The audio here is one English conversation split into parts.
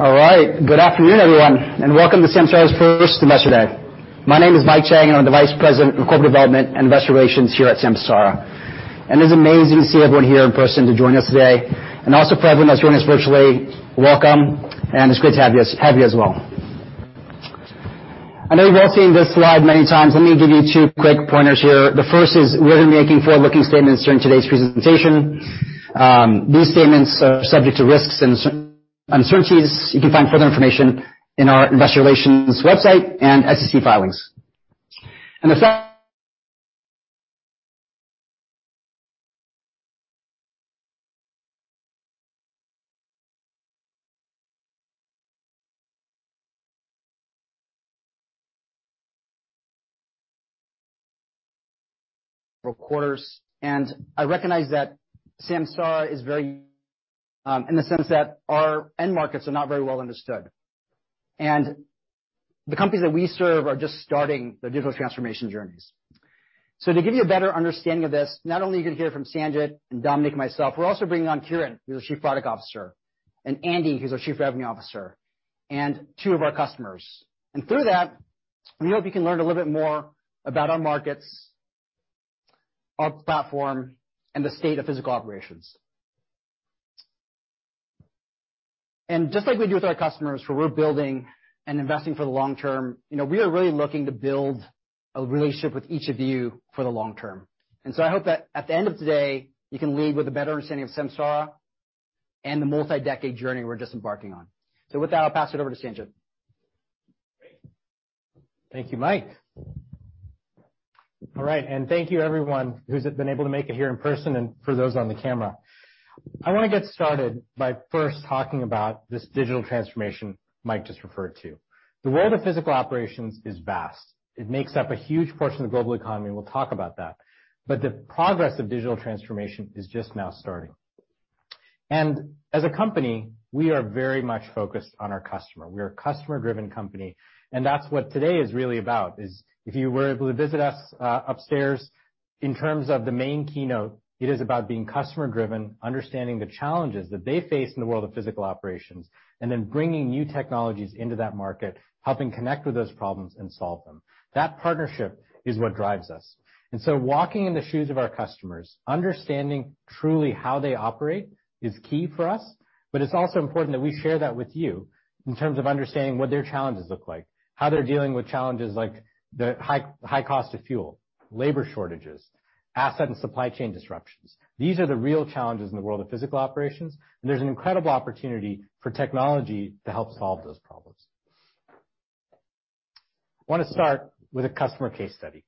All right. Good afternoon, everyone, and welcome to Samsara's first Investor Day. My name is Mike Chang, and I'm the Vice President of Corporate Development and Investor Relations here at Samsara. It's amazing to see everyone here in person to join us today, and also for everyone that's joining us virtually, welcome, and it's great to have you as well. I know you've all seen this slide many times. Let me give you two quick pointers here. The first is we'll be making forward-looking statements during today's presentation. These statements are subject to risks and uncertainties. You can find further information in our investor relations website and SEC filings for quarters. I recognize that Samsara is very in the sense that our end markets are not very well understood. The companies that we serve are just starting their digital transformation journeys. To give you a better understanding of this, not only are you gonna hear from Sanjit and Dominic and myself, we're also bringing on Kiren, who's our Chief Product Officer, and Andy, who's our Chief Revenue Officer, and two of our customers. Through that, we hope you can learn a little bit more about our markets, our platform, and the state of physical operations. Just like we do with our customers, where we're building and investing for the long term, you know, we are really looking to build a relationship with each of you for the long term. I hope that at the end of today, you can leave with a better understanding of Samsara and the multi-decade journey we're just embarking on. With that, I'll pass it over to Sanjit. Thank you, Mike. All right. Thank you everyone who's been able to make it here in person and for those on the camera. I wanna get started by first talking about this digital transformation Mike just referred to. The world of physical operations is vast. It makes up a huge portion of the global economy, and we'll talk about that. The progress of digital transformation is just now starting. As a company, we are very much focused on our customer. We are a customer-driven company, and that's what today is really about, is if you were able to visit us, upstairs, in terms of the main keynote, it is about being customer driven, understanding the challenges that they face in the world of physical operations, and then bringing new technologies into that market, helping connect with those problems and solve them. That partnership is what drives us. Walking in the shoes of our customers, understanding truly how they operate is key for us, but it's also important that we share that with you in terms of understanding what their challenges look like, how they're dealing with challenges like the high cost of fuel, labor shortages, asset and supply chain disruptions. These are the real challenges in the world of physical operations, and there's an incredible opportunity for technology to help solve those problems. Wanna start with a customer case study.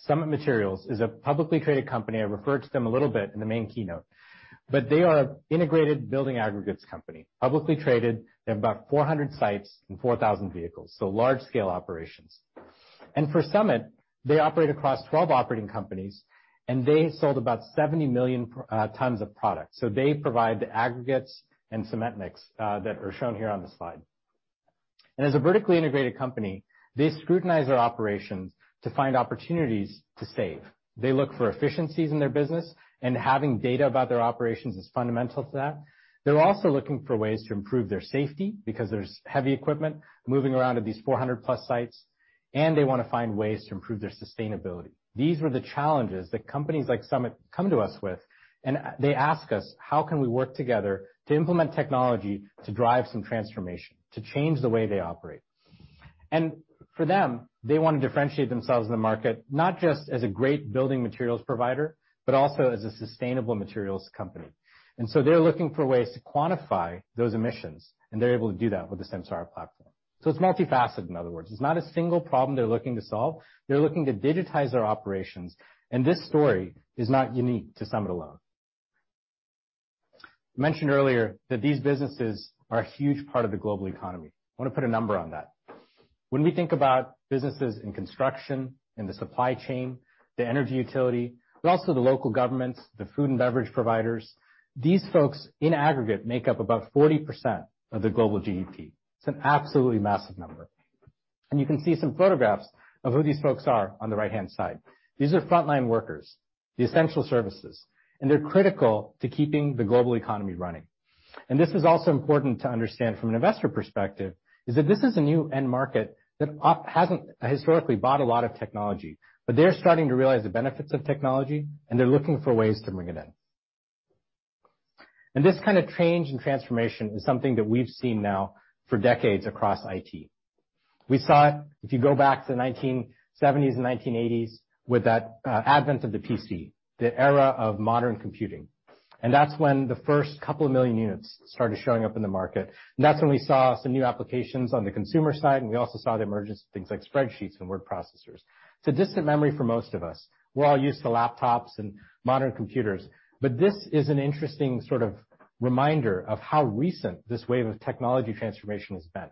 Summit Materials is a publicly traded company. I referred to them a little bit in the main keynote. They are an integrated building aggregates company. Publicly traded. They have about 400 sites and 4,000 vehicles, so large scale operations. For Summit, they operate across 12 operating companies, and they sold about 70 million tons of product. They provide the aggregates and cement mix that are shown here on the slide. As a vertically integrated company, they scrutinize their operations to find opportunities to save. They look for efficiencies in their business, and having data about their operations is fundamental to that. They're also looking for ways to improve their safety because there's heavy equipment moving around at these 400+ sites, and they wanna find ways to improve their sustainability. These were the challenges that companies like Summit come to us with, and they ask us how can we work together to implement technology to drive some transformation, to change the way they operate. For them, they wanna differentiate themselves in the market, not just as a great building materials provider, but also as a sustainable materials company. They're looking for ways to quantify those emissions, and they're able to do that with the Samsara platform. It's multifaceted in other words. It's not a single problem they're looking to solve. They're looking to digitize their operations, and this story is not unique to Summit alone. Mentioned earlier that these businesses are a huge part of the global economy. I wanna put a number on that. When we think about businesses in construction, in the supply chain, the energy utility, but also the local governments, the food and beverage providers, these folks in aggregate make up about 40% of the global GDP. It's an absolutely massive number. You can see some photographs of who these folks are on the right-hand side. These are frontline workers, the essential services, and they're critical to keeping the global economy running. This is also important to understand from an investor perspective, is that this is a new end market that hasn't historically bought a lot of technology. They're starting to realize the benefits of technology, and they're looking for ways to bring it in. This kinda change and transformation is something that we've seen now for decades across IT. We saw it, if you go back to 1970s and 1980s with that advent of the PC, the era of modern computing. That's when the first couple of million units started showing up in the market. That's when we saw some new applications on the consumer side, and we also saw the emergence of things like spreadsheets and word processors. It's a distant memory for most of us. We're all used to laptops and modern computers, but this is an interesting sort of reminder of how recent this wave of technology transformation has been.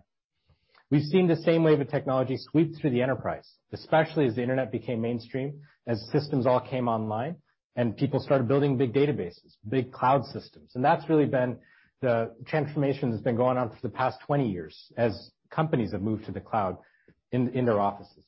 We've seen the same wave of technology sweep through the enterprise, especially as the internet became mainstream, as systems all came online, and people started building big databases, big cloud systems. That's really been the transformation that's been going on for the past 20 years as companies have moved to the cloud in their offices.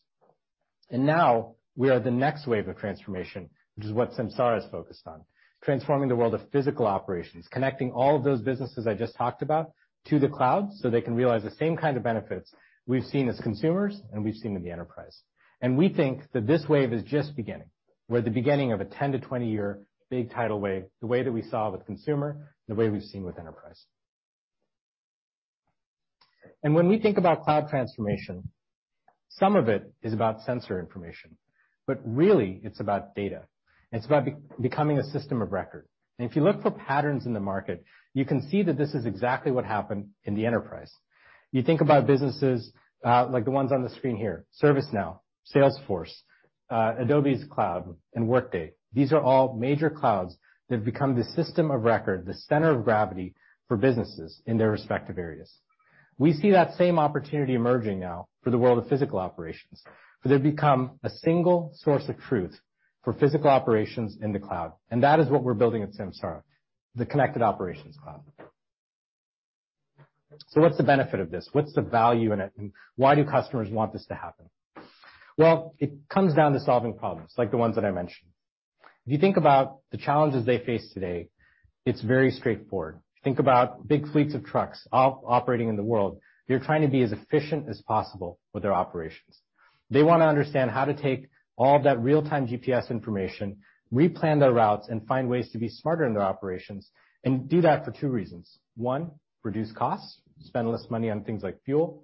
Now we are at the next wave of transformation, which is what Samsara is focused on, transforming the world of physical operations, connecting all of those businesses I just talked about to the cloud so they can realize the same kind of benefits we've seen as consumers and we've seen with the enterprise. We think that this wave is just beginning. We're at the beginning of a 10- to 20-year big tidal wave, the way that we saw with consumer, the way we've seen with enterprise. When we think about cloud transformation, some of it is about sensor information, but really it's about data. It's about becoming a system of record. If you look for patterns in the market, you can see that this is exactly what happened in the enterprise. You think about businesses, like the ones on the screen here, ServiceNow, Salesforce, Adobe's Cloud and Workday. These are all major clouds that have become the system of record, the center of gravity for businesses in their respective areas. We see that same opportunity emerging now for the world of physical operations, for they've become a single source of truth for physical operations in the cloud. That is what we're building at Samsara, the Connected Operations Cloud. What's the benefit of this? What's the value in it? Why do customers want this to happen? Well, it comes down to solving problems like the ones that I mentioned. If you think about the challenges they face today, it's very straightforward. Think about big fleets of trucks operating in the world. They're trying to be as efficient as possible with their operations. They wanna understand how to take all that real-time GPS information, replan their routes, and find ways to be smarter in their operations, and do that for two reasons. One, reduce costs, spend less money on things like fuel,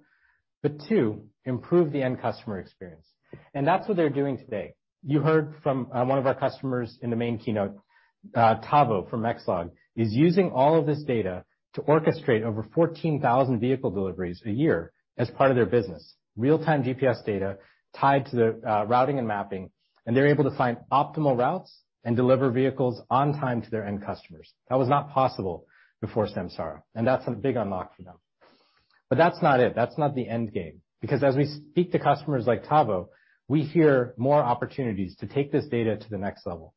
but two, improve the end customer experience. That's what they're doing today. You heard from one of our customers in the main keynote, Tavo from Mexlog, is using all of this data to orchestrate over 14,000 vehicle deliveries a year as part of their business. Real-time GPS data tied to the routing and mapping, and they're able to find optimal routes and deliver vehicles on time to their end customers. That was not possible before Samsara, and that's a big unlock for them. That's not it. That's not the end game, because as we speak to customers like Tavo, we hear more opportunities to take this data to the next level.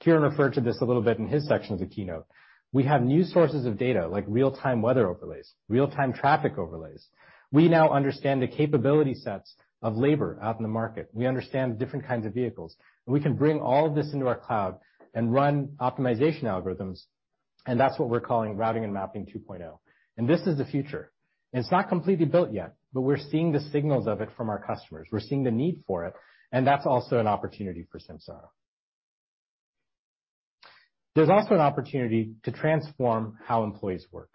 Kiren referred to this a little bit in his section of the keynote. We have new sources of data like real-time weather overlays, real-time traffic overlays. We now understand the capability sets of labor out in the market. We understand the different kinds of vehicles, and we can bring all of this into our cloud and run optimization algorithms, and that's what we're calling routing and mapping 2.0. This is the future. It's not completely built yet, but we're seeing the signals of it from our customers. We're seeing the need for it, and that's also an opportunity for Samsara. There's also an opportunity to transform how employees work.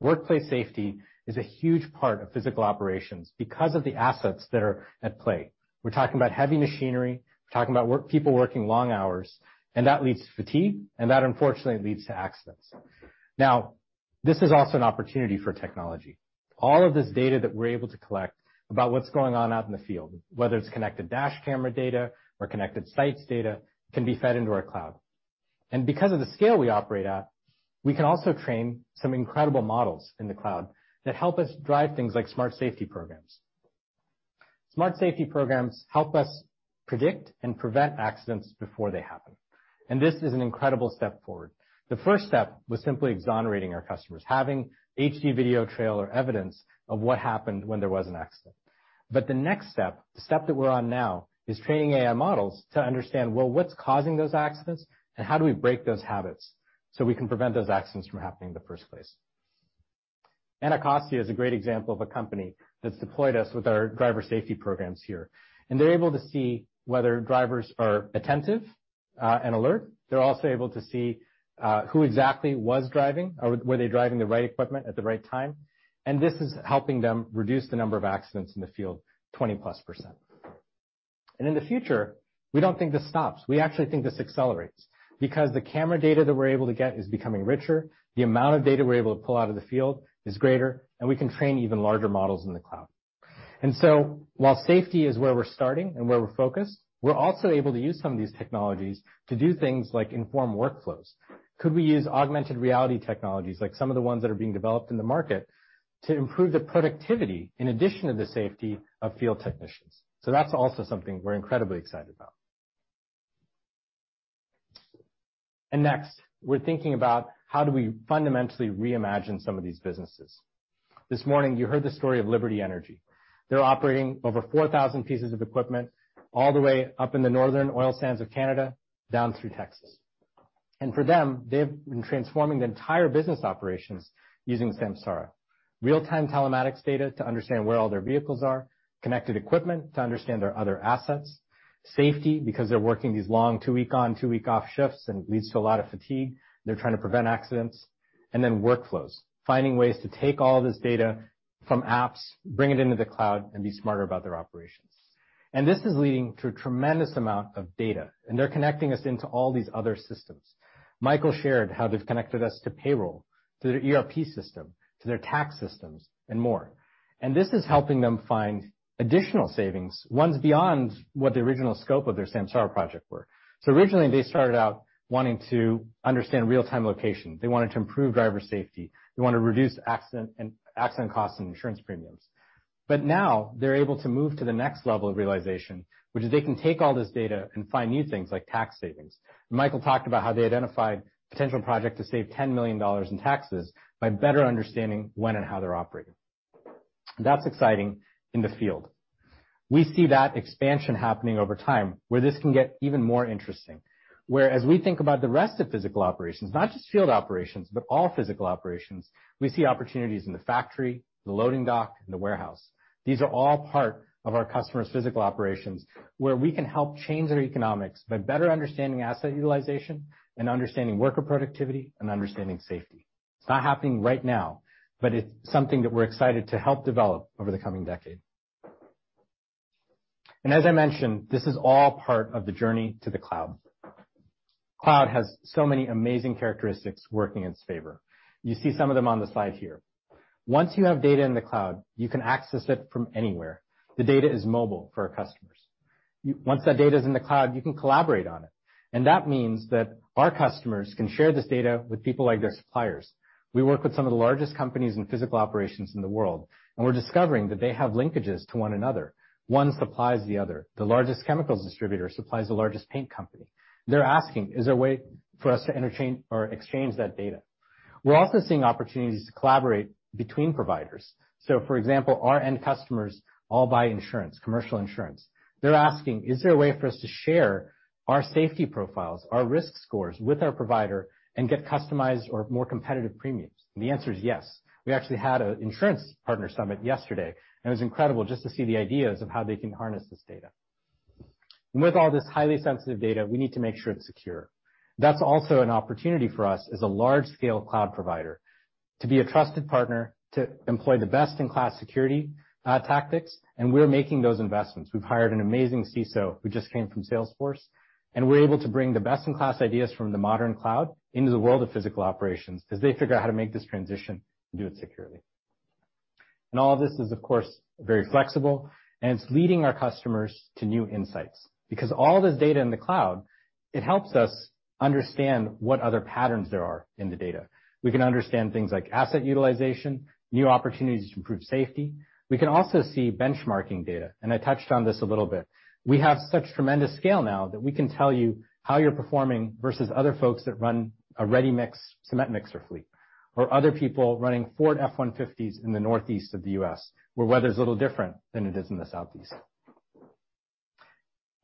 Workplace safety is a huge part of physical operations because of the assets that are at play. We're talking about heavy machinery. We're talking about people working long hours, and that leads to fatigue, and that, unfortunately, leads to accidents. Now, this is also an opportunity for technology. All of this data that we're able to collect about what's going on out in the field, whether it's connected dash camera data or connected sites data, can be fed into our cloud. Because of the scale we operate at, we can also train some incredible models in the cloud that help us drive things like smart safety programs. Smart safety programs help us predict and prevent accidents before they happen, and this is an incredible step forward. The first step was simply exonerating our customers, having HD video trail or evidence of what happened when there was an accident. The next step, the step that we're on now, is training AI models to understand, well, what's causing those accidents, and how do we break those habits so we can prevent those accidents from happening in the first place? Anacostia is a great example of a company that's deployed us with our driver safety programs here. They're able to see whether drivers are attentive and alert. They're also able to see who exactly was driving or were they driving the right equipment at the right time. This is helping them reduce the number of accidents in the field 20%+. In the future, we don't think this stops. We actually think this accelerates because the camera data that we're able to get is becoming richer, the amount of data we're able to pull out of the field is greater, and we can train even larger models in the cloud. While safety is where we're starting and where we're focused, we're also able to use some of these technologies to do things like inform workflows. Could we use augmented reality technologies like some of the ones that are being developed in the market to improve the productivity in addition to the safety of field technicians? That's also something we're incredibly excited about. Next, we're thinking about how do we fundamentally reimagine some of these businesses. This morning, you heard the story of Liberty Energy. They're operating over 4,000 pieces of equipment all the way up in the northern oil sands of Canada, down through Texas. For them, they've been transforming the entire business operations using Samsara. Real-time telematics data to understand where all their vehicles are, connected equipment to understand their other assets, safety, because they're working these long two-week on, two-week off shifts, and it leads to a lot of fatigue. They're trying to prevent accidents. Then workflows, finding ways to take all this data from apps, bring it into the cloud, and be smarter about their operations. This is leading to a tremendous amount of data, and they're connecting us into all these other systems. Michael shared how they've connected us to payroll, to their ERP system, to their tax systems, and more. This is helping them find additional savings, ones beyond what the original scope of their Samsara project were. Originally, they started out wanting to understand real-time location. They wanted to improve driver safety. They wanted to reduce accident costs and insurance premiums. Now they're able to move to the next level of realization, which is they can take all this data and find new things like tax savings. Michael talked about how they identified potential project to save $10 million in taxes by better understanding when and how they're operating. That's exciting in the field. We see that expansion happening over time where this can get even more interesting. Whereas we think about the rest of physical operations, not just field operations, but all physical operations, we see opportunities in the factory, the loading dock, and the warehouse. These are all part of our customer's physical operations, where we can help change their economics by better understanding asset utilization and understanding worker productivity and understanding safety. It's not happening right now, but it's something that we're excited to help develop over the coming decade. As I mentioned, this is all part of the journey to the cloud. Cloud has so many amazing characteristics working in its favor. You see some of them on the slide here. Once you have data in the cloud, you can access it from anywhere. The data is mobile for our customers. Once that data is in the cloud, you can collaborate on it. That means that our customers can share this data with people like their suppliers. We work with some of the largest companies in physical operations in the world, and we're discovering that they have linkages to one another. One supplies the other. The largest chemicals distributor supplies the largest paint company. They're asking, "Is there a way for us to interchain or exchange that data?" We're also seeing opportunities to collaborate between providers. For example, our end customers all buy insurance, commercial insurance. They're asking, "Is there a way for us to share our safety profiles, our risk scores with our provider and get customized or more competitive premiums?" The answer is yes. We actually had an insurance partner summit yesterday, and it was incredible just to see the ideas of how they can harness this data. With all this highly sensitive data, we need to make sure it's secure. That's also an opportunity for us as a large-scale cloud provider to be a trusted partner, to employ the best-in-class security tactics, and we're making those investments. We've hired an amazing CISO who just came from Salesforce, and we're able to bring the best-in-class ideas from the modern cloud into the world of physical operations as they figure out how to make this transition and do it securely. All this is, of course, very flexible, and it's leading our customers to new insights. Because all this data in the cloud, it helps us understand what other patterns there are in the data. We can understand things like asset utilization, new opportunities to improve safety. We can also see benchmarking data, and I touched on this a little bit. We have such tremendous scale now that we can tell you how you're performing versus other folks that run a ready-mix cement mixer fleet or other people running Ford F-150s in the northeast of the U.S., where weather's a little different than it is in the southeast.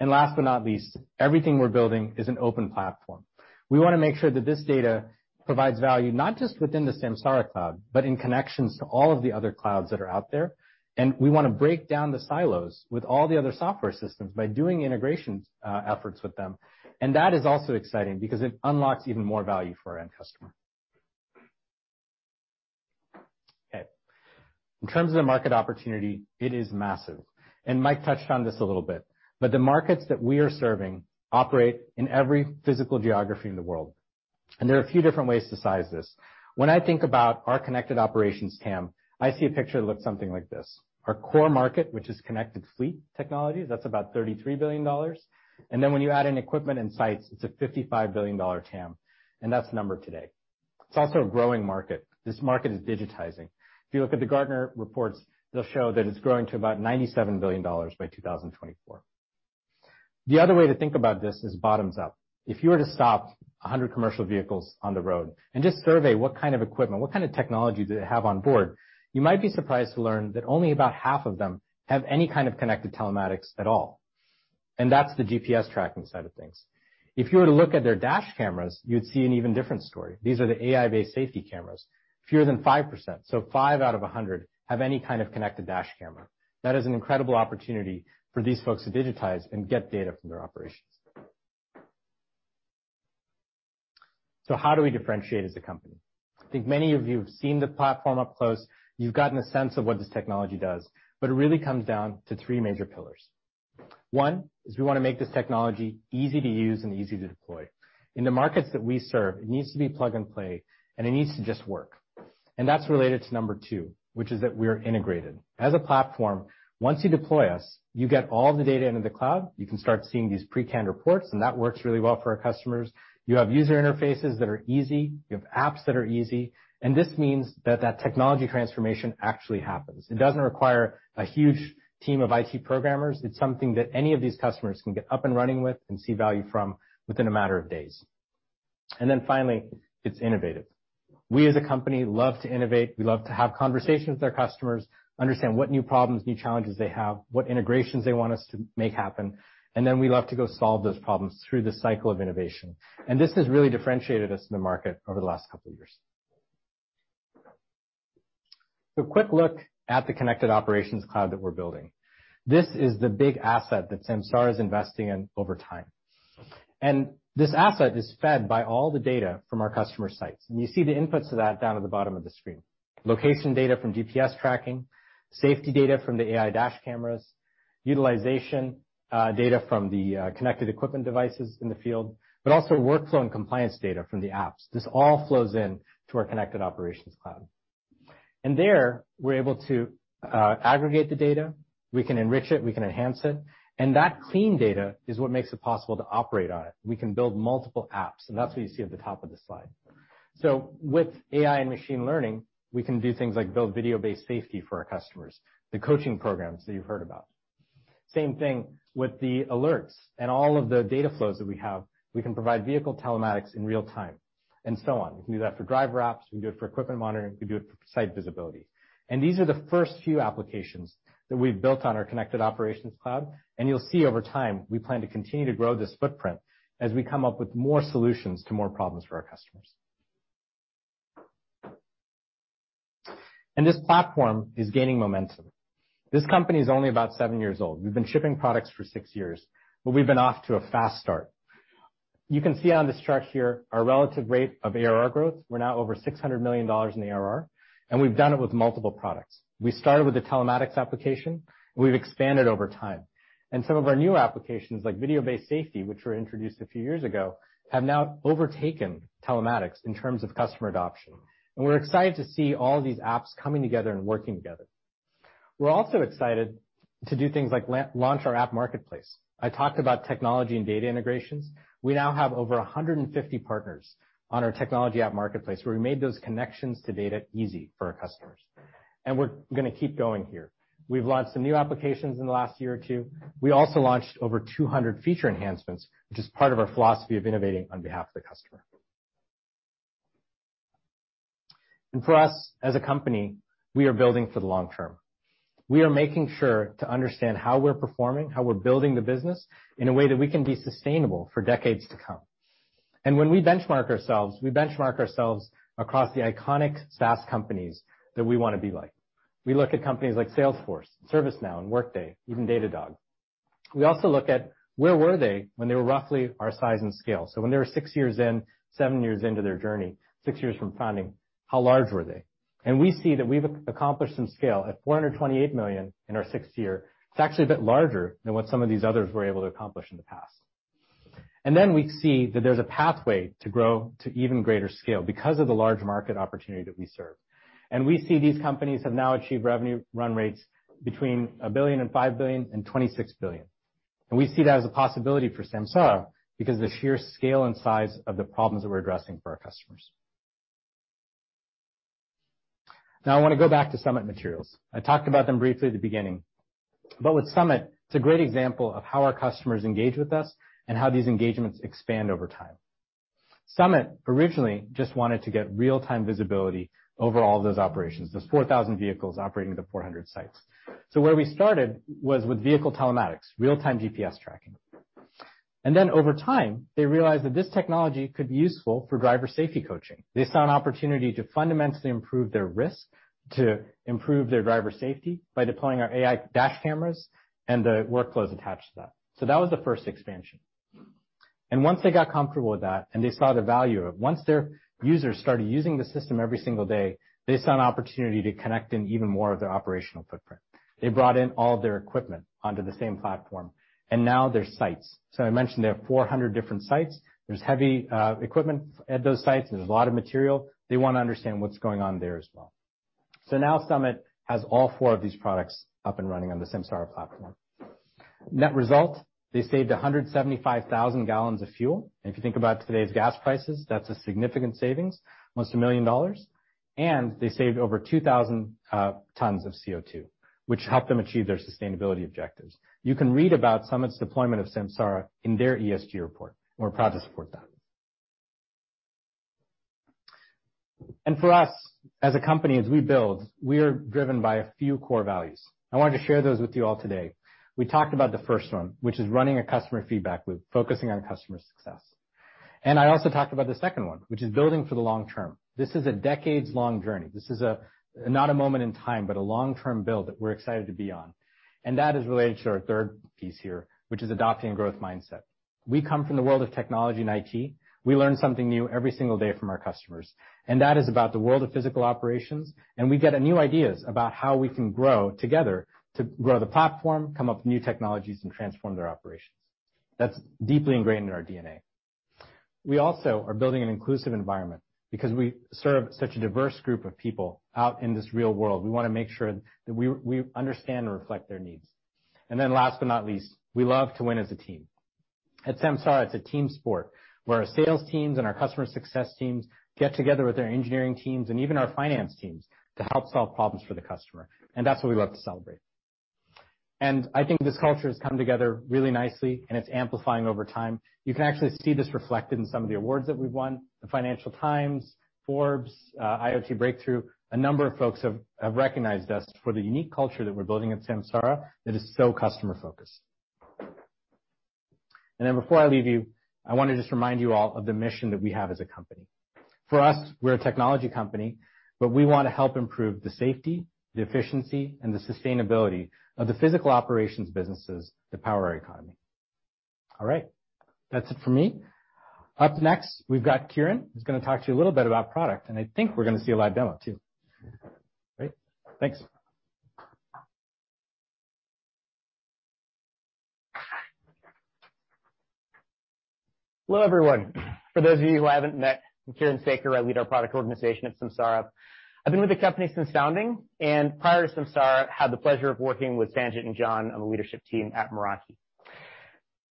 Last but not least, everything we're building is an open platform. We wanna make sure that this data provides value not just within the Samsara cloud, but in connections to all of the other clouds that are out there. We wanna break down the silos with all the other software systems by doing integration efforts with them. That is also exciting because it unlocks even more value for our end customer. Okay. In terms of the market opportunity, it is massive. Mike touched on this a little bit, but the markets that we are serving operate in every physical geography in the world. There are a few different ways to size this. When I think about our connected operations TAM, I see a picture that looks something like this. Our core market, which is connected fleet technologies, that's about $33 billion. When you add in equipment and sites, it's a $55 billion TAM, and that's the number today. It's also a growing market. This market is digitizing. If you look at the Gartner reports, they'll show that it's growing to about $97 billion by 2024. The other way to think about this is bottoms up. If you were to stop 100 commercial vehicles on the road and just survey what kind of equipment, what kind of technology do they have on board, you might be surprised to learn that only about half of them have any kind of connected telematics at all. That's the GPS tracking side of things. If you were to look at their dash cameras, you'd see an even different story. These are the AI-based safety cameras, fewer than 5%. Five out of 100 have any kind of connected dash camera. That is an incredible opportunity for these folks to digitize and get data from their operations. How do we differentiate as a company? I think many of you have seen the platform up close. You've gotten a sense of what this technology does, but it really comes down to three major pillars. One is we wanna make this technology easy to use and easy to deploy. In the markets that we serve, it needs to be plug and play, and it needs to just work. And that's related to number two, which is that we're integrated. As a platform, once you deploy us, you get all the data into the cloud. You can start seeing these pre-canned reports, and that works really well for our customers. You have user interfaces that are easy. You have apps that are easy. This means that technology transformation actually happens. It doesn't require a huge team of IT programmers. It's something that any of these customers can get up and running with and see value from within a matter of days. Finally, it's innovative. We as a company love to innovate. We love to have conversations with our customers, understand what new problems, new challenges they have, what integrations they want us to make happen. We love to go solve those problems through the cycle of innovation. This has really differentiated us in the market over the last couple of years. Quick look at the Connected Operations Cloud that we're building. This is the big asset that Samsara is investing in over time. This asset is fed by all the data from our customer sites. You see the inputs to that down at the bottom of the screen. Location data from GPS tracking, safety data from the AI dash cameras, utilization data from the connected equipment devices in the field, but also workflow and compliance data from the apps. This all flows into our Connected Operations Cloud. There, we're able to aggregate the data. We can enrich it, we can enhance it. That clean data is what makes it possible to operate on it. We can build multiple apps, and that's what you see at the top of the slide. With AI and machine learning, we can do things like build video-based safety for our customers, the coaching programs that you've heard about. Same thing with the alerts and all of the data flows that we have. We can provide vehicle telematics in real time, and so on. We can do that for driver apps, we can do it for equipment monitoring, we can do it for site visibility. These are the first few applications that we've built on our Connected Operations Cloud, and you'll see over time, we plan to continue to grow this footprint as we come up with more solutions to more problems for our customers. This platform is gaining momentum. This company is only about seven years old. We've been shipping products for six years, but we've been off to a fast start. You can see on this chart here our relative rate of ARR growth. We're now over $600 million in ARR, and we've done it with multiple products. We started with the telematics application. We've expanded over time. Some of our new applications, like video-based safety, which were introduced a few years ago, have now overtaken telematics in terms of customer adoption. We're excited to see all these apps coming together and working together. We're also excited to do things like launch our app marketplace. I talked about technology and data integrations. We now have over 150 partners on our technology app marketplace, where we made those connections to data easy for our customers. We're gonna keep going here. We've launched some new applications in the last year or two. We also launched over 200 feature enhancements, which is part of our philosophy of innovating on behalf of the customer. For us, as a company, we are building for the long term. We are making sure to understand how we're performing, how we're building the business in a way that we can be sustainable for decades to come. When we benchmark ourselves, we benchmark ourselves across the iconic SaaS companies that we wanna be like. We look at companies like Salesforce, ServiceNow, and Workday, even Datadog. We also look at where were they when they were roughly our size and scale. When they were six years in, seven years into their journey, six years from founding, how large were they? We see that we've accomplished some scale. At $428 million in our sixth year, it's actually a bit larger than what some of these others were able to accomplish in the past. Then we see that there's a pathway to grow to even greater scale because of the large market opportunity that we serve. We see these companies have now achieved revenue run rates between $1 billion-$5 billion and $26 billion. We see that as a possibility for Samsara because of the sheer scale and size of the problems that we're addressing for our customers. Now I wanna go back to Summit Materials. I talked about them briefly at the beginning. With Summit, it's a great example of how our customers engage with us and how these engagements expand over time. Summit originally just wanted to get real-time visibility over all those operations, those 4,000 vehicles operating at the 400 sites. Where we started was with vehicle telematics, real-time GPS tracking. Then over time, they realized that this technology could be useful for driver safety coaching. They saw an opportunity to fundamentally improve their risk to improve their driver safety by deploying our AI dash cameras and the workflows attached to that. That was the first expansion. Once they got comfortable with that, and they saw the value of it, once their users started using the system every single day, they saw an opportunity to connect in even more of their operational footprint. They brought in all of their equipment onto the same platform and now their sites. I mentioned they have 400 different sites. There's heavy equipment at those sites. There's a lot of material. They wanna understand what's going on there as well. Now Summit has all four of these products up and running on the Samsara platform. Net result, they saved 175,000 gallons of fuel. If you think about today's gas prices, that's a significant savings, almost $1 million. They saved over 2,000 tons of CO2, which helped them achieve their sustainability objectives. You can read about Summit's deployment of Samsara in their ESG report. We're proud to support that. For us, as a company, as we build, we are driven by a few core values. I wanted to share those with you all today. We talked about the first one, which is running a customer feedback loop, focusing on customer success. I also talked about the second one, which is building for the long term. This is a decades-long journey. This is not a moment in time, but a long-term build that we're excited to be on. That is related to our third piece here, which is adopting growth mindset. We come from the world of technology and IT. We learn something new every single day from our customers, and that is about the world of physical operations, and we get new ideas about how we can grow together to grow the platform, come up with new technologies, and transform their operations. That's deeply ingrained in our DNA. We also are building an inclusive environment because we serve such a diverse group of people out in this real world. We wanna make sure that we understand and reflect their needs. Then last but not least, we love to win as a team. At Samsara, it's a team sport where our sales teams and our customer success teams get together with their engineering teams and even our finance teams to help solve problems for the customer. That's what we love to celebrate. I think this culture has come together really nicely and it's amplifying over time. You can actually see this reflected in some of the awards that we've won. The Financial Times, Forbes, IoT Breakthrough, a number of folks have recognized us for the unique culture that we're building at Samsara that is so customer-focused. Before I leave you, I wanna just remind you all of the mission that we have as a company. For us, we're a technology company, but we wanna help improve the safety, the efficiency, and the sustainability of the physical operations businesses that power our economy. All right. That's it for me. Up next, we've got Kiren, who's gonna talk to you a little bit about product, and I think we're gonna see a live demo too. Great. Thanks. Hello, everyone. For those of you who I haven't met, I'm Kiren Sekar. I lead our product organization at Samsara. I've been with the company since founding, and prior to Samsara, had the pleasure of working with Sanjit and John on the leadership team at Meraki.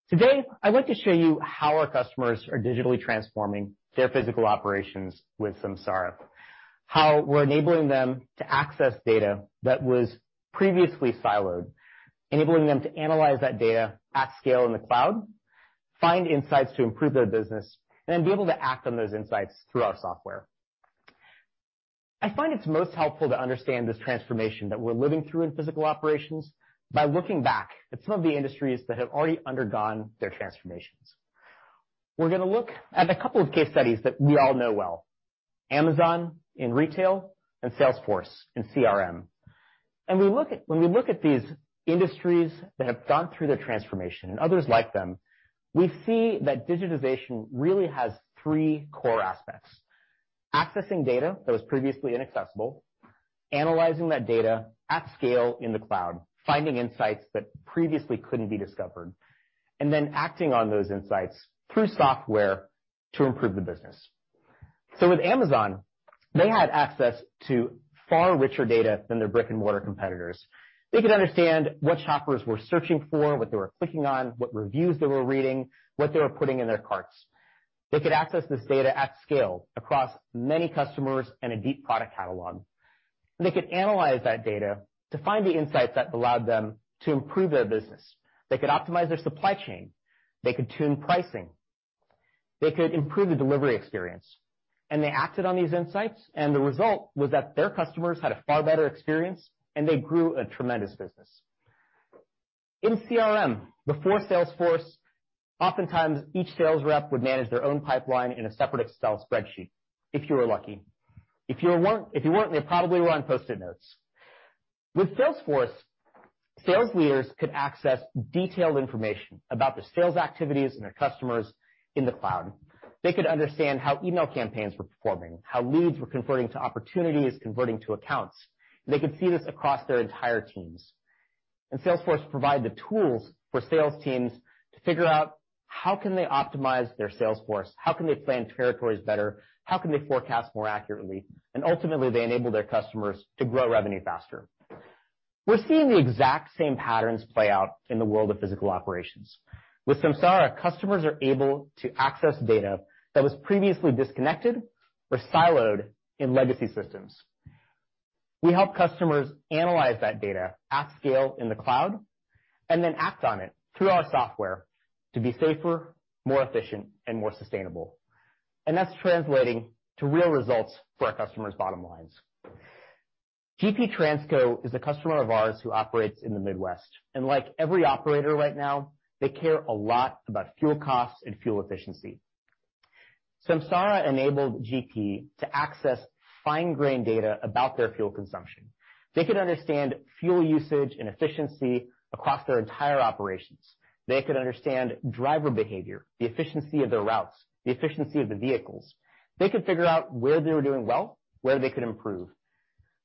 Today, I'd like to show you how our customers are digitally transforming their physical operations with Samsara, how we're enabling them to access data that was previously siloed, enabling them to analyze that data at scale in the cloud, find insights to improve their business, and then be able to act on those insights through our software. I find it's most helpful to understand this transformation that we're living through in physical operations by looking back at some of the industries that have already undergone their transformations. We're gonna look at a couple of case studies that we all know well, Amazon in retail and Salesforce in CRM. When we look at these industries that have gone through their transformation and others like them, we see that digitization really has three core aspects. Accessing data that was previously inaccessible, analyzing that data at scale in the cloud, finding insights that previously couldn't be discovered, and then acting on those insights through software to improve the business. With Amazon, they had access to far richer data than their brick-and-mortar competitors. They could understand what shoppers were searching for, what they were clicking on, what reviews they were reading, what they were putting in their carts. They could access this data at scale across many customers and a deep product catalog. They could analyze that data to find the insights that allowed them to improve their business. They could optimize their supply chain, they could tune pricing, they could improve the delivery experience, and they acted on these insights, and the result was that their customers had a far better experience, and they grew a tremendous business. In CRM, before Salesforce, oftentimes each sales rep would manage their own pipeline in a separate Excel spreadsheet, if you were lucky. If you weren't, they probably were on Post-it notes. With Salesforce, sales leaders could access detailed information about the sales activities and their customers in the cloud. They could understand how email campaigns were performing, how leads were converting to opportunities, converting to accounts. They could see this across their entire teams. Salesforce provided the tools for sales teams to figure out how can they optimize their sales force? How can they plan territories better? How can they forecast more accurately? Ultimately, they enable their customers to grow revenue faster. We're seeing the exact same patterns play out in the world of physical operations. With Samsara, customers are able to access data that was previously disconnected or siloed in legacy systems. We help customers analyze that data at scale in the cloud, and then act on it through our software to be safer, more efficient, and more sustainable. That's translating to real results for our customers' bottom lines. GP Transco is a customer of ours who operates in the Midwest, and like every operator right now, they care a lot about fuel costs and fuel efficiency. Samsara enabled GP to access fine-grained data about their fuel consumption. They could understand fuel usage and efficiency across their entire operations. They could understand driver behavior, the efficiency of their routes, the efficiency of the vehicles. They could figure out where they were doing well, where they could improve.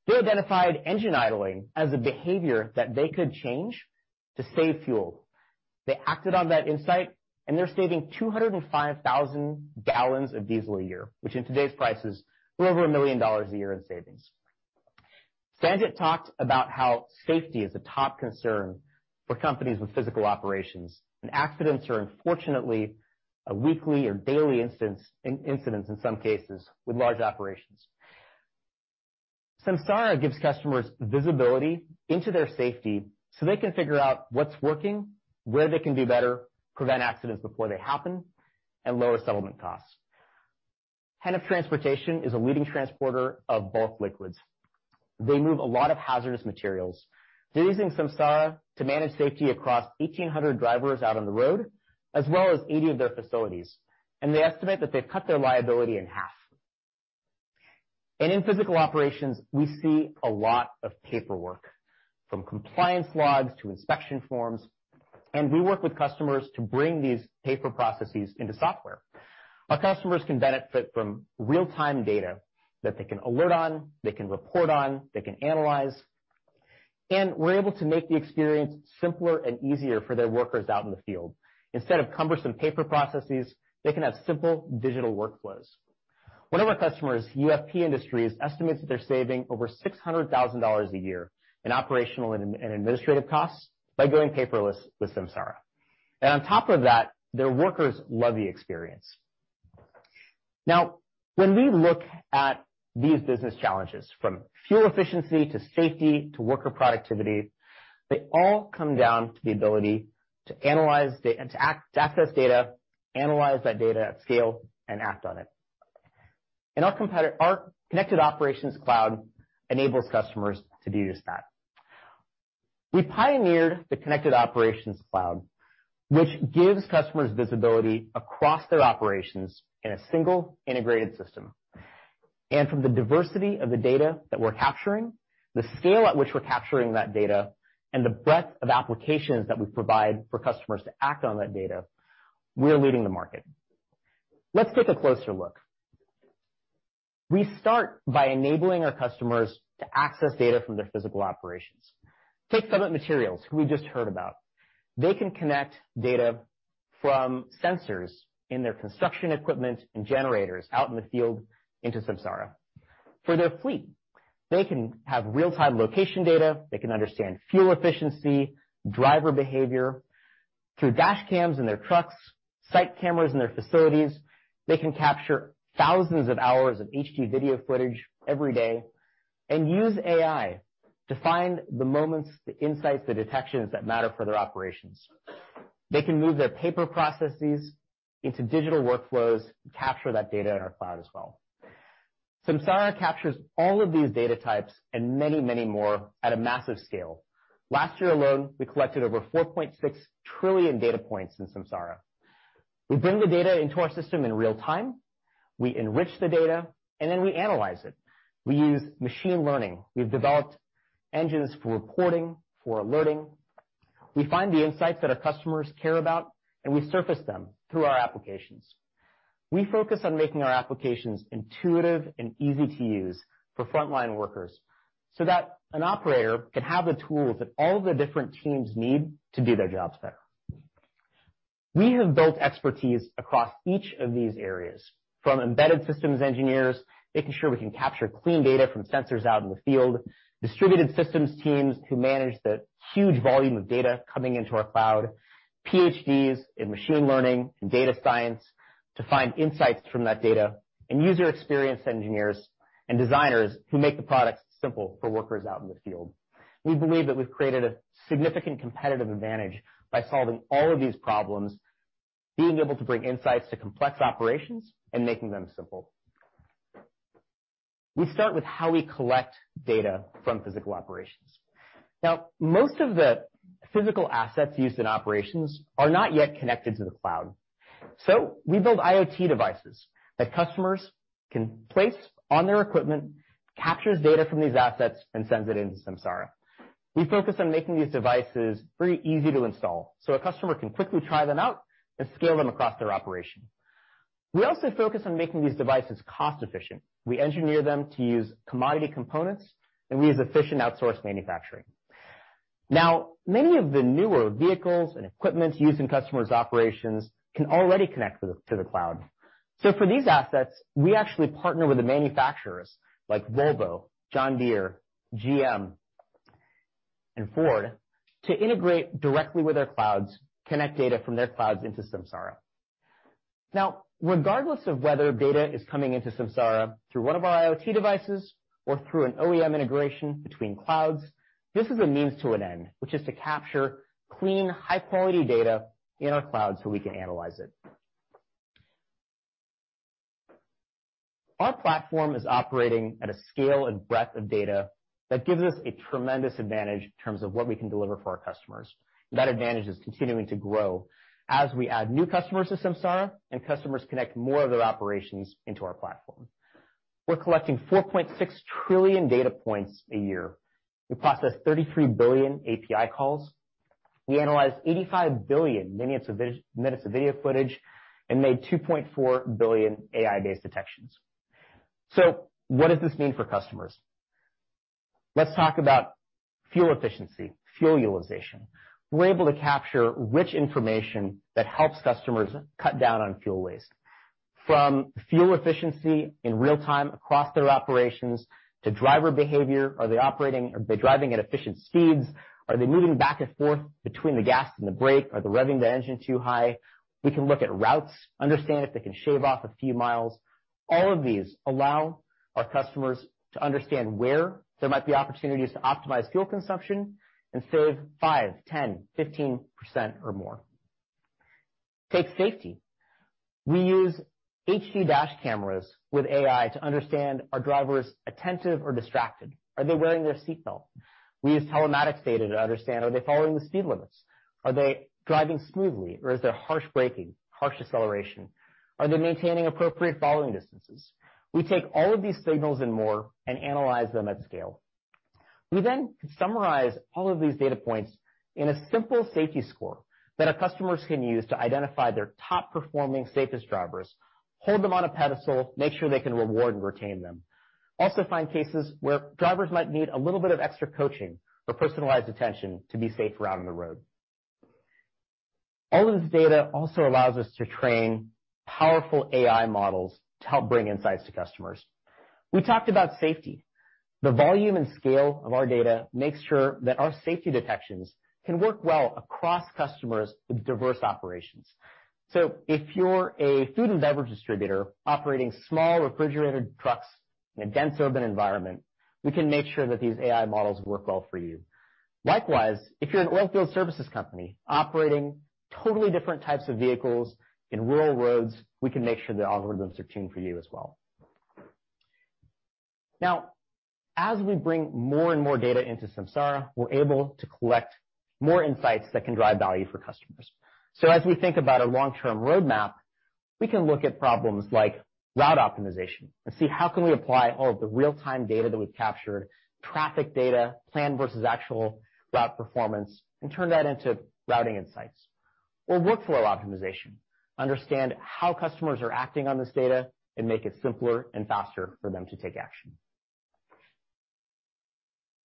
They identified engine idling as a behavior that they could change to save fuel. They acted on that insight, and they're saving 205,000 gallons of diesel a year, which in today's prices are over $1 million a year in savings. Sanjit talked about how safety is a top concern for companies with physical operations, and accidents are unfortunately a weekly or daily instance, in some cases, with large operations. Samsara gives customers visibility into their safety, so they can figure out what's working, where they can do better, prevent accidents before they happen, and lower settlement costs. Heniff Transportation is a leading transporter of bulk liquids. They move a lot of hazardous materials. They're using Samsara to manage safety across 1,800 drivers out on the road, as well as 80 of their facilities. They estimate that they've cut their liability in half. In physical operations, we see a lot of paperwork, from compliance logs to inspection forms, and we work with customers to bring these paper processes into software. Our customers can benefit from real-time data that they can alert on, they can report on, they can analyze. We're able to make the experience simpler and easier for their workers out in the field. Instead of cumbersome paper processes, they can have simple digital workflows. One of our customers, UFP Industries, estimates that they're saving over $600,000 a year in operational and administrative costs by going paperless with Samsara. On top of that, their workers love the experience. Now, when we look at these business challenges, from fuel efficiency to safety to worker productivity, they all come down to the ability to access data, analyze that data at scale, and act on it. Our Connected Operations Cloud enables customers to do just that. We pioneered the Connected Operations Cloud, which gives customers visibility across their operations in a single integrated system. From the diversity of the data that we're capturing, the scale at which we're capturing that data, and the breadth of applications that we provide for customers to act on that data, we're leading the market. Let's take a closer look. We start by enabling our customers to access data from their physical operations. Take Summit Materials, who we just heard about. They can connect data from sensors in their construction equipment and generators out in the field into Samsara. For their fleet, they can have real-time location data. They can understand fuel efficiency, driver behavior. Through dash cams in their trucks, site cameras in their facilities, they can capture thousands of hours of HD video footage every day and use AI to find the moments, the insights, the detections that matter for their operations. They can move their paper processes into digital workflows, capture that data in our cloud as well. Samsara captures all of these data types and many, many more at a massive scale. Last year alone, we collected over 4.6 trillion data points in Samsara. We bring the data into our system in real time, we enrich the data, and then we analyze it. We use machine learning. We've developed engines for reporting, for alerting. We find the insights that our customers care about, and we surface them through our applications. We focus on making our applications intuitive and easy to use for frontline workers so that an operator can have the tools that all the different teams need to do their jobs better. We have built expertise across each of these areas, from embedded systems engineers, making sure we can capture clean data from sensors out in the field, distributed systems teams who manage the huge volume of data coming into our cloud, PhDs in machine learning and data science to find insights from that data, and user experience engineers and designers who make the products simple for workers out in the field. We believe that we've created a significant competitive advantage by solving all of these problems, being able to bring insights to complex operations and making them simple. We start with how we collect data from physical operations. Now, most of the physical assets used in operations are not yet connected to the cloud. We build IoT devices that customers can place on their equipment, captures data from these assets, and sends it into Samsara. We focus on making these devices very easy to install, so a customer can quickly try them out and scale them across their operation. We also focus on making these devices cost-efficient. We engineer them to use commodity components, and we use efficient outsource manufacturing. Now, many of the newer vehicles and equipment used in customers' operations can already connect to the cloud. For these assets, we actually partner with the manufacturers like Volvo, John Deere, GM, and Ford to integrate directly with our clouds, connect data from their clouds into Samsara. Now, regardless of whether data is coming into Samsara through one of our IoT devices or through an OEM integration between clouds, this is a means to an end, which is to capture clean, high-quality data in our cloud so we can analyze it. Our platform is operating at a scale and breadth of data that gives us a tremendous advantage in terms of what we can deliver for our customers. That advantage is continuing to grow as we add new customers to Samsara and customers connect more of their operations into our platform. We're collecting 4.6 trillion data points a year. We process 33 billion API calls. We analyze 85 billion minutes of video footage and made 2.4 billion AI-based detections. What does this mean for customers? Let's talk about fuel efficiency, fuel utilization. We're able to capture rich information that helps customers cut down on fuel waste. From fuel efficiency in real-time across their operations to driver behavior. Are they driving at efficient speeds? Are they moving back and forth between the gas and the brake? Are they revving the engine too high? We can look at routes, understand if they can shave off a few miles. All of these allow our customers to understand where there might be opportunities to optimize fuel consumption and save 5%, 10%, 15% or more. Take safety. We use HD dash cameras with AI to understand are drivers attentive or distracted? Are they wearing their seatbelt? We use telematics data to understand, are they following the speed limits? Are they driving smoothly or is there harsh braking, harsh acceleration? Are they maintaining appropriate following distances? We take all of these signals and more and analyze them at scale. We then summarize all of these data points in a simple safety score that our customers can use to identify their top-performing, safest drivers, hold them on a pedestal, make sure they can reward and retain them. Also find cases where drivers might need a little bit of extra coaching or personalized attention to be safe out on the road. All of this data also allows us to train powerful AI models to help bring insights to customers. We talked about safety. The volume and scale of our data makes sure that our safety detections can work well across customers with diverse operations. If you're a food and beverage distributor operating small refrigerated trucks in a dense urban environment, we can make sure that these AI models work well for you. Likewise, if you're an oilfield services company operating totally different types of vehicles in rural roads, we can make sure the algorithms are tuned for you as well. Now, as we bring more and more data into Samsara, we're able to collect more insights that can drive value for customers. As we think about a long-term roadmap, we can look at problems like route optimization and see how can we apply all of the real-time data that we've captured, traffic data, planned versus actual route performance, and turn that into routing insights. Workflow optimization, understand how customers are acting on this data and make it simpler and faster for them to take action.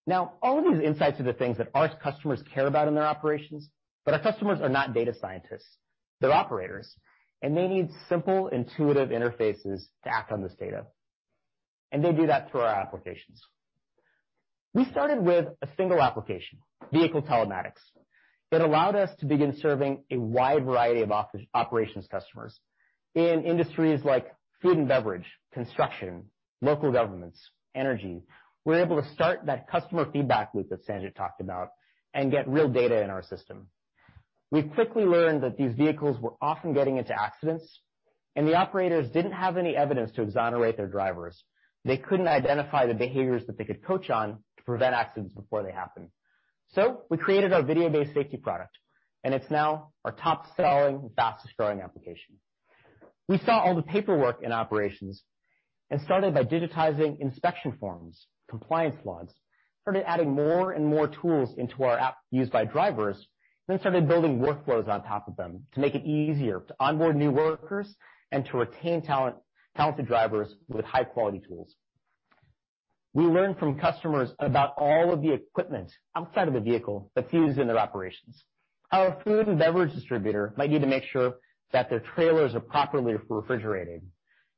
Now, all of these insights are the things that our customers care about in their operations, but our customers are not data scientists. They're operators, and they need simple, intuitive interfaces to act on this data, and they do that through our applications. We started with a single application, vehicle telematics, that allowed us to begin serving a wide variety of operations customers in industries like food and beverage, construction, local governments, energy. We were able to start that customer feedback loop that Sanjit talked about and get real data in our system. We quickly learned that these vehicles were often getting into accidents, and the operators didn't have any evidence to exonerate their drivers. They couldn't identify the behaviors that they could coach on to prevent accidents before they happened. We created our video-based safety product, and it's now our top-selling, fastest-growing application. We saw all the paperwork in operations and started by digitizing inspection forms, compliance logs, started adding more and more tools into our app used by drivers, then started building workflows on top of them to make it easier to onboard new workers and to retain talent, talented drivers with high-quality tools. We learned from customers about all of the equipment outside of the vehicle that's used in their operations. Our food and beverage distributor might need to make sure that their trailers are properly refrigerated.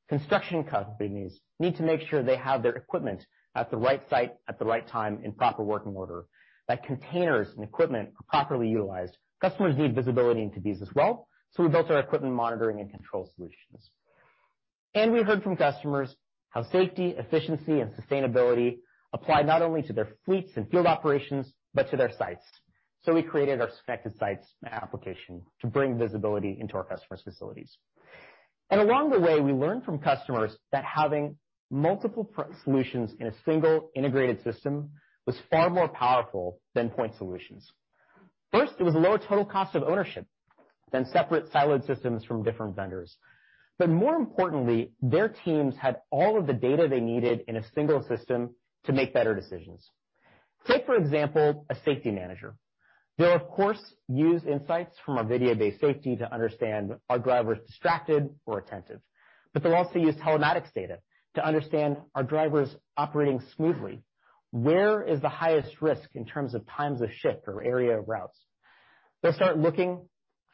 Construction companies need to make sure they have their equipment at the right site at the right time in proper working order, that containers and equipment are properly utilized. Customers need visibility into these as well, so we built our equipment monitoring and control solutions. We heard from customers how safety, efficiency, and sustainability apply not only to their fleets and field operations, but to their sites. We created our connected sites application to bring visibility into our customers' facilities. Along the way, we learned from customers that having multiple solutions in a single integrated system was far more powerful than point solutions. First, it was a lower total cost of ownership than separate siloed systems from different vendors. More importantly, their teams had all of the data they needed in a single system to make better decisions. Take, for example, a safety manager. They'll, of course, use insights from our video-based safety to understand if drivers are distracted or attentive. They'll also use telematics data to understand if drivers are operating smoothly. Where is the highest risk in terms of times of shift or area of routes? They'll start looking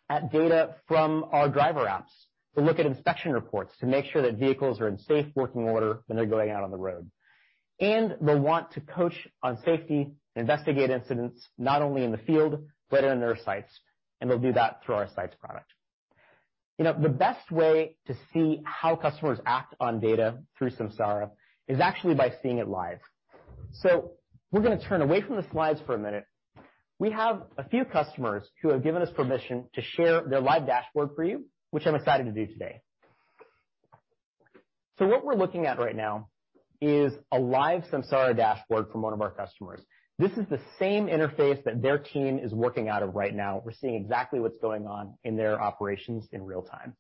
at data from our driver apps to look at inspection reports to make sure that vehicles are in safe working order when they're going out on the road. They'll want to coach on safety and investigate incidents not only in the field but in their sites, and they'll do that through our sites product. You know, the best way to see how customers act on data through Samsara is actually by seeing it live. We're gonna turn away from the slides for a minute. We have a few customers who have given us permission to share their live dashboard for you, which I'm excited to do today. What we're looking at right now is a live Samsara dashboard from one of our customers. This is the same interface that their team is working out of right now. We're seeing exactly what's going on in their operations in real-time.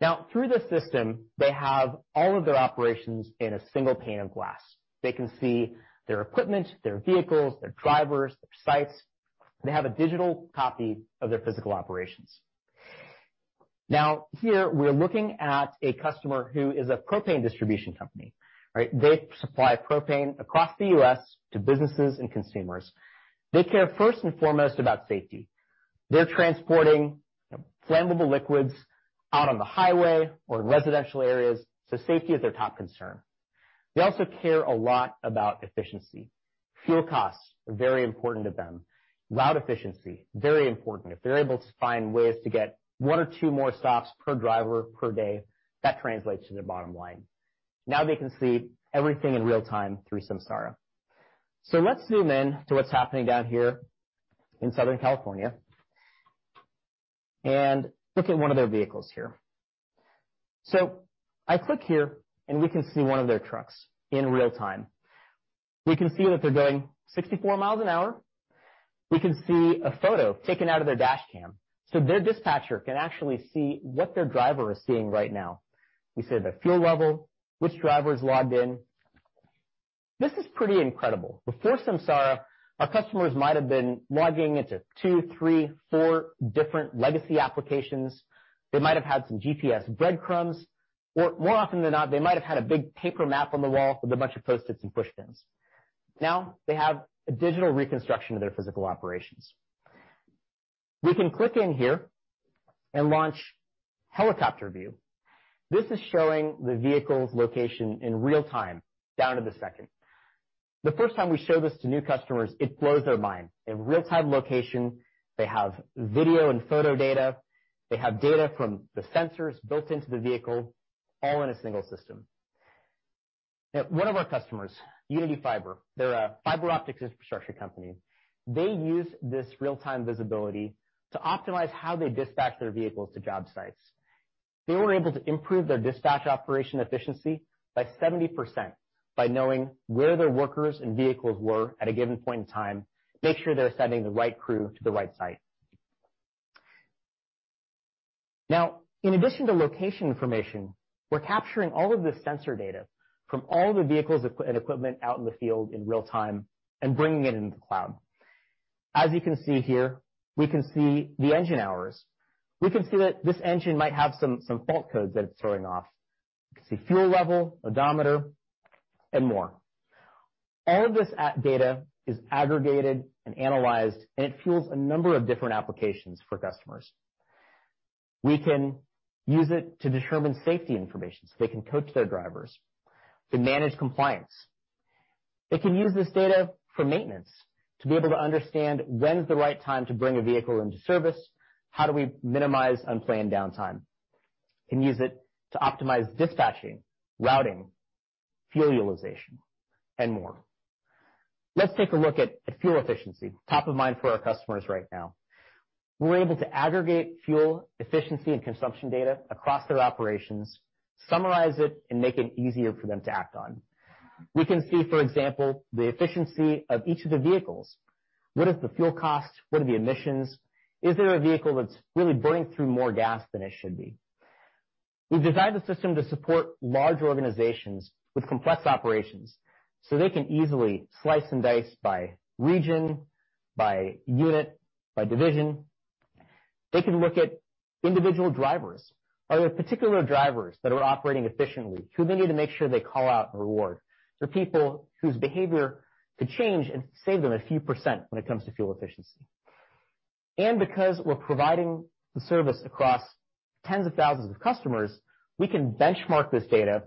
Now, through the system, they have all of their operations in a single pane of glass. They can see their equipment, their vehicles, their drivers, their sites. They have a digital copy of their physical operations. Now, here, we're looking at a customer who is a propane distribution company. Right? They supply propane across the U.S. to businesses and consumers. They care first and foremost about safety. They're transporting flammable liquids out on the highway or in residential areas, so safety is their top concern. They also care a lot about efficiency. Fuel costs are very important to them. Route efficiency, very important. If they're able to find ways to get one or two more stops per driver per day, that translates to their bottom line. Now they can see everything in real time through Samsara. Let's zoom in to what's happening down here in Southern California and look at one of their vehicles here. I click here, and we can see one of their trucks in real time. We can see that they're going 64 miles an hour. We can see a photo taken out of their dash cam. Their dispatcher can actually see what their driver is seeing right now. We see their fuel level, which driver's logged in. This is pretty incredible. Before Samsara, our customers might have been logging into two, three, four different legacy applications. They might have had some GPS breadcrumbs. More often than not, they might have had a big paper map on the wall with a bunch of Post-its and push pins. Now they have a digital reconstruction of their physical operations. We can click in here and launch helicopter view. This is showing the vehicle's location in real time, down to the second. The first time we show this to new customers, it blows their mind. They have real-time location, they have video and photo data, they have data from the sensors built into the vehicle, all in a single system. One of our customers, Uniti Fiber, they're a fiber optics infrastructure company. They use this real-time visibility to optimize how they dispatch their vehicles to job sites. They were able to improve their dispatch operation efficiency by 70% by knowing where their workers and vehicles were at a given point in time, make sure they're sending the right crew to the right site. Now, in addition to location information, we're capturing all of the sensor data from all the vehicles and equipment out in the field in real time and bringing it into the cloud. As you can see here, we can see the engine hours. We can see that this engine might have some fault codes that it's throwing off. We can see fuel level, odometer, and more. All of this data is aggregated and analyzed, and it fuels a number of different applications for customers. We can use it to determine safety information so they can coach their drivers and manage compliance. They can use this data for maintenance to be able to understand when's the right time to bring a vehicle into service? How do we minimize unplanned downtime? Can use it to optimize dispatching, routing, fuel utilization, and more. Let's take a look at fuel efficiency. Top of mind for our customers right now. We're able to aggregate fuel efficiency and consumption data across their operations, summarize it, and make it easier for them to act on. We can see, for example, the efficiency of each of the vehicles. What is the fuel cost? What are the emissions? Is there a vehicle that's really burning through more gas than it should be? We've designed the system to support large organizations with complex operations, so they can easily slice and dice by region, by unit, by division. They can look at individual drivers. Are there particular drivers that are operating efficiently who they need to make sure they call out and reward? For people whose behavior could change and save them a few % when it comes to fuel efficiency. Because we're providing the service across tens of thousands of customers, we can benchmark this data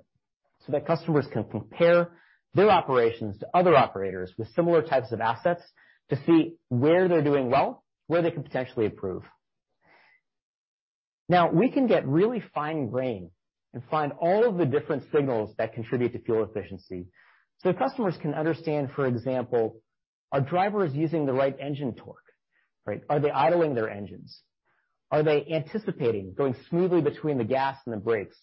so that customers can compare their operations to other operators with similar types of assets to see where they're doing well, where they can potentially improve. Now, we can get really fine-grained and find all of the different signals that contribute to fuel efficiency, so customers can understand, for example, are drivers using the right engine torque, right? Are they idling their engines? Are they anticipating going smoothly between the gas and the brakes?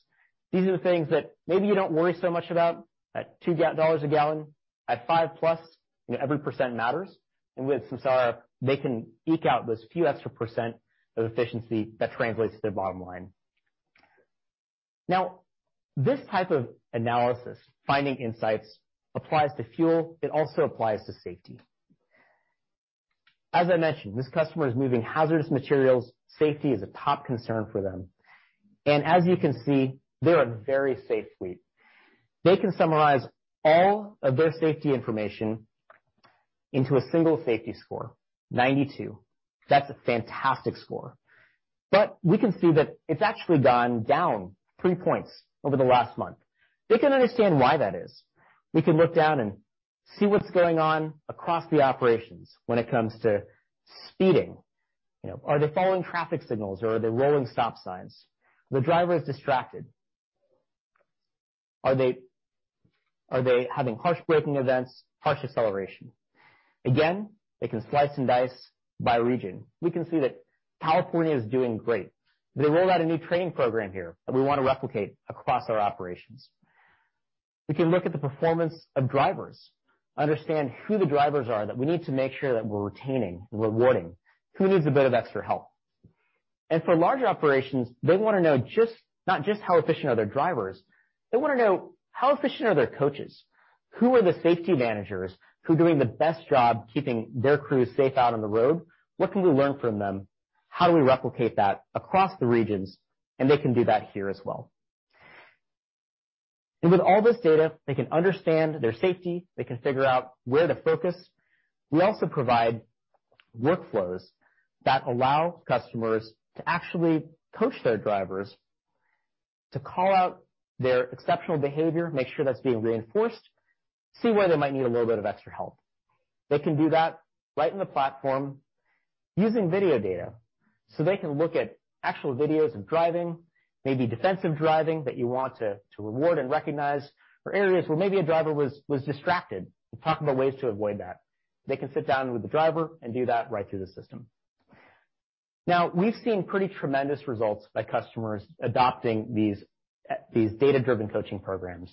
These are the things that maybe you don't worry so much about at $2 a gallon. At $5+, every percent matters. With Samsara, they can eke out those few extra percent of efficiency that translates to their bottom line. This type of analysis, finding insights, applies to fuel. It also applies to safety. As I mentioned, this customer is moving hazardous materials. Safety is a top concern for them. As you can see, they are very safe fleet. They can summarize all of their safety information into a single safety score. 92. That's a fantastic score. We can see that it's actually gone down 3 points over the last month. They can understand why that is. We can look down and see what's going on across the operations when it comes to speeding. You know, are they following traffic signals or are they rolling stop signs? Are the drivers distracted? Are they having harsh braking events, harsh acceleration? Again, they can slice and dice by region. We can see that California is doing great. They rolled out a new training program here that we wanna replicate across our operations. We can look at the performance of drivers, understand who the drivers are that we need to make sure that we're retaining and rewarding, who needs a bit of extra help. For larger operations, they wanna know just, not just how efficient are their drivers, they wanna know how efficient are their coaches. Who are the safety managers? Who are doing the best job keeping their crews safe out on the road? What can we learn from them? How do we replicate that across the regions? They can do that here as well. With all this data, they can understand their safety. They can figure out where to focus. We also provide workflows that allow customers to actually coach their drivers to call out their exceptional behavior, make sure that's being reinforced, see where they might need a little bit of extra help. They can do that right in the platform using video data, so they can look at actual videos of driving, maybe defensive driving that you want to reward and recognize, or areas where maybe a driver was distracted, and talk about ways to avoid that. They can sit down with the driver and do that right through the system. Now, we've seen pretty tremendous results by customers adopting these data-driven coaching programs.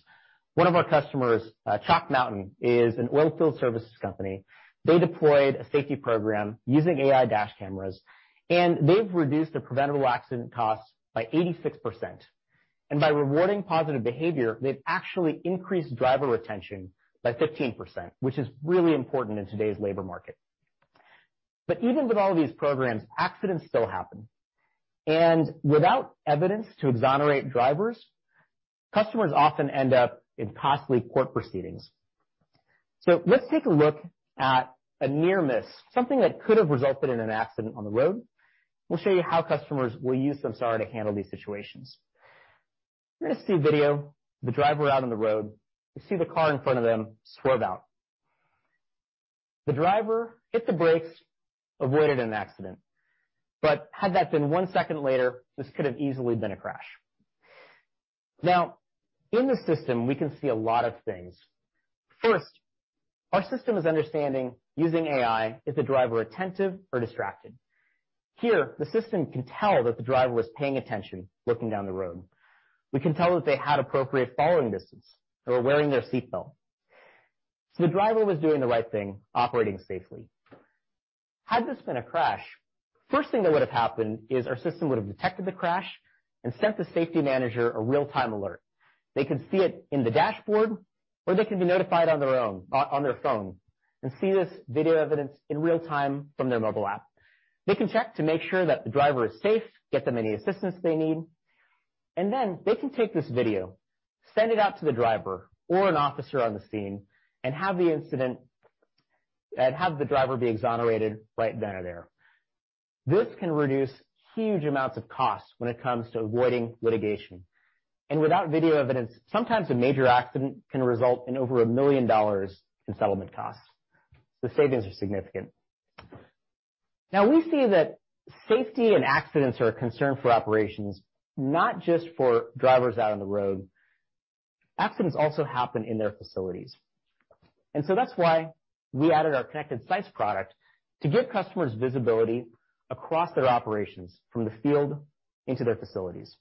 One of our customers, Chalk Mountain, is an oil field services company. They deployed a safety program using AI dash cameras, and they've reduced their preventable accident costs by 86%. By rewarding positive behavior, they've actually increased driver retention by 15%, which is really important in today's labor market. Even with all of these programs, accidents still happen. Without evidence to exonerate drivers, customers often end up in costly court proceedings. Let's take a look at a near miss, something that could have resulted in an accident on the road. We'll show you how customers will use Samsara to handle these situations. You're gonna see a video of the driver out on the road. You see the car in front of them swerve out. The driver hit the brakes, avoided an accident. Had that been 1 second later, this could have easily been a crash. Now, in the system, we can see a lot of things. First, our system is understanding, using AI, is the driver attentive or distracted? Here, the system can tell that the driver was paying attention, looking down the road. We can tell that they had appropriate following distance. They were wearing their seatbelt. The driver was doing the right thing, operating safely. Had this been a crash, first thing that would have happened is our system would have detected the crash and sent the safety manager a real-time alert. They could see it in the dashboard, or they can be notified on their own on their phone and see this video evidence in real-time from their mobile app. They can check to make sure that the driver is safe, get them any assistance they need, and then they can take this video, send it out to the driver or an officer on the scene and have the incident and the driver be exonerated right then and there. This can reduce huge amounts of costs when it comes to avoiding litigation. Without video evidence, sometimes a major accident can result in over $1 million in settlement costs. The savings are significant. Now we see that safety and accidents are a concern for operations, not just for drivers out on the road. Accidents also happen in their facilities. That's why we added our connected sites product to give customers visibility across their operations from the field into their facilities.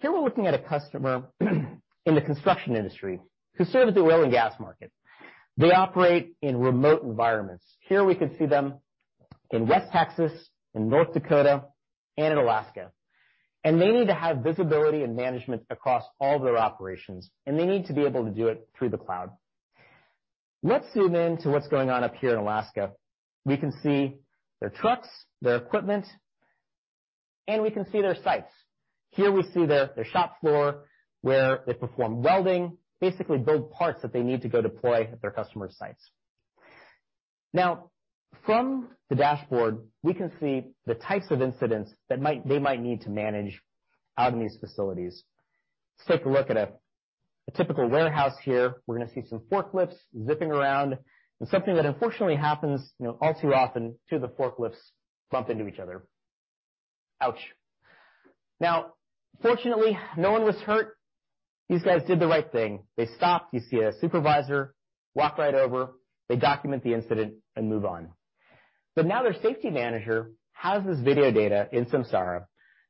Here we're looking at a customer in the construction industry who serves the oil and gas market. They operate in remote environments. Here we can see them in West Texas, in North Dakota, and in Alaska. They need to have visibility and management across all their operations, and they need to be able to do it through the cloud. Let's zoom in to what's going on up here in Alaska. We can see their trucks, their equipment, and we can see their sites. Here we see their shop floor, where they perform welding, basically build parts that they need to go deploy at their customer's sites. Now from the dashboard, we can see the types of incidents that they might need to manage out in these facilities. Let's take a look at a typical warehouse here. We're gonna see some forklifts zipping around. Something that unfortunately happens, you know, all too often, two of the forklifts bump into each other. Ouch. Fortunately, no one was hurt. These guys did the right thing. They stopped. You see a supervisor walk right over. They document the incident and move on. But now their safety manager has this video data in Samsara.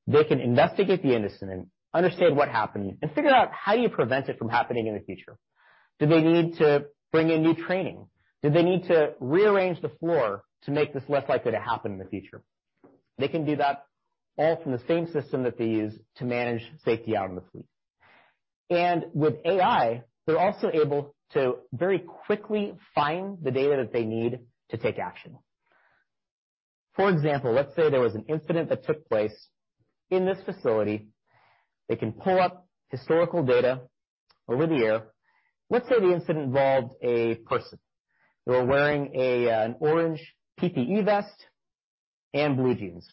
They can investigate the incident, understand what happened, and figure out how you prevent it from happening in the future. Do they need to bring in new training? Do they need to rearrange the floor to make this less likely to happen in the future? They can do that all from the same system that they use to manage safety out in the fleet. With AI, they're also able to very quickly find the data that they need to take action. For example, let's say there was an incident that took place in this facility. They can pull up historical data over the year. Let's say the incident involved a person. They were wearing an orange PPE vest and blue jeans.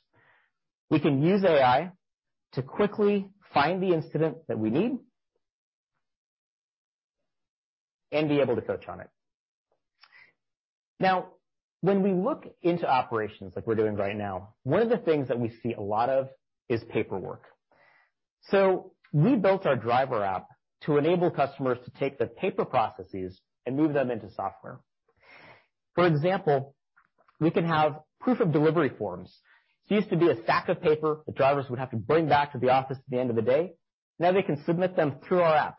We can use AI to quickly find the incident that we need and be able to coach on it. Now, when we look into operations like we're doing right now, one of the things that we see a lot of is paperwork. We built our driver app to enable customers to take the paper processes and move them into software. For example, we can have proof-of-delivery forms. This used to be a stack of paper the drivers would have to bring back to the office at the end of the day. Now they can submit them through our app.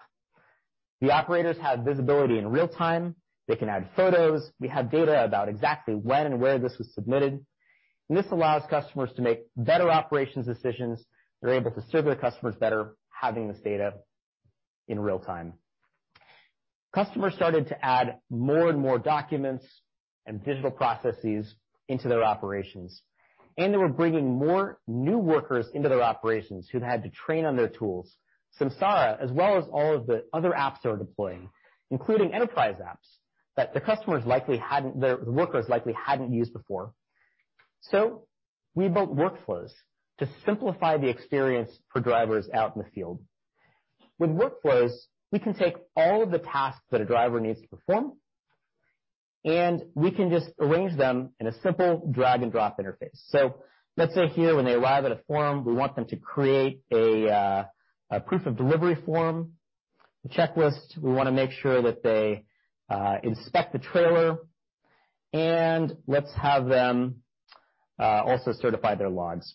The operators have visibility in real time. They can add photos. We have data about exactly when and where this was submitted, and this allows customers to make better operations decisions. They're able to serve their customers better, having this data in real time. Customers started to add more and more documents and digital processes into their operations, and they were bringing more new workers into their operations who'd had to train on their tools. Samsara, as well as all of the other apps that we're deploying, including enterprise apps, the workers likely hadn't used before. We built workflows to simplify the experience for drivers out in the field. With workflows, we can take all of the tasks that a driver needs to perform, and we can just arrange them in a simple drag-and-drop interface. Let's say here, when they arrive at a firm, we want them to create a proof of delivery form, a checklist. We wanna make sure that they inspect the trailer, and let's have them also certify their logs.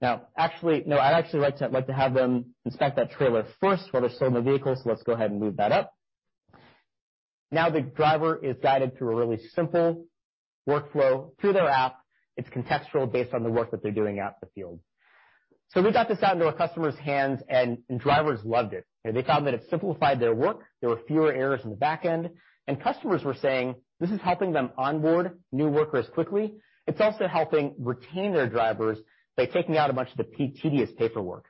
Now, actually, no, I'd actually like to have them inspect that trailer first while they're still in the vehicle, so let's go ahead and move that up. Now the driver is guided through a really simple workflow through their app. It's contextual based on the work that they're doing out in the field. We got this out into our customers' hands, and drivers loved it. They found that it simplified their work. There were fewer errors on the back end. Customers were saying, this is helping them onboard new workers quickly. It's also helping retain their drivers by taking out a bunch of the tedious paperwork.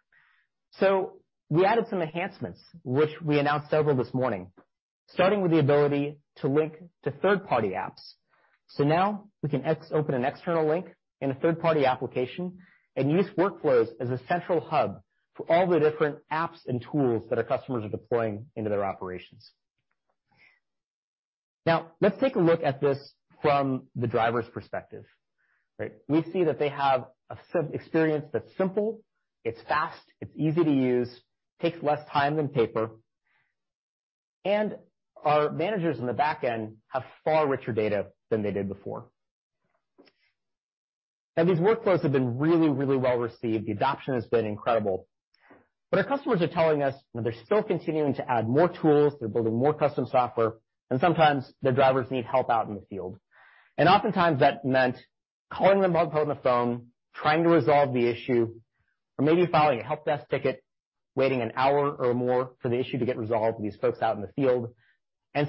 We added some enhancements, which we announced several this morning, starting with the ability to link to third-party apps. Now we can open an external link in a third-party application and use workflows as a central hub for all the different apps and tools that our customers are deploying into their operations. Now, let's take a look at this from the driver's perspective. Right? We see that they have a experience that's simple, it's fast, it's easy to use, takes less time than paper, and our managers on the back end have far richer data than they did before. Now, these workflows have been really, really well-received. The adoption has been incredible. Our customers are telling us that they're still continuing to add more tools, they're building more custom software, and sometimes their drivers need help out in the field. Oftentimes that meant calling them up on the phone, trying to resolve the issue, or maybe filing a help desk ticket, waiting an hour or more for the issue to get resolved for these folks out in the field.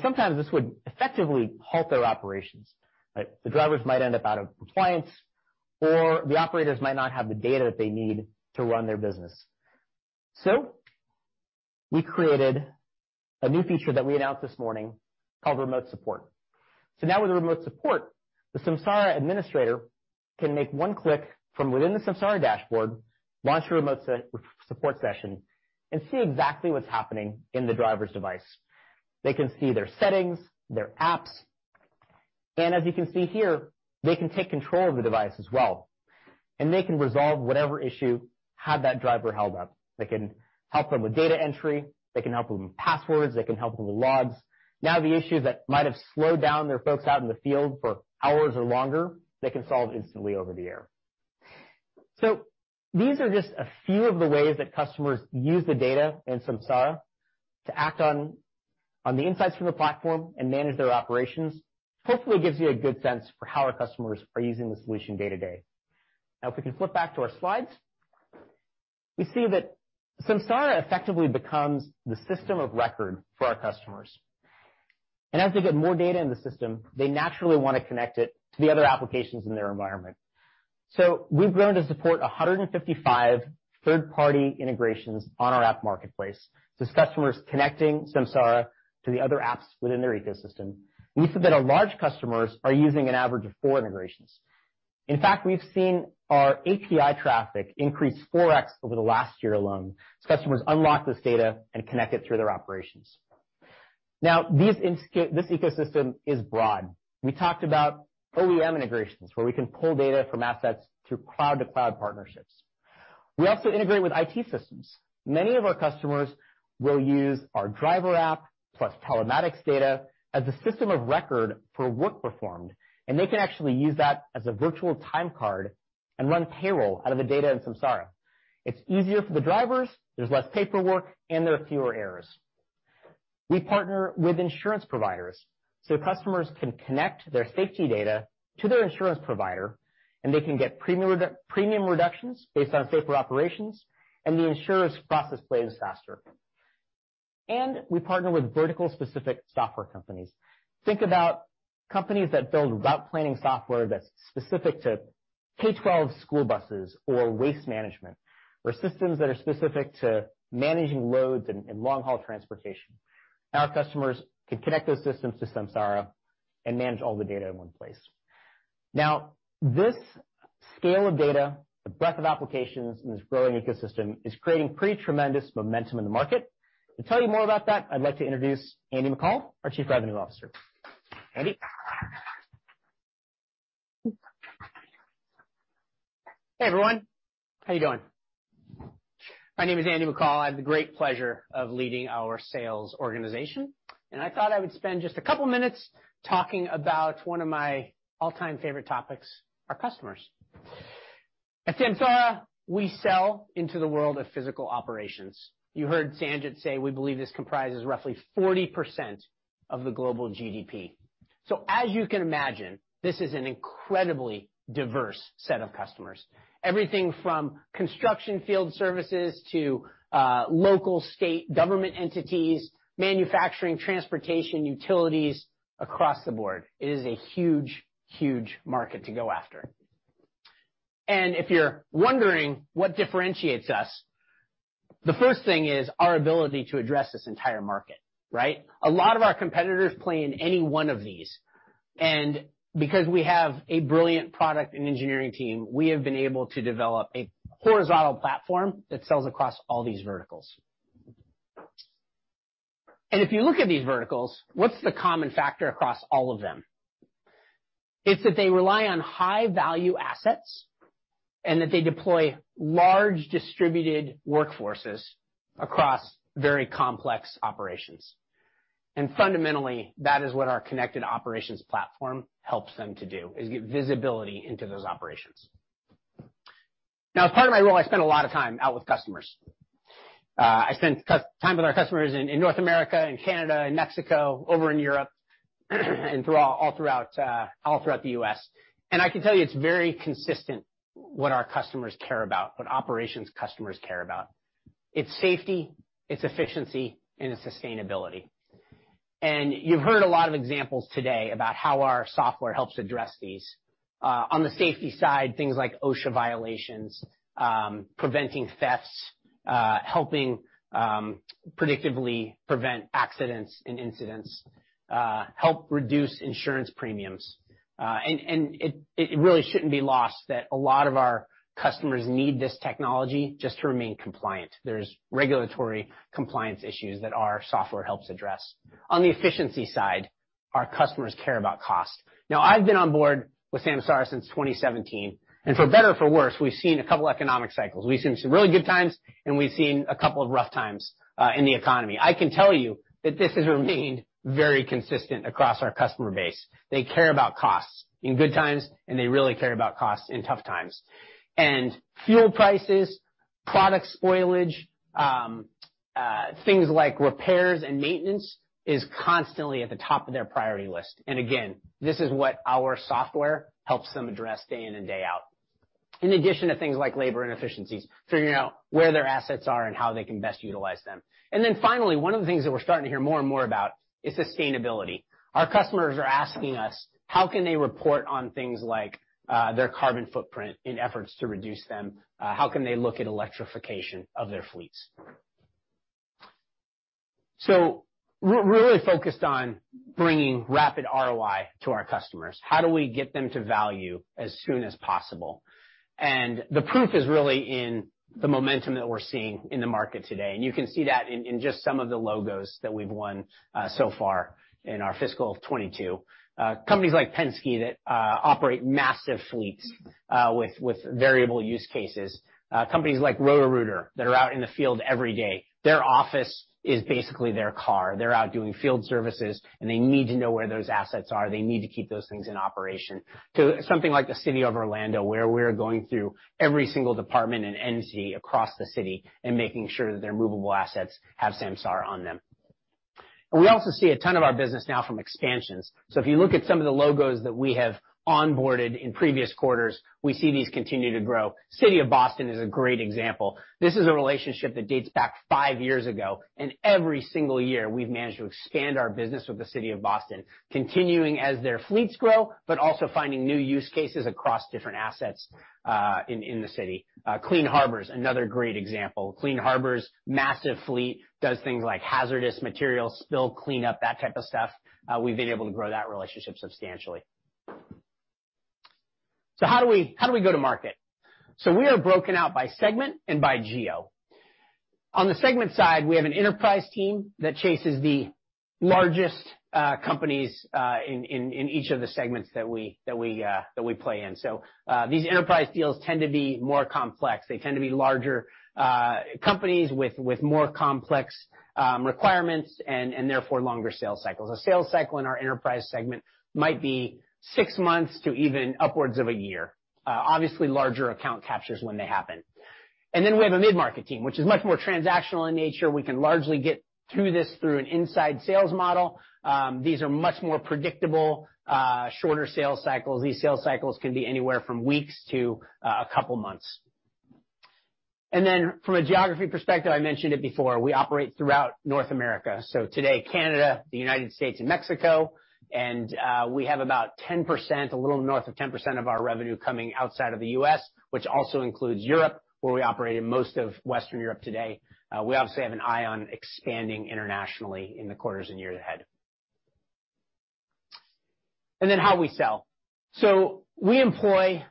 Sometimes this would effectively halt their operations. Like, the drivers might end up out of compliance, or the operators might not have the data that they need to run their business. We created a new feature that we announced this morning called Remote Support. Now with Remote Support, the Samsara administrator can make one click from within the Samsara dashboard, launch a remote support session, and see exactly what's happening in the driver's device. They can see their settings, their apps, and as you can see here, they can take control of the device as well, and they can resolve whatever issue had that driver held up. They can help them with data entry. They can help them with passwords. They can help them with logs. Now, the issues that might have slowed down their folks out in the field for hours or longer, they can solve instantly over the air. These are just a few of the ways that customers use the data in Samsara to act on the insights from the platform and manage their operations. Hopefully, it gives you a good sense for how our customers are using the solution day to day. Now, if we can flip back to our slides, we see that Samsara effectively becomes the system of record for our customers. As they get more data in the system, they naturally wanna connect it to the other applications in their environment. We've grown to support 155 third-party integrations on our app marketplace. It's customers connecting Samsara to the other apps within their ecosystem. We see that our large customers are using an average of four integrations. In fact, we've seen our API traffic increase 4x over the last year alone as customers unlock this data and connect it through their operations. This ecosystem is broad. We talked about OEM integrations, where we can pull data from assets through cloud-to-cloud partnerships. We also integrate with IT systems. Many of our customers will use our driver app plus telematics data as a system of record for work performed, and they can actually use that as a virtual timecard and run payroll out of the data in Samsara. It's easier for the drivers, there's less paperwork, and there are fewer errors. We partner with insurance providers, so customers can connect their safety data to their insurance provider, and they can get premium reductions based on safer operations, and the insurer's process plays faster. We partner with vertical-specific software companies. Think about companies that build route planning software that's specific to K12 school buses or waste management, or systems that are specific to managing loads and long-haul transportation. Our customers can connect those systems to Samsara and manage all the data in one place. Now, this scale of data, the breadth of applications in this growing ecosystem is creating pretty tremendous momentum in the market. To tell you more about that, I'd like to introduce Andy McCall, our Chief Revenue Officer. Andy? Hey, everyone. How you doing? My name is Andy McCall. I have the great pleasure of leading our sales organization, and I thought I would spend just a couple minutes talking about one of my all-time favorite topics, our customers. At Samsara, we sell into the world of physical operations. You heard Sanjit say we believe this comprises roughly 40% of the global GDP. As you can imagine, this is an incredibly diverse set of customers. Everything from construction field services to local state government entities, manufacturing, transportation, utilities, across the board. It is a huge, huge market to go after. If you're wondering what differentiates us, the first thing is our ability to address this entire market, right? A lot of our competitors play in any one of these. Because we have a brilliant product and engineering team, we have been able to develop a horizontal platform that sells across all these verticals. If you look at these verticals, what's the common factor across all of them? It's that they rely on high-value assets and that they deploy large distributed workforces across very complex operations. Fundamentally, that is what our connected operations platform helps them to do, is get visibility into those operations. Now, as part of my role, I spend a lot of time out with customers. I spend time with our customers in North America and Canada and Mexico, over in Europe, and throughout the US. I can tell you it's very consistent what our customers care about, what operations customers care about. It's safety, it's efficiency, and it's sustainability. You've heard a lot of examples today about how our software helps address these. On the safety side, things like OSHA violations, preventing thefts, helping predictively prevent accidents and incidents, help reduce insurance premiums. It really shouldn't be lost that a lot of our customers need this technology just to remain compliant. There's regulatory compliance issues that our software helps address. On the efficiency side, our customers care about cost. Now, I've been on board with Samsara since 2017, and for better or for worse, we've seen a couple economic cycles. We've seen some really good times, and we've seen a couple of rough times, in the economy. I can tell you that this has remained very consistent across our customer base. They care about costs in good times, and they really care about costs in tough times. Fuel prices, product spoilage, things like repairs and maintenance is constantly at the top of their priority list. Again, this is what our software helps them address day in and day out. In addition to things like labor inefficiencies, figuring out where their assets are and how they can best utilize them. Then finally, one of the things that we're starting to hear more and more about is sustainability. Our customers are asking us, how can they report on things like their carbon footprint in efforts to reduce them? How can they look at electrification of their fleets? Really focused on bringing rapid ROI to our customers. How do we get them to value as soon as possible? The proof is really in the momentum that we're seeing in the market today. You can see that in just some of the logos that we've won so far in our fiscal 2022. Companies like Penske that operate massive fleets with variable use cases. Companies like Roto-Rooter that are out in the field every day. Their office is basically their car. They're out doing field services, and they need to know where those assets are. They need to keep those things in operation. To something like the City of Orlando, where we're going through every single department and entity across the city and making sure that their movable assets have Samsara on them. We also see a ton of our business now from expansions. If you look at some of the logos that we have onboarded in previous quarters, we see these continue to grow. City of Boston is a great example. This is a relationship that dates back five years ago, and every single year, we've managed to expand our business with the City of Boston, continuing as their fleets grow, but also finding new use cases across different assets in the city. Clean Harbors, another great example. Clean Harbors' massive fleet does things like hazardous material spill cleanup, that type of stuff. We've been able to grow that relationship substantially. How do we go to market? We are broken out by segment and by geo. On the segment side, we have an enterprise team that chases the largest companies in each of the segments that we play in. These enterprise deals tend to be more complex. They tend to be larger companies with more complex requirements and therefore longer sales cycles. A sales cycle in our enterprise segment might be six months to even upwards of a year. Obviously, larger account captures when they happen. We have a mid-market team, which is much more transactional in nature. We can largely get through this through an inside sales model. These are much more predictable, shorter sales cycles. These sales cycles can be anywhere from weeks to a couple months. From a geography perspective, I mentioned it before, we operate throughout North America. Today, Canada, the United States, and Mexico. We have about 10%, a little north of 10% of our revenue coming outside of the U.S., which also includes Europe, where we operate in most of Western Europe today. We obviously have an eye on expanding internationally in the quarters and years ahead. How we sell. We employ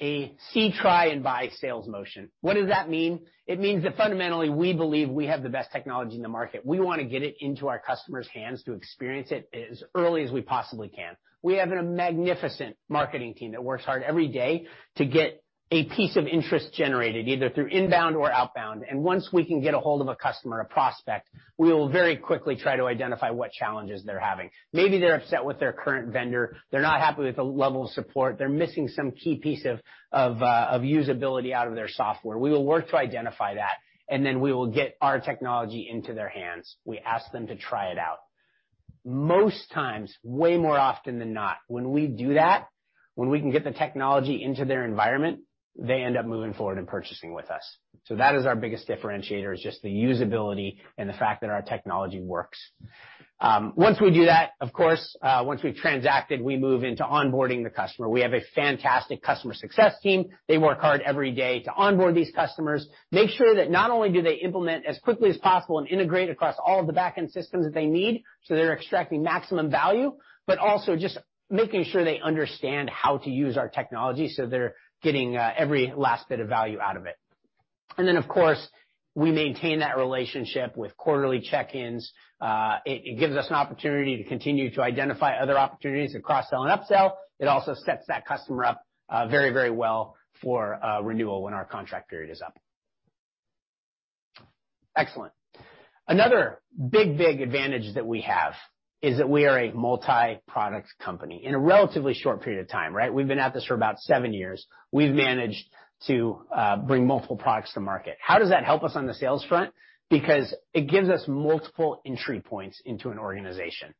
a see, try, and buy sales motion. What does that mean? It means that fundamentally, we believe we have the best technology in the market. We wanna get it into our customers' hands to experience it as early as we possibly can. We have a magnificent marketing team that works hard every day to get a piece of interest generated, either through inbound or outbound. Once we can get ahold of a customer, a prospect, we will very quickly try to identify what challenges they're having. Maybe they're upset with their current vendor. They're not happy with the level of support. They're missing some key piece of usability out of their software. We will work to identify that, and then we will get our technology into their hands. We ask them to try it out. Most times, way more often than not, when we do that, when we can get the technology into their environment, they end up moving forward and purchasing with us. That is our biggest differentiator, is just the usability and the fact that our technology works. Once we do that, of course, once we've transacted, we move into onboarding the customer. We have a fantastic customer success team. They work hard every day to onboard these customers, make sure that not only do they implement as quickly as possible and integrate across all of the back-end systems that they need, so they're extracting maximum value, but also just making sure they understand how to use our technology, so they're getting every last bit of value out of it. Of course, we maintain that relationship with quarterly check-ins. It gives us an opportunity to continue to identify other opportunities to cross-sell and upsell. It also sets that customer up very, very well for a renewal when our contract period is up. Excellent. Another big, big advantage that we have is that we are a multi-product company in a relatively short period of time, right? We've been at this for about seven years. We've managed to bring multiple products to market. How does that help us on the sales front? Because it gives us multiple entry points into an organization.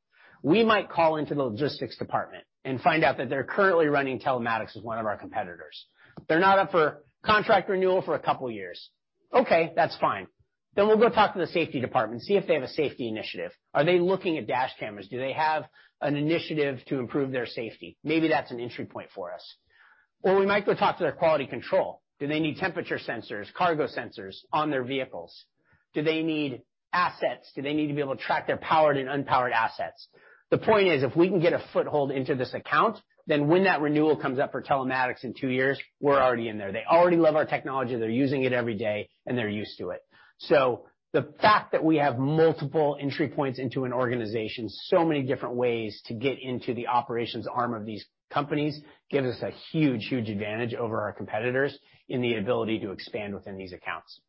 We might call into the logistics department and find out that they're currently running telematics with one of our competitors. They're not up for contract renewal for a couple years. Okay, that's fine. We'll go talk to the safety department, see if they have a safety initiative. Are they looking at dash cameras? Do they have an initiative to improve their safety? Maybe that's an entry point for us. We might go talk to their quality control. Do they need temperature sensors, cargo sensors on their vehicles? Do they need assets? Do they need to be able to track their powered and unpowered assets? The point is, if we can get a foothold into this account, then when that renewal comes up for telematics in two years, we're already in there. They already love our technology. They're using it every day, and they're used to it. The fact that we have multiple entry points into an organization, so many different ways to get into the operations arm of these companies, gives us a huge, huge advantage over our competitors in the ability to expand within these accounts.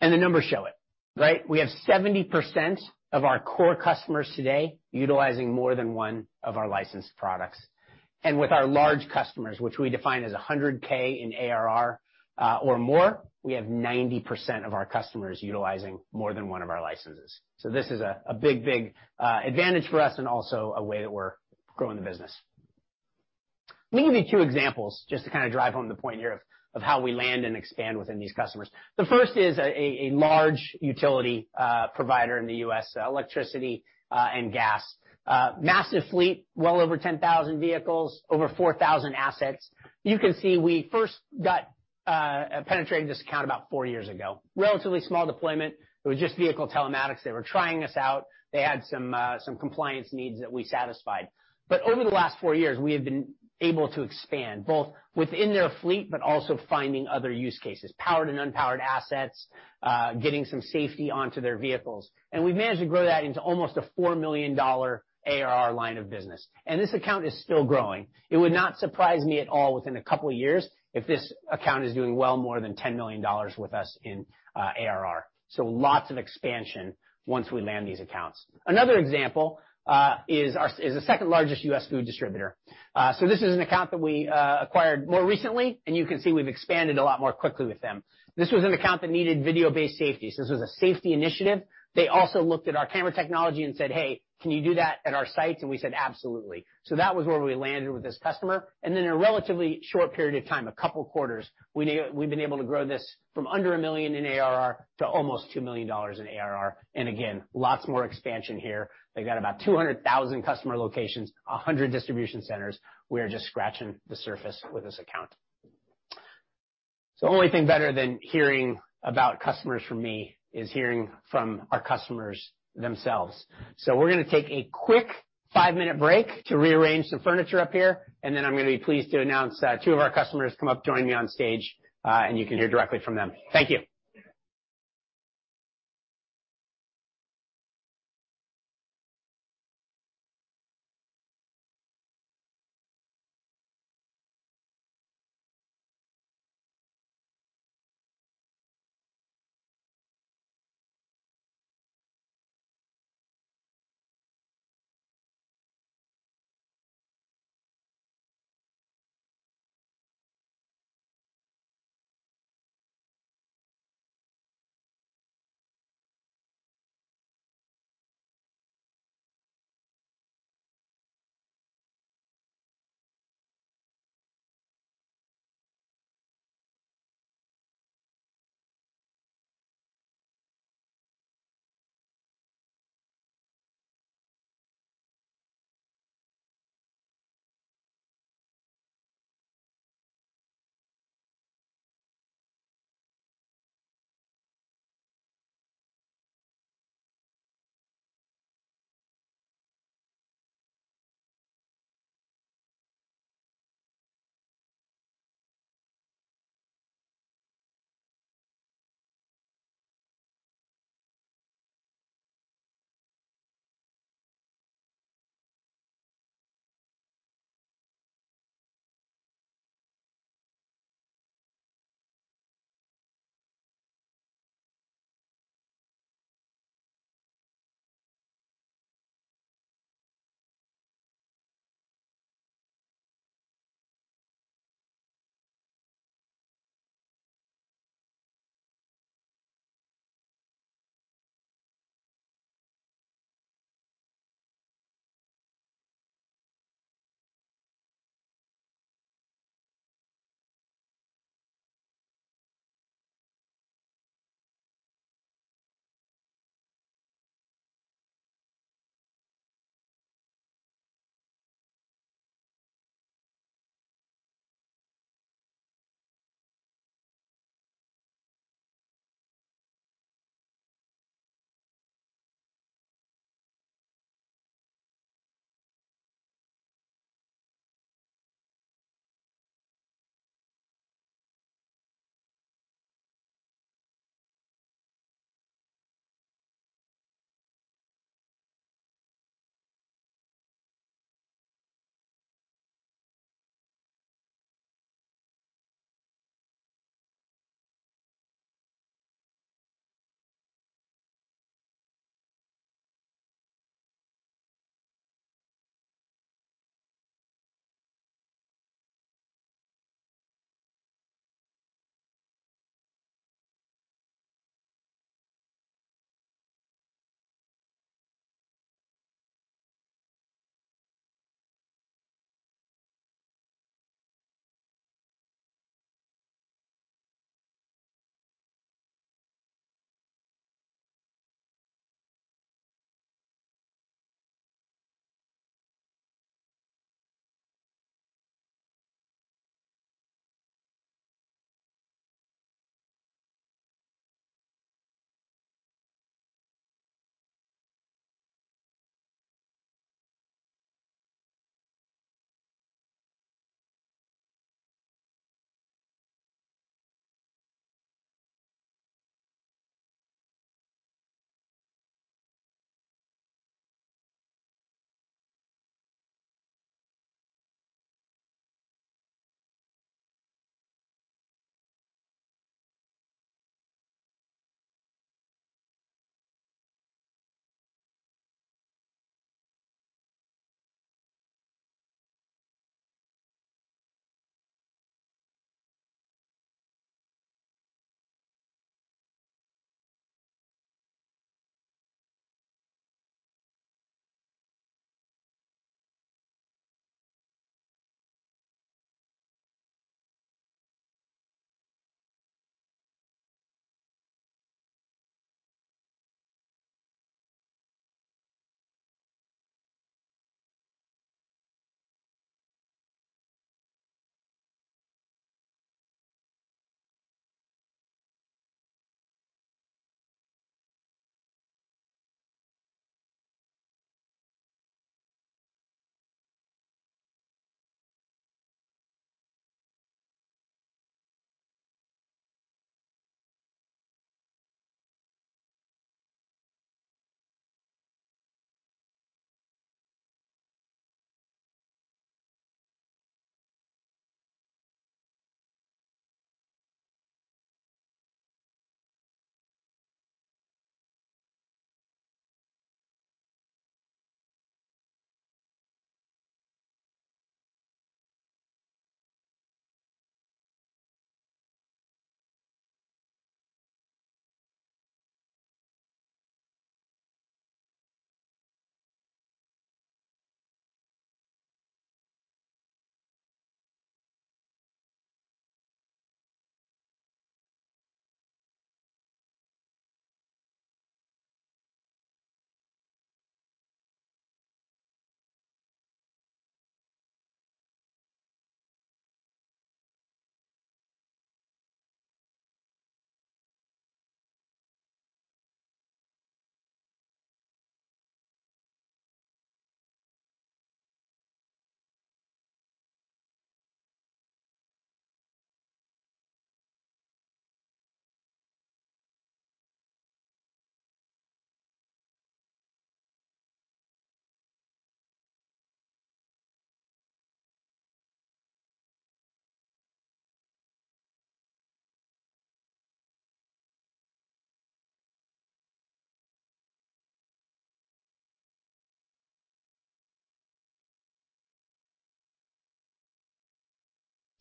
The numbers show it, right? We have 70% of our core customers today utilizing more than one of our licensed products. With our large customers, which we define as $100,000 in ARR or more, we have 90% of our customers utilizing more than one of our licenses. This is a big advantage for us and also a way that we're growing the business. Let me give you two examples just to kinda drive home the point here of how we land and expand within these customers. The first is a large utility provider in the U.S., electricity and gas. Massive fleet, well over 10,000 vehicles, over 4,000 assets. You can see we first penetrated this account about four years ago. Relatively small deployment. It was just vehicle telematics. They were trying us out. They had some compliance needs that we satisfied. Over the last four years, we have been able to expand both within their fleet, but also finding other use cases, powered and unpowered assets, getting some safety onto their vehicles. We've managed to grow that into almost a $4 million ARR line of business. This account is still growing. It would not surprise me at all within a couple of years if this account is doing well more than $10 million with us in ARR. Lots of expansion once we land these accounts. Another example is the second-largest U.S. food distributor. This is an account that we acquired more recently, and you can see we've expanded a lot more quickly with them. This was an account that needed video-based safety. This was a safety initiative. They also looked at our camera technology and said, "Hey, can you do that at our sites?" We said, "Absolutely." That was where we landed with this customer. In a relatively short period of time, a couple quarters, we've been able to grow this from under $1 million in ARR to almost $2 million in ARR. Again, lots more expansion here. They've got about 200,000 customer locations, 100 distribution centers. We're just scratching the surface with this account. The only thing better than hearing about customers from me is hearing from our customers themselves. We're gonna take a quick 5-minute break to rearrange some furniture up here, and then I'm gonna be pleased to announce, two of our customers come up, join me on stage, and you can hear directly from them. Thank you.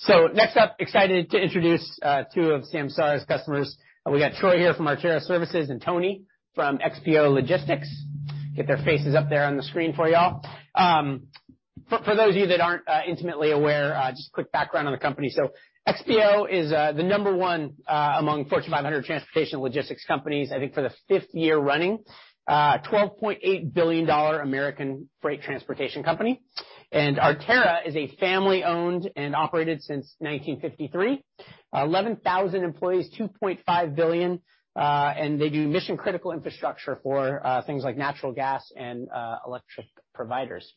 Next up, excited to introduce, two of Samsara's customers. We got Troy here from Artera Services and Tony from XPO Logistics. Get their faces up there on the screen for y'all. For those of you that aren't intimately aware, just quick background on the company. XPO is the number one among Fortune 500 transportation logistics companies, I think for the fifth year running. $12.8 billion American freight transportation company. Artera is a family-owned and operated since 1953. 11,000 employees, $2.5 billion, and they do mission-critical infrastructure for things like natural gas and electric providers.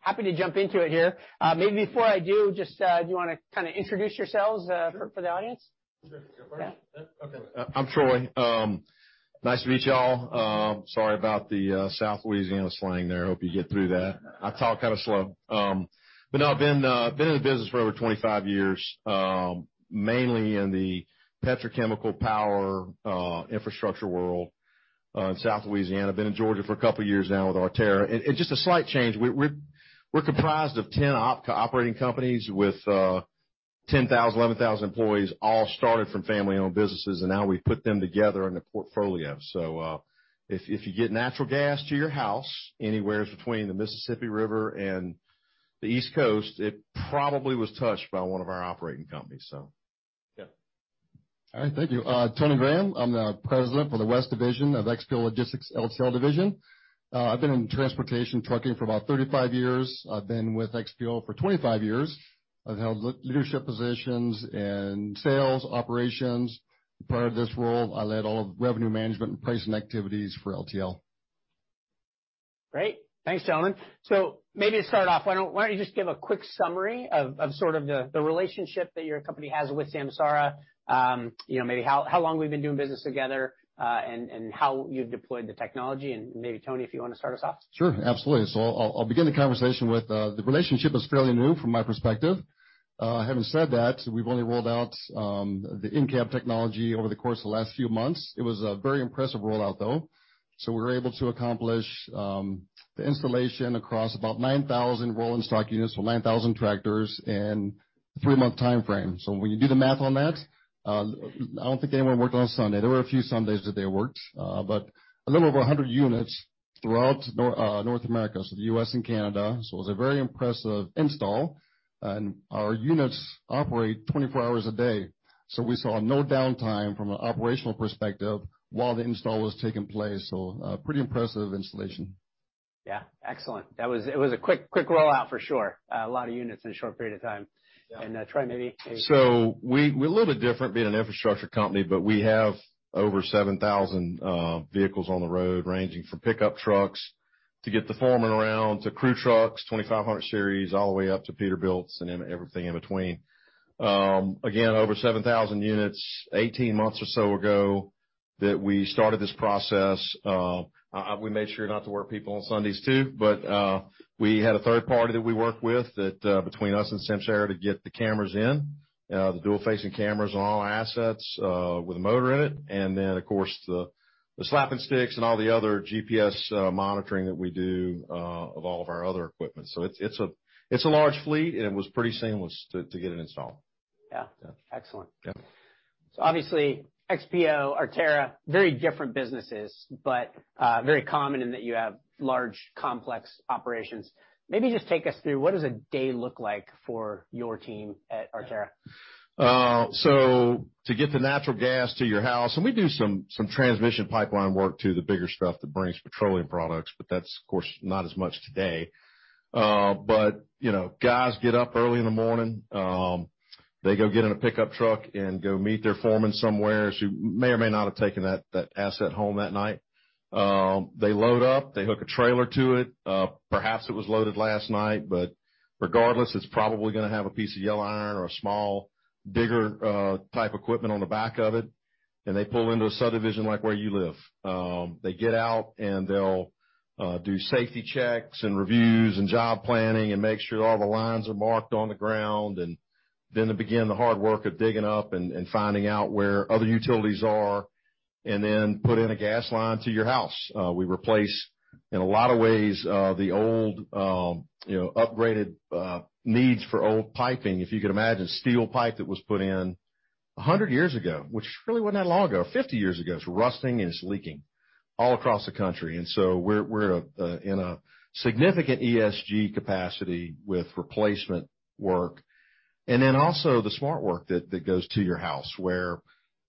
Happy to jump into it here. Maybe before I do, just do you wanna kinda introduce yourselves for the audience? I'm Troy. Nice to meet y'all. Sorry about the South Louisiana slang there. I hope you get through that. I talk kinda slow. But no, I've been in the business for over 25 years, mainly in the petrochemical power infrastructure world, in South Louisiana. Been in Georgia for a couple years now with Artera. Just a slight change, we're comprised of 10 operating companies with 10,000-11,000 employees, all started from family-owned businesses, and now we've put them together in a portfolio. If you get natural gas to your house anywhere between the Mississippi River and the East Coast, it probably was touched by one of our operating companies. All right. Thank you. Tony Graham. I'm the President for the West Division of XPO Logistics LTL Division. I've been in transportation trucking for about 35 years. I've been with XPO for 25 years. I've held leadership positions in sales, operations. Prior to this role, I led all the revenue management and pricing activities for LTL. Great. Thanks, gentlemen. Maybe to start off, why don't you just give a quick summary of sort of the relationship that your company has with Samsara. You know, maybe how long we've been doing business together, and how you've deployed the technology. Maybe, Tony, if you wanna start us off. Sure. Absolutely. I'll begin the conversation with the relationship is fairly new from my perspective. Having said that, we've only rolled out the in-cab technology over the course of the last few months. It was a very impressive rollout, though. We were able to accomplish the installation across about 9,000 rolling stock units, so 9,000 tractors in a 3-month timeframe. When you do the math on that, I don't think anyone worked on Sunday. There were a few Sundays that they worked, but a little over 100 units throughout North America, so the U.S. and Canada. It was a very impressive install. Our units operate 24 hours a day, so we saw no downtime from an operational perspective while the install was taking place. Pretty impressive installation. Yeah. Excellent. It was a quick rollout for sure. A lot of units in a short period of time. Troy, maybe We're a little bit different being an infrastructure company, but we have over 7,000 vehicles on the road ranging from pickup trucks to get the foreman around to crew trucks, 2,500 series, all the way up to Peterbilt and then everything in between. Again, over 7,000 units 18 months or so ago that we started this process. We made sure not to work people on Sundays too, but we had a third party that we worked with that between us and Samsara to get the cameras in, the dual-facing cameras on all our assets with a motor in it, and then, of course, the Asset Tag and all the other GPS monitoring that we do of all of our other equipment. It's a large fleet, and it was pretty seamless to get it installed. Yeah. Excellent. Obviously XPO, Artera, very different businesses, but very common in that you have large, complex operations. Maybe just take us through what does a day look like for your team at Artera? To get the natural gas to your house, and we do some transmission pipeline work to the bigger stuff that brings petroleum products, but that's of course, not as much today. You know, guys get up early in the morning, they go get in a pickup truck and go meet their foreman somewhere. You may or may not have taken that asset home that night. They load up, they hook a trailer to it. Perhaps it was loaded last night, but regardless, it's probably gonna have a piece of yellow iron or a small, bigger type equipment on the back of it. They pull into a subdivision like where you live. They get out, and they'll do safety checks and reviews and job planning and make sure all the lines are marked on the ground, and then they begin the hard work of digging up and finding out where other utilities are, and then put in a gas line to your house. We replace in a lot of ways the old, you know, upgraded needs for old piping. If you could imagine steel pipe that was put in 100 years ago, which really was not that long ago, 50 years ago. It's rusting, and it's leaking all across the country. We're in a significant ESG capacity with replacement work. Then also the smart work that goes to your house where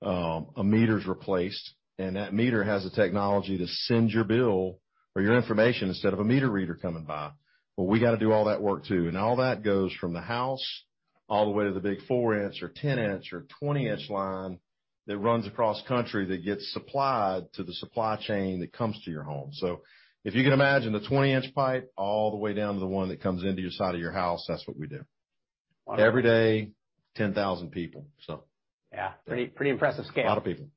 a meter's replaced, and that meter has the technology to send your bill or your information instead of a meter reader coming by. Well, we gotta do all that work, too. All that goes from the house all the way to the big 4-inch or 10-inch or 20-inch line that runs across country that gets supplied to the supply chain that comes to your home. If you can imagine the 20-inch pipe all the way down to the one that comes into your side of your house, that's what we do. Wonderful. Every day, 10,000 people, so. Yeah. Pretty impressive scale. A lot of people.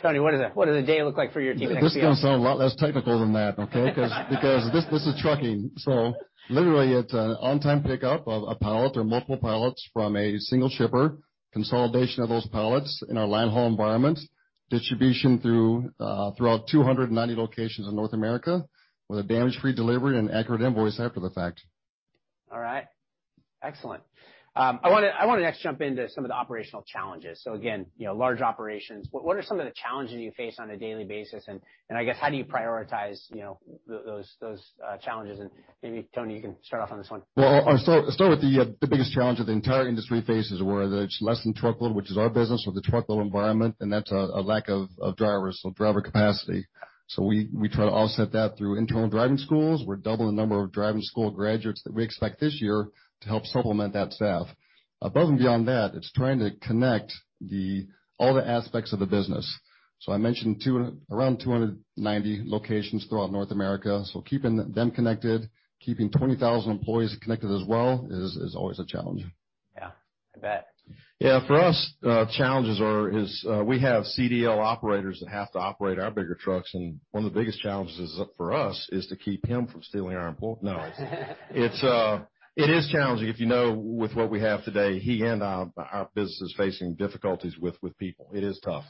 Tony, what does a day look like for your team at XPO? This is gonna sound a lot less technical than that, okay? Because this is trucking. Literally, it's an on-time pickup of a pallet or multiple pallets from a single shipper, consolidation of those pallets in our line haul environment, distribution throughout 290 locations in North America with a damage-free delivery and accurate invoice after the fact. All right. Excellent. I wanna next jump into some of the operational challenges. Again, you know, large operations. What are some of the challenges you face on a daily basis, and I guess, how do you prioritize, you know, those challenges? Maybe, Tony, you can start off on this one. Well, I'll start with the biggest challenge that the entire industry faces, whether it's less than truckload, which is our business, or the truckload environment, and that's a lack of drivers, so driver capacity. We try to offset that through internal driving schools. We're doubling the number of driving school graduates that we expect this year to help supplement that staff. Above and beyond that, it's trying to connect all the aspects of the business. I mentioned around 290 locations throughout North America. Keeping them connected, keeping 20,000 employees connected as well is always a challenge. Yeah, I bet. Yeah, for us, challenges is we have CDL operators that have to operate our bigger trucks, and one of the biggest challenges for us is to keep him from stealing our employ. No. It's it is challenging. You know with what we have today, he and our business is facing difficulties with people. It is tough.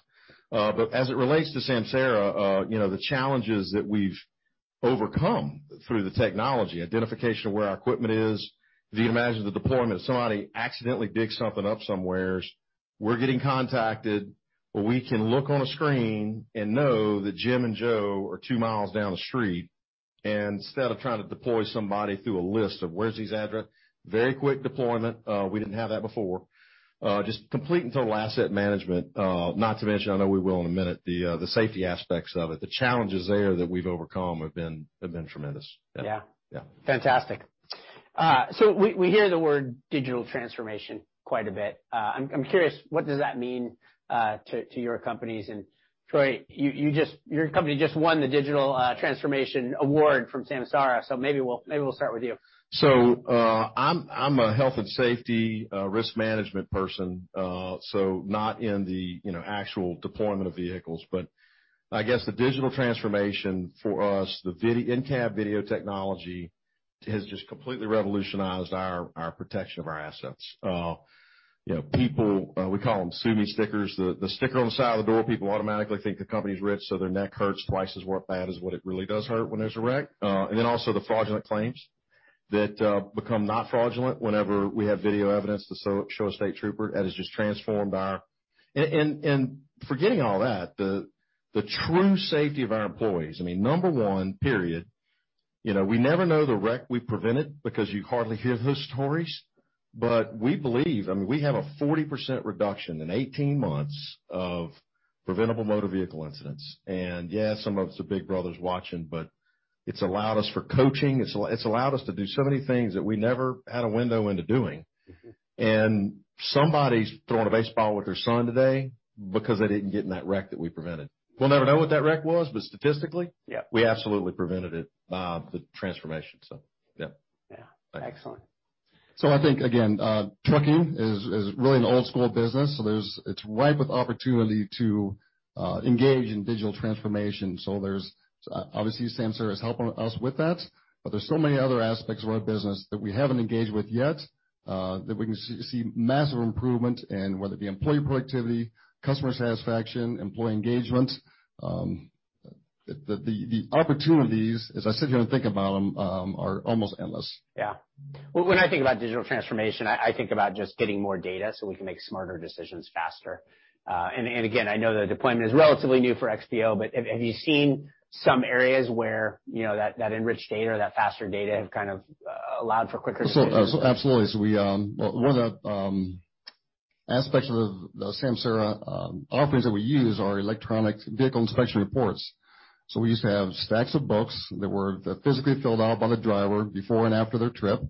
As it relates to Samsara, you know, the challenges that we've overcome through the technology, identification of where our equipment is. If you imagine the deployment, somebody accidentally digs something up somewhere. We're getting contacted, or we can look on a screen and know that Jim and Joe are two miles down the street. Instead of trying to deploy somebody through a list of where's his address, very quick deployment. We didn't have that before. Just complete and total asset management, not to mention, I know we will in a minute, the safety aspects of it. The challenges there that we've overcome have been tremendous. Fantastic. We hear the word digital transformation quite a bit. I'm curious, what does that mean to your companies? Troy, your company just won the digital transformation award from Samsara, so maybe we'll start with you. I'm a health and safety risk management person, so not in the, you know, actual deployment of vehicles. I guess the digital transformation for us, the in-cab video technology has just completely revolutionized our protection of our assets. You know, people, we call them sue me stickers. The sticker on the side of the door, people automatically think the company is rich, so their neck hurts twice as bad as what it really does hurt when there's a wreck. Then also the fraudulent claims that become not fraudulent whenever we have video evidence to show a state trooper. That has just transformed our protection of our assets. Forgetting all that, the true safety of our employees, I mean, number one, period, you know, we never know the wreck we prevented because you hardly hear those stories. We believe, I mean, we have a 40% reduction in 18 months of preventable motor vehicle incidents. Yeah, some of it's the Big Brother's watching, but it's allowed us, for coaching, it's allowed us to do so many things that we never had a window into doing. Somebody's throwing a baseball with their son today because they didn't get in that wreck that we prevented. We'll never know what that wreck was, but statistically. We absolutely prevented it by the transformation. Yeah. Yeah. Excellent. I think, again, trucking is really an old school business, so it's ripe with opportunity to engage in digital transformation. There's obviously Samsara is helping us with that. But there's so many other aspects of our business that we haven't engaged with yet, that we can see massive improvement in, whether it be employee productivity, customer satisfaction, employee engagement. The opportunities, as I sit here and think about them, are almost endless. Yeah. Well, when I think about digital transformation, I think about just getting more data so we can make smarter decisions faster. And again, I know that the deployment is relatively new for XPO, but have you seen some areas where, you know, that enriched data or that faster data have kind of allowed for quicker decisions? Absolutely. Well, one of the aspects of the Samsara offerings that we use are electronic vehicle inspection reports. We used to have stacks of books that physically filled out by the driver before and after their trip.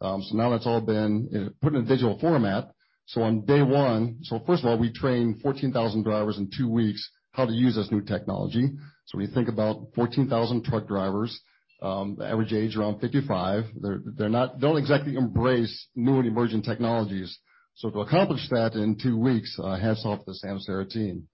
Now that's all been put in a digital format. On day one, first of all, we trained 14,000 drivers in two weeks how to use this new technology. When you think about 14,000 truck drivers, the average age around 55, they don't exactly embrace new and emerging technologies. To accomplish that in two weeks, hats off to the Samsara team.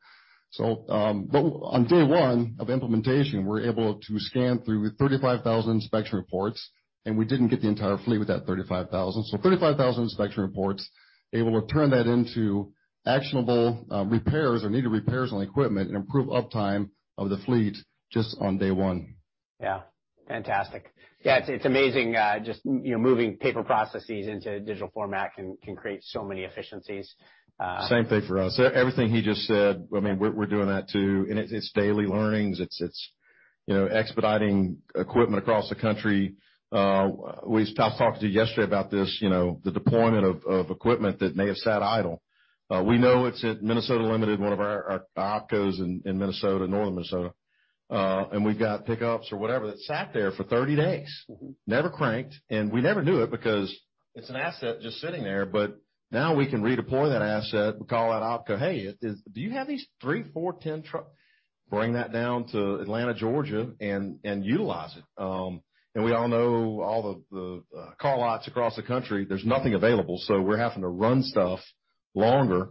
On day one of implementation, we were able to scan through 35,000 inspection reports, and we didn't get the entire fleet with that 35,000. 35,000 inspection reports, able to turn that into actionable repairs or needed repairs on equipment and improve uptime of the fleet just on day one. Yeah. Fantastic. Yeah, it's amazing, just, you know, moving paper processes into a digital format can create so many efficiencies. Same thing for us. Everything he just said, I mean, we're doing that too, and it's daily learnings. It's you know, expediting equipment across the country. I was talking to yesterday about this, you know, the deployment of equipment that may have sat idle. We know it's at Minnesota Limited, one of our OPCOs in Minnesota, Northern Minnesota, and we've got pickups or whatever that sat there for 30 days. Never cranked, and we never knew it because it's an asset just sitting there. Now we can redeploy that asset. We call that OPCO, "Hey, do you have these 3, 4, 10 truck? Bring that down to Atlanta, Georgia, and utilize it." We all know all the car lots across the country, there's nothing available, so we're having to run stuff longer,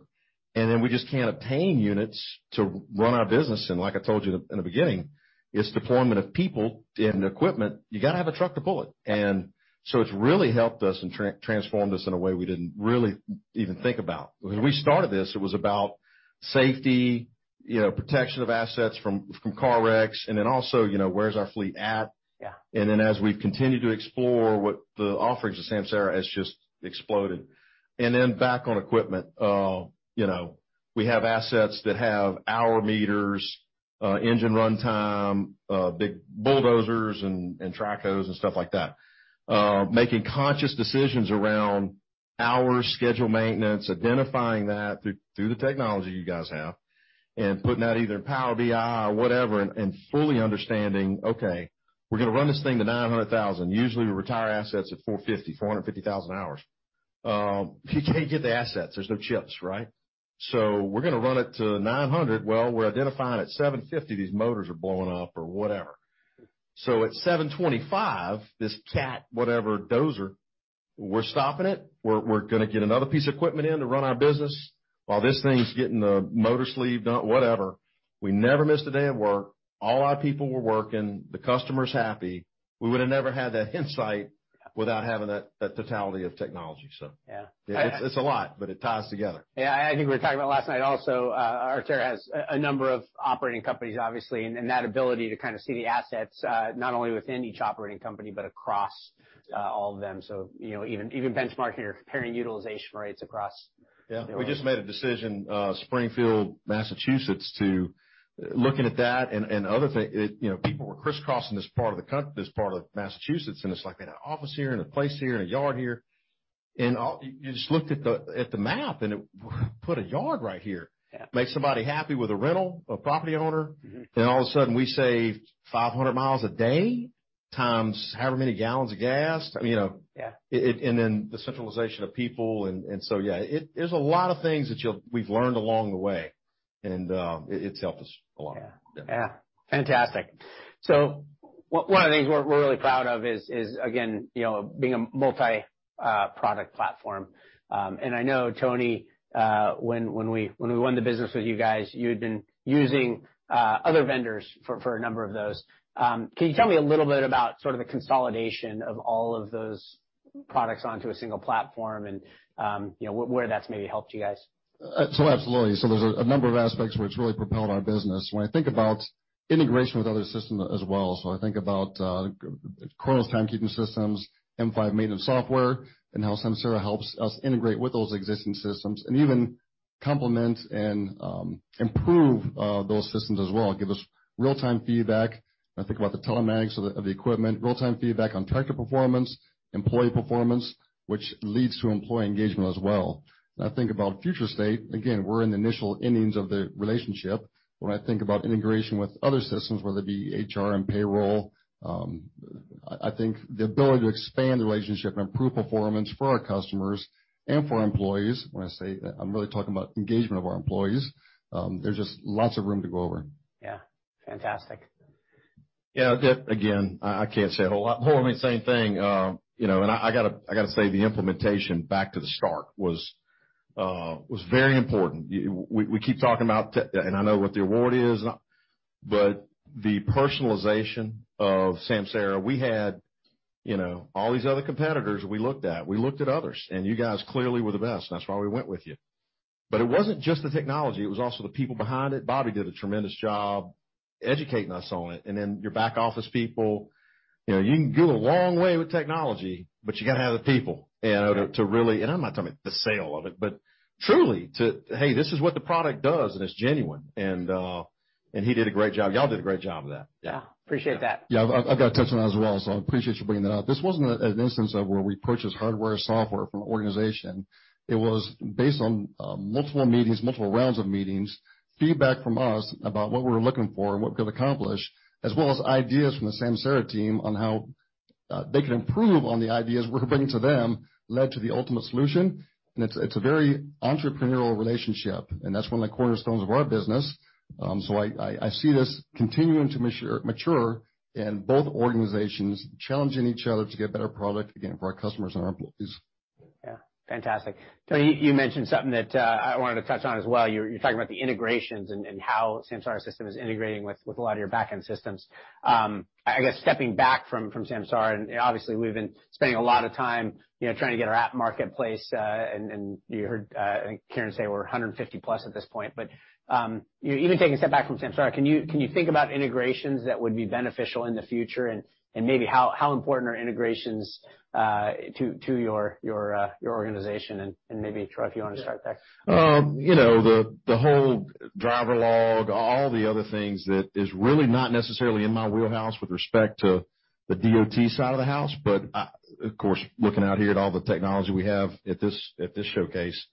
and then we just can't obtain units to run our business. Like I told you in the beginning, it's deployment of people and equipment. You gotta have a truck to pull it. It's really helped us and transformed us in a way we didn't really even think about. When we started this, it was about safety, you know, protection of assets from car wrecks, and then also, you know, where's our fleet at. As we continue to explore what the offerings of Samsara, it's just exploded. Back on equipment, you know, we have assets that have hour meters, engine runtime, big bulldozers and track hoes and stuff like that. Making conscious decisions around hour schedule maintenance, identifying that through the technology you guys have, and putting that either in Power BI or whatever and fully understanding, okay, we're gonna run this thing to 900,000. Usually, we retire assets at 450,000 hours. If you can't get the assets, there's no chips, right? We're gonna run it to 900,000. Well, we're identifying at 750,000 these motors are blowing up or whatever. So at 725,000, this CAT whatever dozer, we're stopping it. We're gonna get another piece of equipment in to run our business while this thing's getting the motor sleeve done, whatever. We never missed a day of work. All our people were working. The customer's happy. We would have never had that insight without having that totality of technology, so. It's a lot, but it ties together. I think we were talking about last night also. Artera has a number of operating companies, obviously, and that ability to kinda see the assets, not only within each operating company but across all of them. You know, even benchmarking or comparing utilization rates across. Yeah. We just made a decision, Springfield, Massachusetts. Looking at that and other thing. You know, people were crisscrossing this part of Massachusetts, and it's like they had an office here and a place here and a yard here. You just looked at the map, and it put a yard right here. Make somebody happy with a rental, a property owner. All of a sudden we save 500 miles a day times however many gallons of gas. I mean, you know, the centralization of people. There's a lot of things that we've learned along the way, and it's helped us a lot. Yeah. Yeah. Fantastic. One of the things we're really proud of is again, you know, being a multi-product platform. I know, Tony, when we won the business with you guys, you had been using other vendors for a number of those. Can you tell me a little bit about sort of the consolidation of all of those products onto a single platform and, you know, where that's maybe helped you guys? Absolutely. There's a number of aspects where it's really propelled our business. When I think about integration with other systems as well, I think about Kronos timekeeping systems, M5 maintenance software, and how Samsara helps us integrate with those existing systems and even complement and improve those systems as well, give us real-time feedback. When I think about the telematics of the equipment, real-time feedback on tractor performance, employee performance, which leads to employee engagement as well. When I think about future state, again, we're in the initial innings of the relationship. When I think about integration with other systems, whether it be HR and payroll, I think the ability to expand the relationship and improve performance for our customers and for our employees. When I say I'm really talking about engagement of our employees, there's just lots of room to go over. Yeah. Fantastic. Yeah. Again, I can't say it a whole lot more. I mean, same thing. You know, I gotta say the implementation back to the start was very important. We keep talking about tech, and I know what the award is, but the personalization of Samsara, we had, you know, all these other competitors we looked at. We looked at others, and you guys clearly were the best, and that's why we went with you. It wasn't just the technology, it was also the people behind it. Bobby did a tremendous job educating us on it, and then your back office people. You know, you can go a long way with technology, but you got to have the people, you know, to really. I'm not talking about the sale of it, but truly to, hey, this is what the product does, and it's genuine. He did a great job. Y'all did a great job of that. Yeah. Yeah. Appreciate that. Yeah. I've got to touch on that as well, so I appreciate you bringing that up. This wasn't an instance of where we purchased hardware, software from an organization. It was based on multiple meetings, multiple rounds of meetings, feedback from us about what we're looking for and what we could accomplish, as well as ideas from the Samsara team on how they can improve on the ideas we're bringing to them, led to the ultimate solution. It's a very entrepreneurial relationship, and that's one of the cornerstones of our business. I see this continuing to mature and both organizations challenging each other to get better product, again, for our customers and our employees. Yeah. Fantastic. Tony, you mentioned something that, I wanted to touch on as well. You're talking about the integrations and how Samsara system is integrating with a lot of your back-end systems. I guess stepping back from Samsara, and obviously, we've been spending a lot of time, you know, trying to get our app marketplace, and you heard Kiren say we're 150-plus at this point. Even taking a step back from Samsara, can you think about integrations that would be beneficial in the future? Maybe how important are integrations to your organization? Maybe, Troy, if you wanna start that. You know, the whole driver log, all the other things that is really not necessarily in my wheelhouse with respect to the DOT side of the house. Of course, looking out here at all the technology we have at this showcase,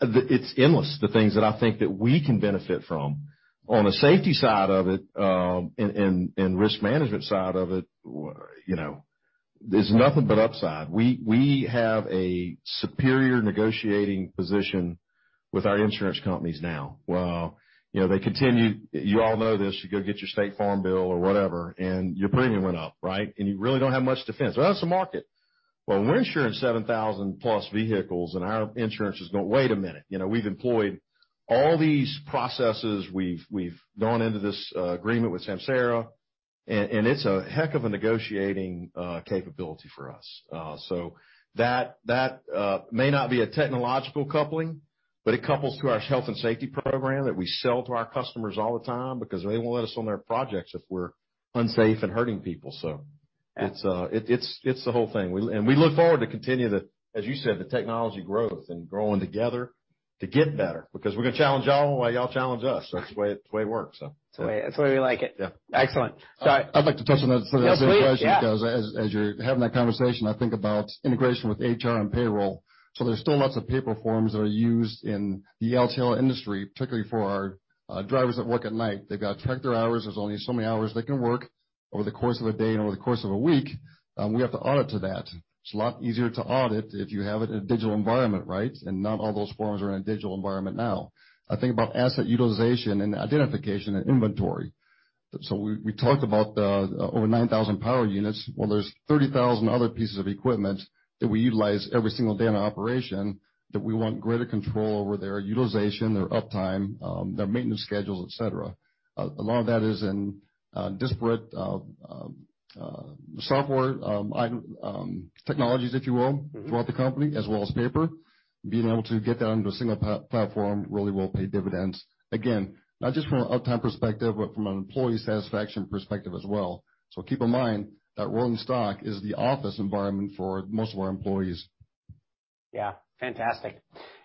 it's endless, the things that I think that we can benefit from. On the safety side of it, and risk management side of it, you know, there's nothing but upside. We have a superior negotiating position with our insurance companies now. Well, you know, they continue. You all know this. You go get your State Farm bill or whatever, and your premium went up, right? You really don't have much defense. Well, that's the market. Well, we're insuring 7,000+ vehicles, and our insurance is going, "Wait a minute." You know, we've employed all these processes. We've gone into this agreement with Samsara, and it's a heck of a negotiating capability for us. So that may not be a technological coupling, but it couples to our health and safety program that we sell to our customers all the time because they won't let us on their projects if we're unsafe and hurting people. So it's the whole thing. We look forward to continue the, as you said, technology growth and growing together to get better because we're gonna challenge y'all while y'all challenge us. That's the way it works. That's the way, that's the way we like it. Excellent. I'd like to touch on that for that question. Yeah, please. Yeah. Because as you're having that conversation, I think about integration with HR and payroll. There's still lots of paper forms that are used in the LTL industry, particularly for our drivers that work at night. They've got tractor hours. There's only so many hours they can work over the course of a day and over the course of a week. We have to audit to that. It's a lot easier to audit if you have it in a digital environment, right? Not all those forms are in a digital environment now. I think about asset utilization and identification and inventory. We talked about the over 9,000 power units. Well, there's 30,000 other pieces of equipment that we utilize every single day in our operation that we want greater control over their utilization, their uptime, their maintenance schedules, et cetera. A lot of that is in disparate software IoT technologies, if you will. Throughout the company, as well as paper. Being able to get that onto a single platform really will pay dividends. Again, not just from an uptime perspective, but from an employee satisfaction perspective as well. Keep in mind that real estate is the office environment for most of our employees. Yeah. Fantastic.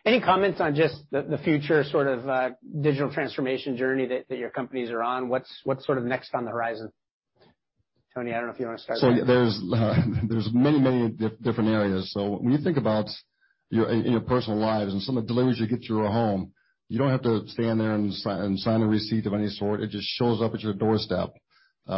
Any comments on just the future sort of digital transformation journey that your companies are on? What's sort of next on the horizon? Tony, I don't know if you want to start that? There's many different areas. When you think about your in your personal lives and some of the deliveries you get to your home, you don't have to stand there and sign a receipt of any sort. It just shows up at your doorstep.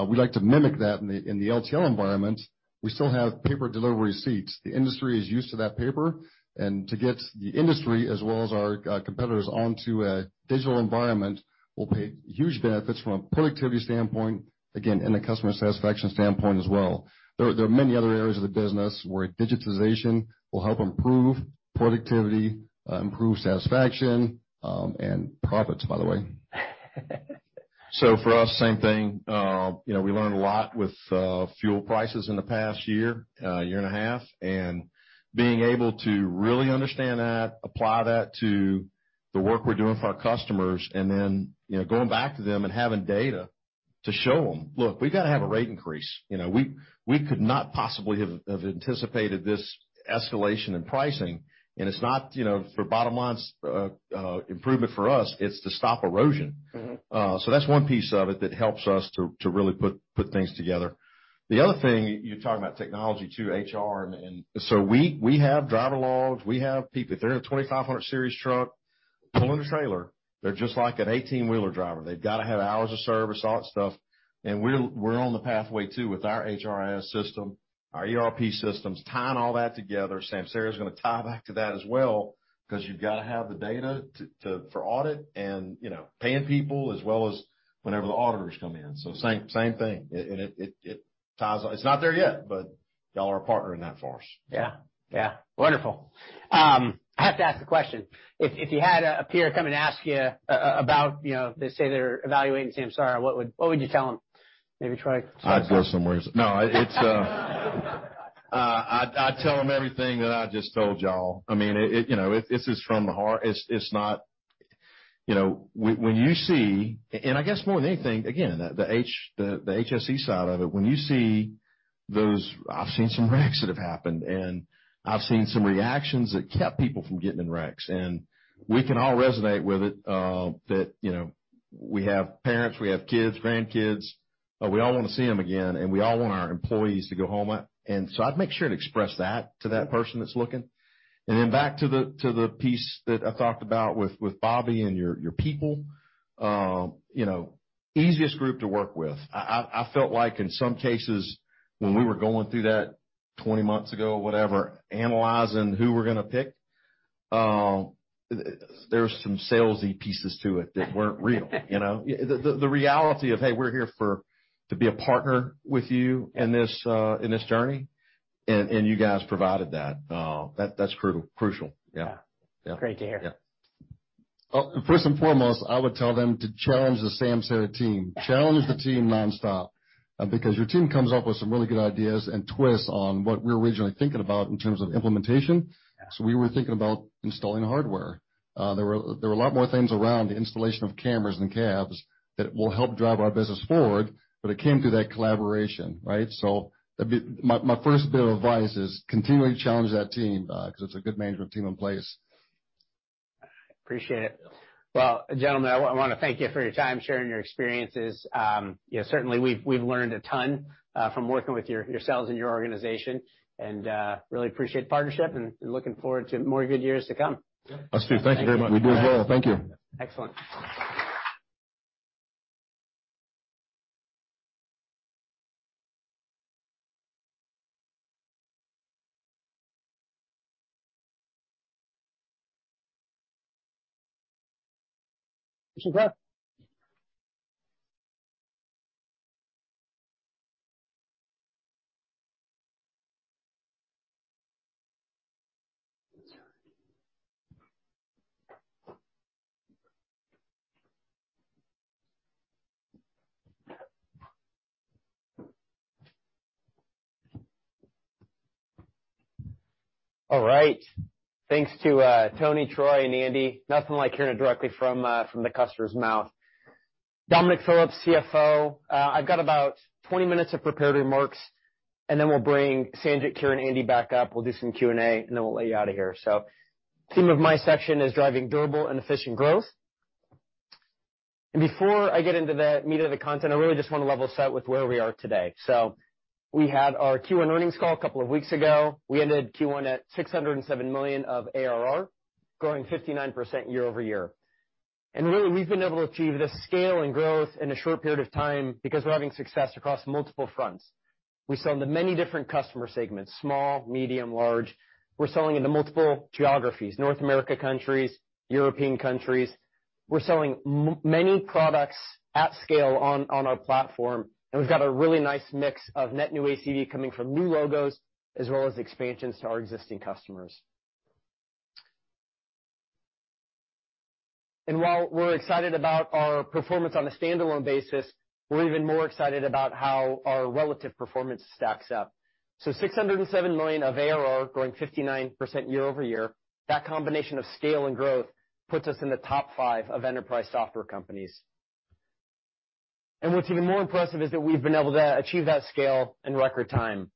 We like to mimic that in the LTL environment. We still have paper delivery receipts. The industry is used to that paper. To get the industry as well as our competitors onto a digital environment will pay huge benefits from a productivity standpoint, again, and a customer satisfaction standpoint as well. There are many other areas of the business where digitization will help improve productivity, improve satisfaction, and profits, by the way. For us, same thing. You know, we learned a lot with fuel prices in the past year and a half, and being able to really understand that, apply that to the work we're doing with our customers, and then, you know, going back to them and having data to show them, "Look, we've got to have a rate increase. You know, we could not possibly have anticipated this escalation in pricing." And it's not, you know, for bottom line improvement for us, it's to stop erosion. That's one piece of it that helps us to really put things together. The other thing, you're talking about technology too, HR and. We have driver logs. We have people. If they're in a 2500 series truck pulling a trailer, they're just like an 18-wheeler driver. They've got to have hours of service, all that stuff. We're on the pathway too with our HRIS system, our ERP systems, tying all that together. Samsara is gonna tie back to that as well 'cause you've got to have the data to for audit and, you know, paying people as well as whenever the auditors come in. Same thing. It ties. It's not there yet, but y'all are a partner in that for us. Yeah. Yeah. Wonderful. I have to ask the question. If you had a peer come and ask you about, you know, they say they're evaluating Samsara, what would you tell them? Maybe Troy. I'd go somewhere else. No, it's, I'd tell them everything that I just told y'all. I mean, you know, it's just from the heart. You know, when you see, I guess more than anything, again, the HSE side of it, when you see those. I've seen some wrecks that have happened, and I've seen some reactions that kept people from getting in wrecks. We can all resonate with it, that, you know, we have parents, we have kids, grandkids, we all wanna see them again, and we all want our employees to go home. I'd make sure to express that to that person that's looking. Then back to the piece that I talked about with Bobby and your people, you know, easiest group to work with. I felt like in some cases when we were going through that 20 months ago or whatever, analyzing who we're gonna pick, there was some salesy pieces to it that weren't real. You know? The reality of, hey, we're here for to be a partner with you in this journey, and you guys provided that. That's crucial. Yeah. Yeah. Great to hear. First and foremost, I would tell them to challenge the Samsara team. Challenge the team nonstop, because your team comes up with some really good ideas and twists on what we're originally thinking about in terms of implementation. We were thinking about installing hardware. There were a lot more things around the installation of cameras and cabs that will help drive our business forward, but it came through that collaboration, right? My first bit of advice is continue to challenge that team, 'cause it's a good management team in place. Appreciate it. Well, gentlemen, I wanna thank you for your time sharing your experiences. Yeah, certainly we've learned a ton from working with yourselves and your organization, and really appreciate the partnership and looking forward to more good years to come. Us too. Thank you very much. We do as well. Thank you. Excellent. All right. Thanks to Tony, Troy, and Andy. Nothing like hearing it directly from the customer's mouth. Dominic Phillips, CFO. I've got about 20 minutes of prepared remarks, and then we'll bring Sanjit, Kiren, Andy back up. We'll do some Q&A, and then we'll let you out of here. Theme of my section is driving durable and efficient growth. Before I get into the meat of the content, I really just wanna level set with where we are today. We had our Q1 earnings call a couple of weeks ago. We ended Q1 at $607 million of ARR, growing 59% year-over-year. Really, we've been able to achieve this scale and growth in a short period of time because we're having success across multiple fronts. We sell to many different customer segments, small, medium, large. We're selling into multiple geographies, North American countries, European countries. We're selling many products at scale on our platform, and we've got a really nice mix of net new ACV coming from new logos, as well as expansions to our existing customers. While we're excited about our performance on a standalone basis, we're even more excited about how our relative performance stacks up. $607 million of ARR growing 59% year-over-year, that combination of scale and growth puts us in the top five of enterprise software companies. What's even more impressive is that we've been able to achieve that scale in record time.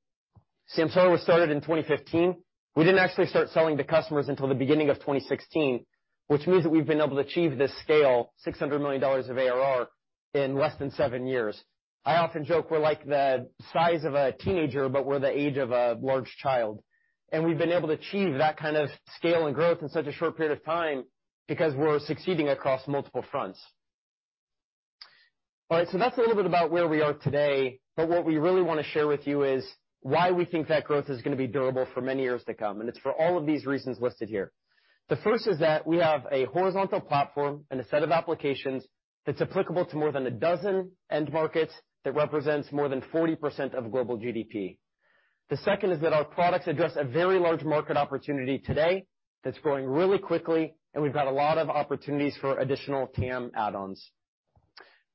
Samsara was started in 2015. We didn't actually start selling to customers until the beginning of 2016, which means that we've been able to achieve this scale, $600 million of ARR, in less than seven years. I often joke we're like the size of a teenager, but we're the age of a large child. We've been able to achieve that kind of scale and growth in such a short period of time because we're succeeding across multiple fronts. All right, so that's a little bit about where we are today, but what we really wanna share with you is why we think that growth is gonna be durable for many years to come, and it's for all of these reasons listed here. The first is that we have a horizontal platform and a set of applications that's applicable to more than a dozen end markets that represents more than 40% of global GDP. The second is that our products address a very large market opportunity today that's growing really quickly, and we've got a lot of opportunities for additional TAM add-ons.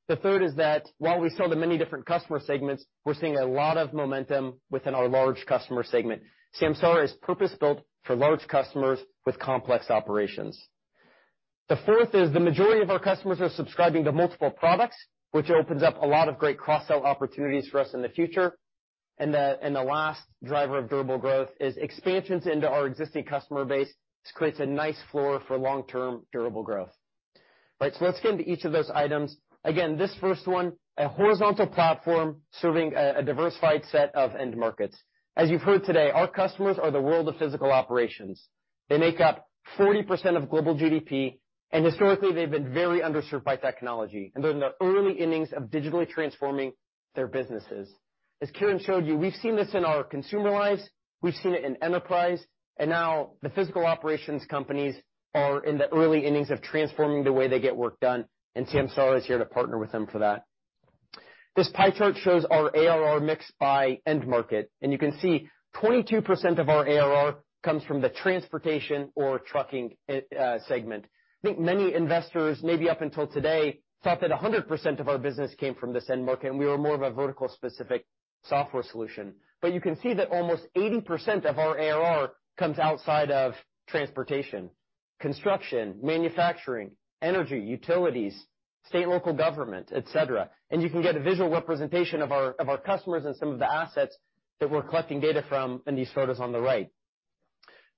The third is that while we sell to many different customer segments, we're seeing a lot of momentum within our large customer segment. Samsara is purpose-built for large customers with complex operations. The fourth is the majority of our customers are subscribing to multiple products, which opens up a lot of great cross-sell opportunities for us in the future. The last driver of durable growth is expansions into our existing customer base, which creates a nice floor for long-term durable growth. Right, let's get into each of those items. Again, this first one, a horizontal platform serving a diversified set of end markets. As you've heard today, our customers are the world of physical operations. They make up 40% of global GDP, and historically, they've been very underserved by technology, and they're in the early innings of digitally transforming their businesses. As Kiren showed you, we've seen this in our consumer lives, we've seen it in enterprise, and now the physical operations companies are in the early innings of transforming the way they get work done, and Samsara is here to partner with them for that. This pie chart shows our ARR mix by end market, and you can see 22% of our ARR comes from the transportation or trucking segment. I think many investors, maybe up until today, thought that 100% of our business came from this end market, and we were more of a vertical specific software solution. You can see that almost 80% of our ARR comes outside of transportation. Construction, manufacturing, energy, utilities, state and local government, et cetera. You can get a visual representation of our customers and some of the assets that we're collecting data from in these photos on the right.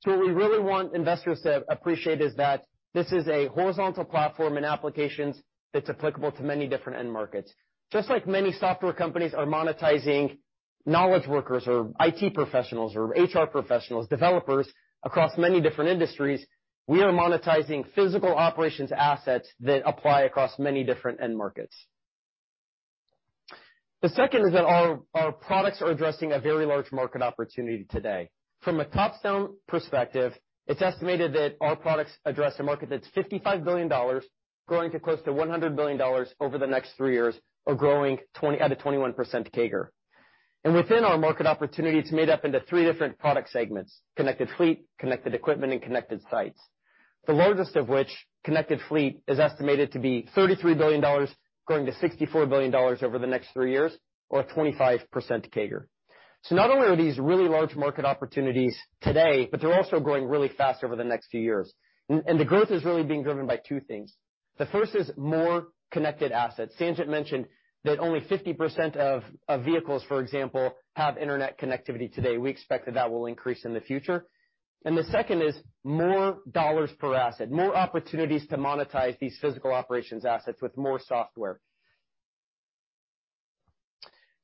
What we really want investors to appreciate is that this is a horizontal platform in applications that's applicable to many different end markets. Just like many software companies are monetizing knowledge workers or IT professionals or HR professionals, developers across many different industries, we are monetizing physical operations assets that apply across many different end markets. The second is that our products are addressing a very large market opportunity today. From a top-down perspective, it's estimated that our products address a market that's $55 billion growing to close to $100 billion over the next three years or growing at a 21% CAGR. Within our market opportunity, it's made up of three different product segments, connected fleet, connected equipment, and connected sites. The largest of which, connected fleet, is estimated to be $33 billion, growing to $64 billion over the next three years or a 25% CAGR. Not only are these really large market opportunities today, but they're also growing really fast over the next few years. The growth is really being driven by two things. The first is more connected assets. Sanjit mentioned that only 50% of vehicles, for example, have internet connectivity today. We expect that will increase in the future. The second is more dollars per asset, more opportunities to monetize these physical operations assets with more software.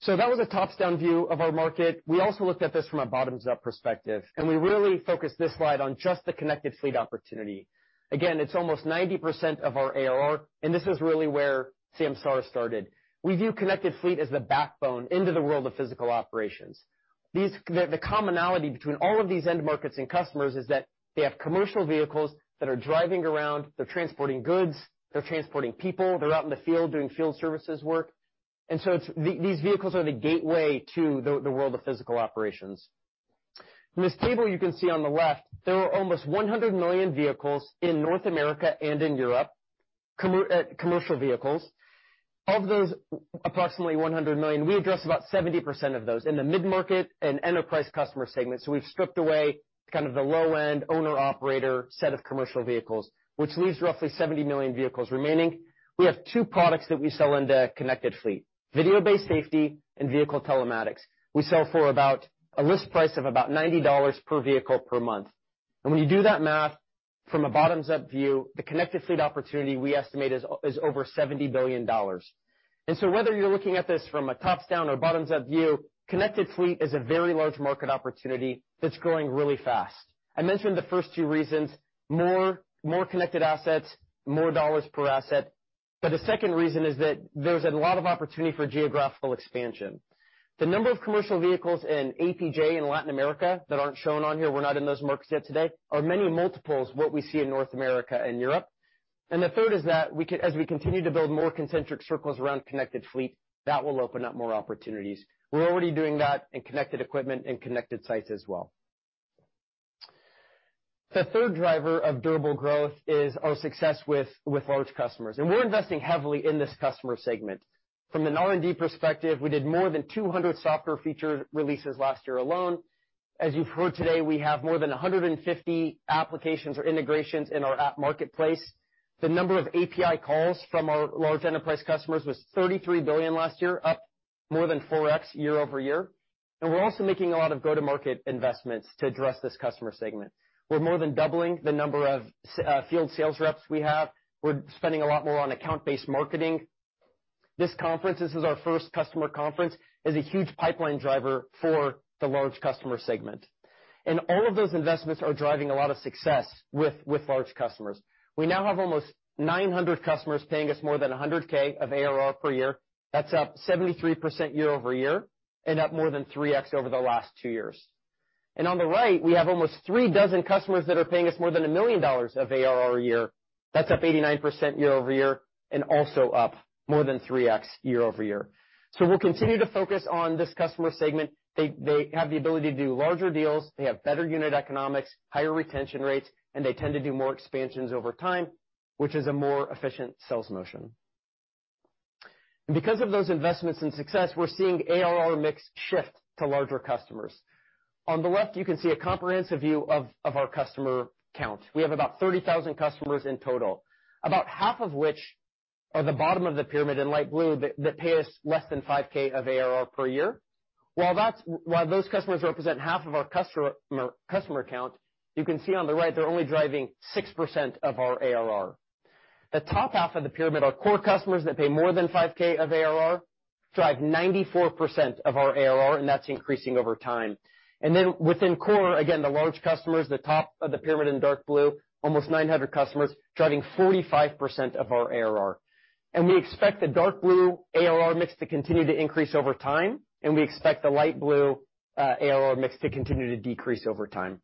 That was a top-down view of our market. We also looked at this from a bottoms-up perspective, and we really focused this slide on just the connected fleet opportunity. Again, it's almost 90% of our ARR, and this is really where Samsara started. We view connected fleet as the backbone into the world of physical operations. The commonality between all of these end markets and customers is that they have commercial vehicles that are driving around, they're transporting goods, they're transporting people, they're out in the field doing field services work. These vehicles are the gateway to the world of physical operations. In this table you can see on the left, there are almost 100 million vehicles in North America and in Europe, commercial vehicles. Of those approximately 100 million, we address about 70% of those in the mid-market and enterprise customer segments. We've stripped away kind of the low-end owner/operator set of commercial vehicles, which leaves roughly 70 million vehicles remaining. We have two products that we sell under connected fleet, video-based safety and vehicle telematics. We sell for about a list price of about $90 per vehicle per month. When you do that math from a bottoms-up view, the connected fleet opportunity we estimate is over $70 billion. Whether you're looking at this from a tops-down or bottoms-up view, connected fleet is a very large market opportunity that's growing really fast. I mentioned the first two reasons, more connected assets, more dollars per asset. The second reason is that there's a lot of opportunity for geographical expansion. The number of commercial vehicles in APJ and Latin America that aren't shown on here, we're not in those markets yet today, are many multiples what we see in North America and Europe. The third is that as we continue to build more concentric circles around connected fleet, that will open up more opportunities. We're already doing that in connected equipment and connected sites as well. The third driver of durable growth is our success with large customers, and we're investing heavily in this customer segment. From an R&D perspective, we did more than 200 software feature releases last year alone. As you've heard today, we have more than 150 applications or integrations in our app marketplace. The number of API calls from our large enterprise customers was 33 billion last year, up more than 4x year-over-year. We're also making a lot of go-to-market investments to address this customer segment. We're more than doubling the number of field sales reps we have. We're spending a lot more on account-based marketing. This conference, this is our first customer conference, is a huge pipeline driver for the large customer segment. All of those investments are driving a lot of success with large customers. We now have almost 900 customers paying us more than $100,000 of ARR per year. That's up 73% year-over-year and up more than 3x over the last two years. On the right, we have almost three dozen customers that are paying us more than $1 million of ARR a year. That's up 89% year-over-year and also up more than 3x year-over-year. We'll continue to focus on this customer segment. They have the ability to do larger deals, they have better unit economics, higher retention rates, and they tend to do more expansions over time, which is a more efficient sales motion. Because of those investments and success, we're seeing ARR mix shift to larger customers. On the left, you can see a comprehensive view of our customer count. We have about 30,000 customers in total, about half of which are the bottom of the pyramid in light blue that pay us less than $5,000 of ARR per year. While those customers represent half of our customer count, you can see on the right, they're only driving 6% of our ARR. The top half of the pyramid are core customers that pay more than $5,000 of ARR, drive 94% of our ARR, and that's increasing over time. Within core, again, the large customers, the top of the pyramid in dark blue, almost 900 customers, driving 45% of our ARR. We expect the dark blue ARR mix to continue to increase over time, and we expect the light blue ARR mix to continue to decrease over time.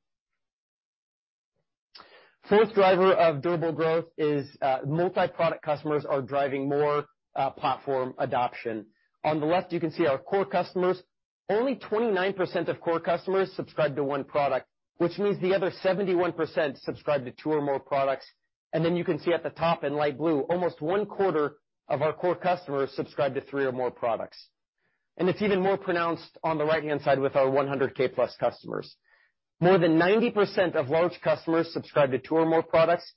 Fourth driver of durable growth is multi-product customers are driving more platform adoption. On the left, you can see our core customers. Only 29% of core customers subscribe to one product, which means the other 71% subscribe to two or more products. You can see at the top in light blue, almost one quarter of our core customers subscribe to three or more products. It's even more pronounced on the right-hand side with our $100,000+ customers. More than 90% of large customers subscribe to two or more products,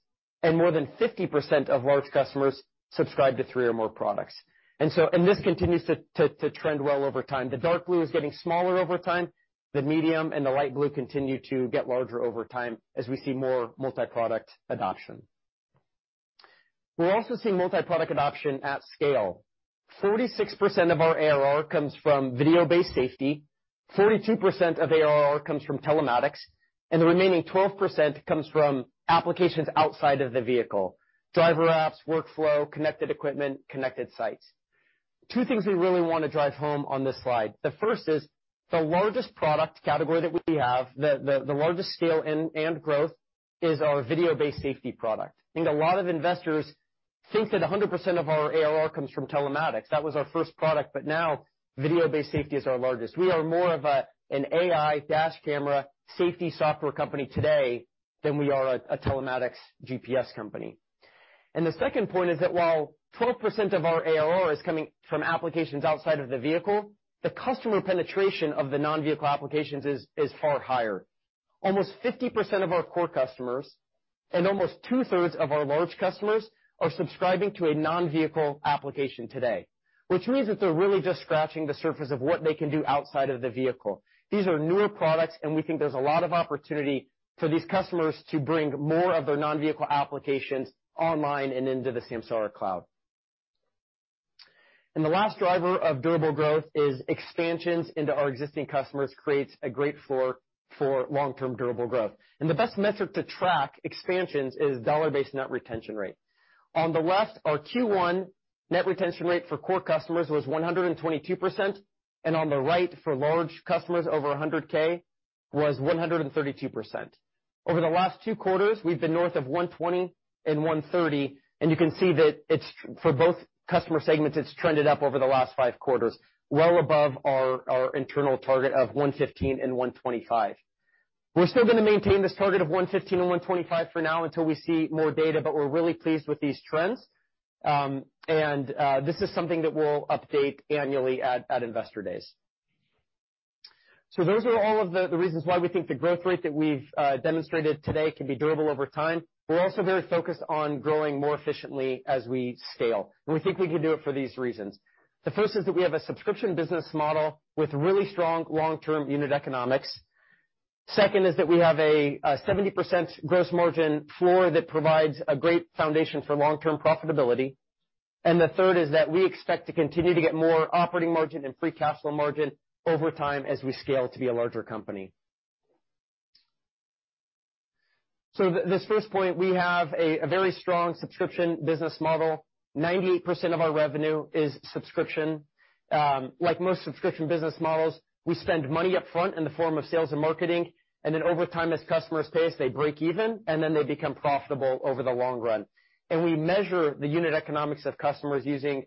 and more than 50% of large customers subscribe to three or more products. This continues to trend well over time. The dark blue is getting smaller over time. The medium and the light blue continue to get larger over time as we see more multi-product adoption. We're also seeing multi-product adoption at scale. 46% of our ARR comes from video-based safety, 42% of ARR comes from telematics, and the remaining 12% comes from applications outside of the vehicle, driver apps, workflow, connected equipment, connected sites. Two things we really wanna drive home on this slide. The first is the largest product category that we have, the largest scale and growth is our video-based safety product. I think a lot of investors think that 100% of our ARR comes from telematics. That was our first product, but now video-based safety is our largest. We are more of an AI dash camera safety software company today than we are a telematics GPS company. The second point is that while 12% of our ARR is coming from applications outside of the vehicle, the customer penetration of the non-vehicle applications is far higher. Almost 50% of our core customers and almost two-thirds of our large customers are subscribing to a non-vehicle application today, which means that they're really just scratching the surface of what they can do outside of the vehicle. These are newer products, and we think there's a lot of opportunity for these customers to bring more of their non-vehicle applications online and into the Samsara cloud. The last driver of durable growth is expansions into our existing customers creates a great floor for long-term durable growth. The best metric to track expansions is dollar-based net retention rate. On the left, our Q1 net retention rate for core customers was 122%, and on the right, for large customers over $100,000 was 132%. Over the last two quarters, we've been north of 120% and 130%, and you can see that for both customer segments, it's trended up over the last five quarters, well above our internal target of 115% and 125%. We're still gonna maintain this target of 115% and 125% for now until we see more data, but we're really pleased with these trends. This is something that we'll update annually at Investor Days. Those are all of the reasons why we think the growth rate that we've demonstrated today can be durable over time. We're also very focused on growing more efficiently as we scale, and we think we can do it for these reasons. The first is that we have a subscription business model with really strong long-term unit economics. Second is that we have a 70% gross margin floor that provides a great foundation for long-term profitability. The third is that we expect to continue to get more operating margin and free cash flow margin over time as we scale to be a larger company. This first point, we have a very strong subscription business model. 98% of our revenue is subscription. Like most subscription business models, we spend money up front in the form of sales and marketing, and then over time, as customers pay us, they break even, and then they become profitable over the long run. We measure the unit economics of customers using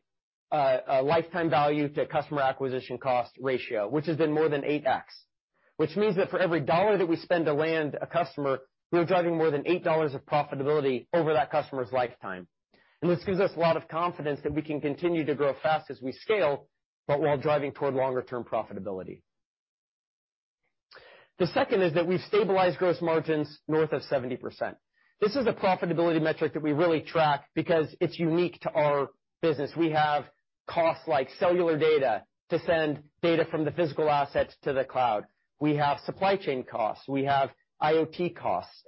a lifetime value to customer acquisition cost ratio, which has been more than 8x. Which means that for every dollar that we spend to land a customer, we're driving more than $8 of profitability over that customer's lifetime. This gives us a lot of confidence that we can continue to grow fast as we scale, but while driving toward longer term profitability. The second is that we've stabilized gross margins north of 70%. This is a profitability metric that we really track because it's unique to our business. We have costs like cellular data to send data from the physical assets to the cloud. We have supply chain costs. We have IoT costs.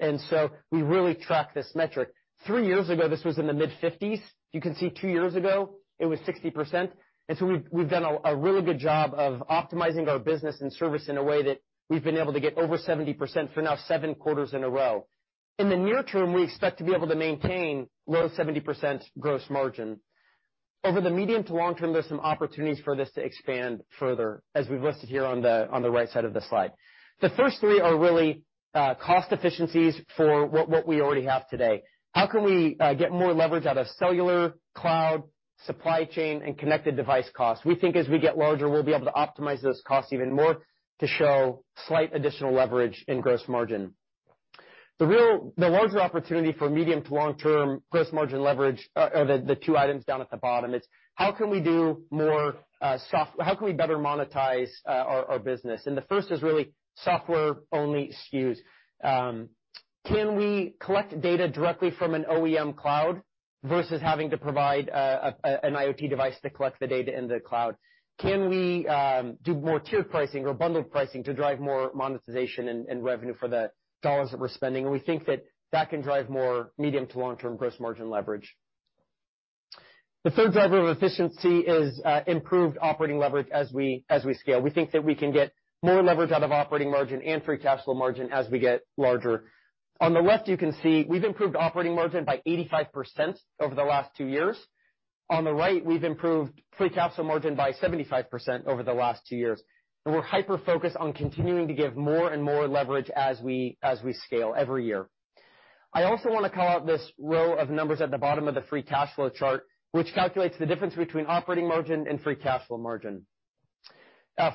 We really track this metric. Three years ago, this was in the mid-50s. You can see two years ago, it was 60%. We've done a really good job of optimizing our business and service in a way that we've been able to get over 70% for now seven quarters in a row. In the near term, we expect to be able to maintain low-70% gross margin. Over the medium to long term, there's some opportunities for this to expand further, as we've listed here on the right side of this slide. The first three are really cost efficiencies for what we already have today. How can we get more leverage out of cellular, cloud, supply chain, and connected device costs? We think as we get larger, we'll be able to optimize those costs even more to show slight additional leverage in gross margin. The larger opportunity for medium to long-term gross margin leverage are the two items down at the bottom. It's how can we do more? How can we better monetize our business? The first is really software-only SKUs. Can we collect data directly from an OEM cloud versus having to provide an IoT device to collect the data in the cloud? Can we do more tiered pricing or bundled pricing to drive more monetization and revenue for the dollars that we're spending? We think that can drive more medium to long-term gross margin leverage. The third driver of efficiency is improved operating leverage as we scale. We think that we can get more leverage out of operating margin and free cash flow margin as we get larger. On the left, you can see we've improved operating margin by 85% over the last two years. On the right, we've improved free cash flow margin by 75% over the last two years. We're hyper-focused on continuing to give more and more leverage as we scale every year. I also wanna call out this row of numbers at the bottom of the free cash flow chart, which calculates the difference between operating margin and free cash flow margin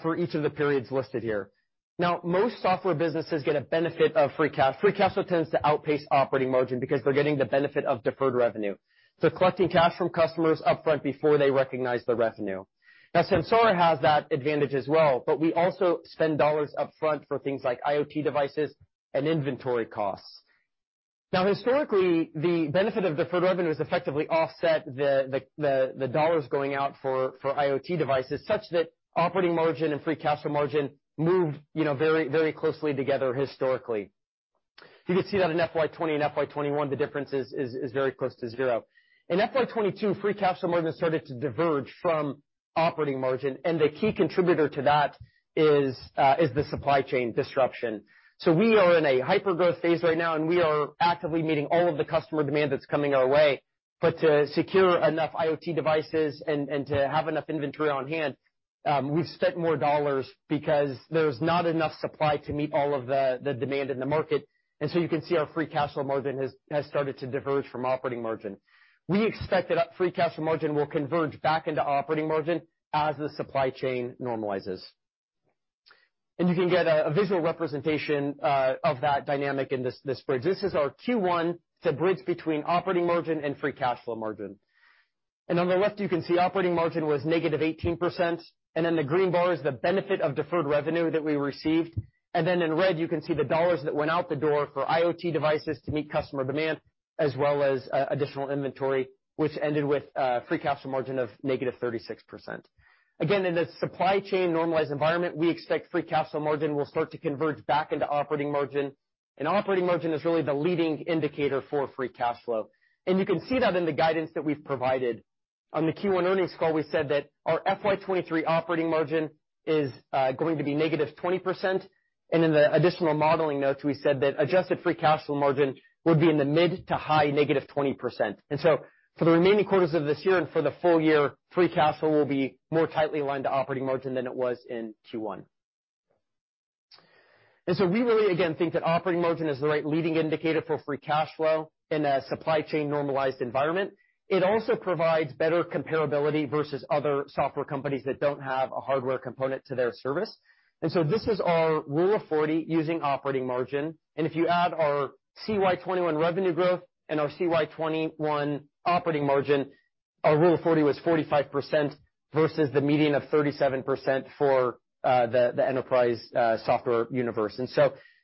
for each of the periods listed here. Now, most software businesses get a benefit of free cash. Free cash flow tends to outpace operating margin because they're getting the benefit of deferred revenue. So collecting cash from customers upfront before they recognize the revenue. Now, Samsara has that advantage as well, but we also spend dollars upfront for things like IoT devices and inventory costs. Now, historically, the benefit of deferred revenue has effectively offset the dollars going out for IoT devices such that operating margin and free cash flow margin moved, you know, very, very closely together historically. You can see that in FY 2020 and FY 2021, the difference is very close to zero. In FY 2022, free cash flow margin started to diverge from operating margin, and the key contributor to that is the supply chain disruption. We are in a hyper-growth phase right now, and we are actively meeting all of the customer demand that's coming our way. To secure enough IoT devices and to have enough inventory on hand, we've spent more dollars because there's not enough supply to meet all of the demand in the market. You can see our free cash flow margin has started to diverge from operating margin. We expect that free cash flow margin will converge back into operating margin as the supply chain normalizes. You can get a visual representation of that dynamic in this bridge. This is our Q1, it's a bridge between operating margin and free cash flow margin. On the left, you can see operating margin was negative 18%, and then the green bar is the benefit of deferred revenue that we received. Then in red, you can see the dollars that went out the door for IoT devices to meet customer demand, as well as additional inventory, which ended with free cash flow margin of negative 36%. Again, in the supply chain normalized environment, we expect free cash flow margin will start to converge back into operating margin. Operating margin is really the leading indicator for free cash flow. You can see that in the guidance that we've provided. On the Q1 earnings call, we said that our FY 2023 operating margin is going to be -20%. In the additional modeling notes, we said that adjusted free cash flow margin would be in the mid- to high -20%. For the remaining quarters of this year and for the full year, free cash flow will be more tightly aligned to operating margin than it was in Q1. We really, again, think that operating margin is the right leading indicator for free cash flow in a supply chain normalized environment. It also provides better comparability versus other software companies that don't have a hardware component to their service. This is our Rule of 40 using operating margin. If you add our CY 2021 revenue growth and our CY 2021 operating margin, our Rule of 40 was 45% versus the median of 37% for the enterprise software universe.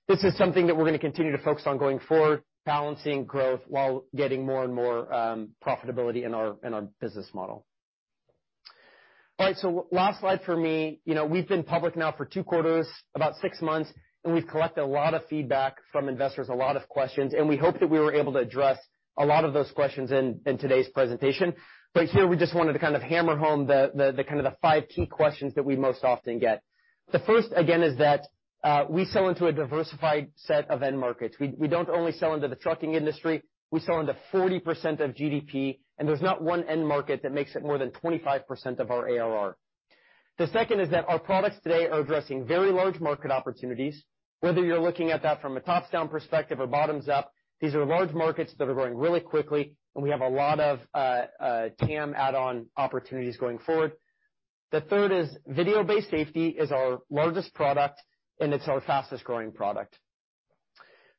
This is something that we're gonna continue to focus on going forward, balancing growth while getting more and more profitability in our business model. All right, last slide for me. You know, we've been public now for two quarters, about six months, and we've collected a lot of feedback from investors, a lot of questions, and we hope that we were able to address a lot of those questions in today's presentation. Here we just wanted to kind of hammer home the five key questions that we most often get. The first, again, is that we sell into a diversified set of end markets. We don't only sell into the trucking industry, we sell into 40% of GDP, and there's not one end market that makes up more than 25% of our ARR. The second is that our products today are addressing very large market opportunities, whether you're looking at that from a top-down perspective or bottoms up, these are large markets that are growing really quickly, and we have a lot of TAM add-on opportunities going forward. The third is video-based safety is our largest product, and it's our fastest-growing product.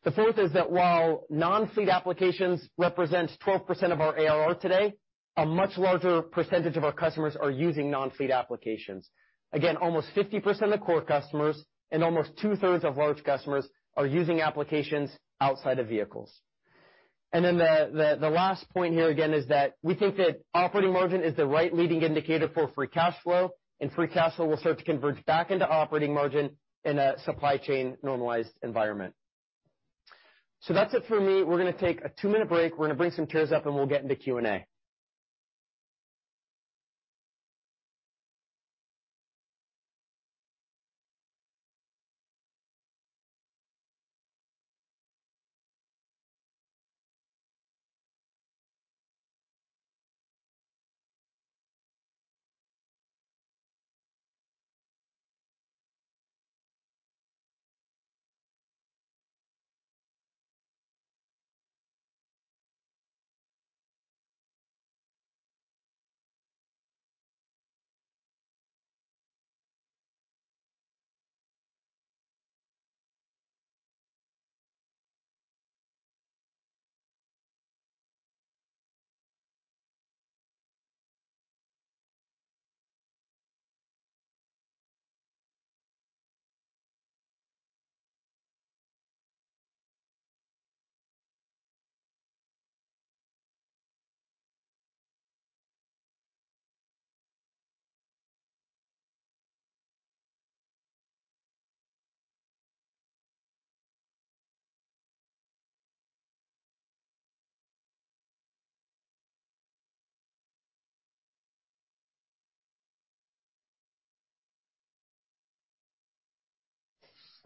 The fourth is that while non-fleet applications represents 12% of our ARR today, a much larger percentage of our customers are using non-fleet applications. Again, almost 50% of core customers and almost two-thirds of large customers are using applications outside of vehicles. The last point here again is that we think that operating margin is the right leading indicator for free cash flow, and free cash flow will start to converge back into operating margin in a supply chain normalized environment. That's it for me. We're gonna take a 2-minute break. We're gonna bring some chairs up and we'll get into Q&A.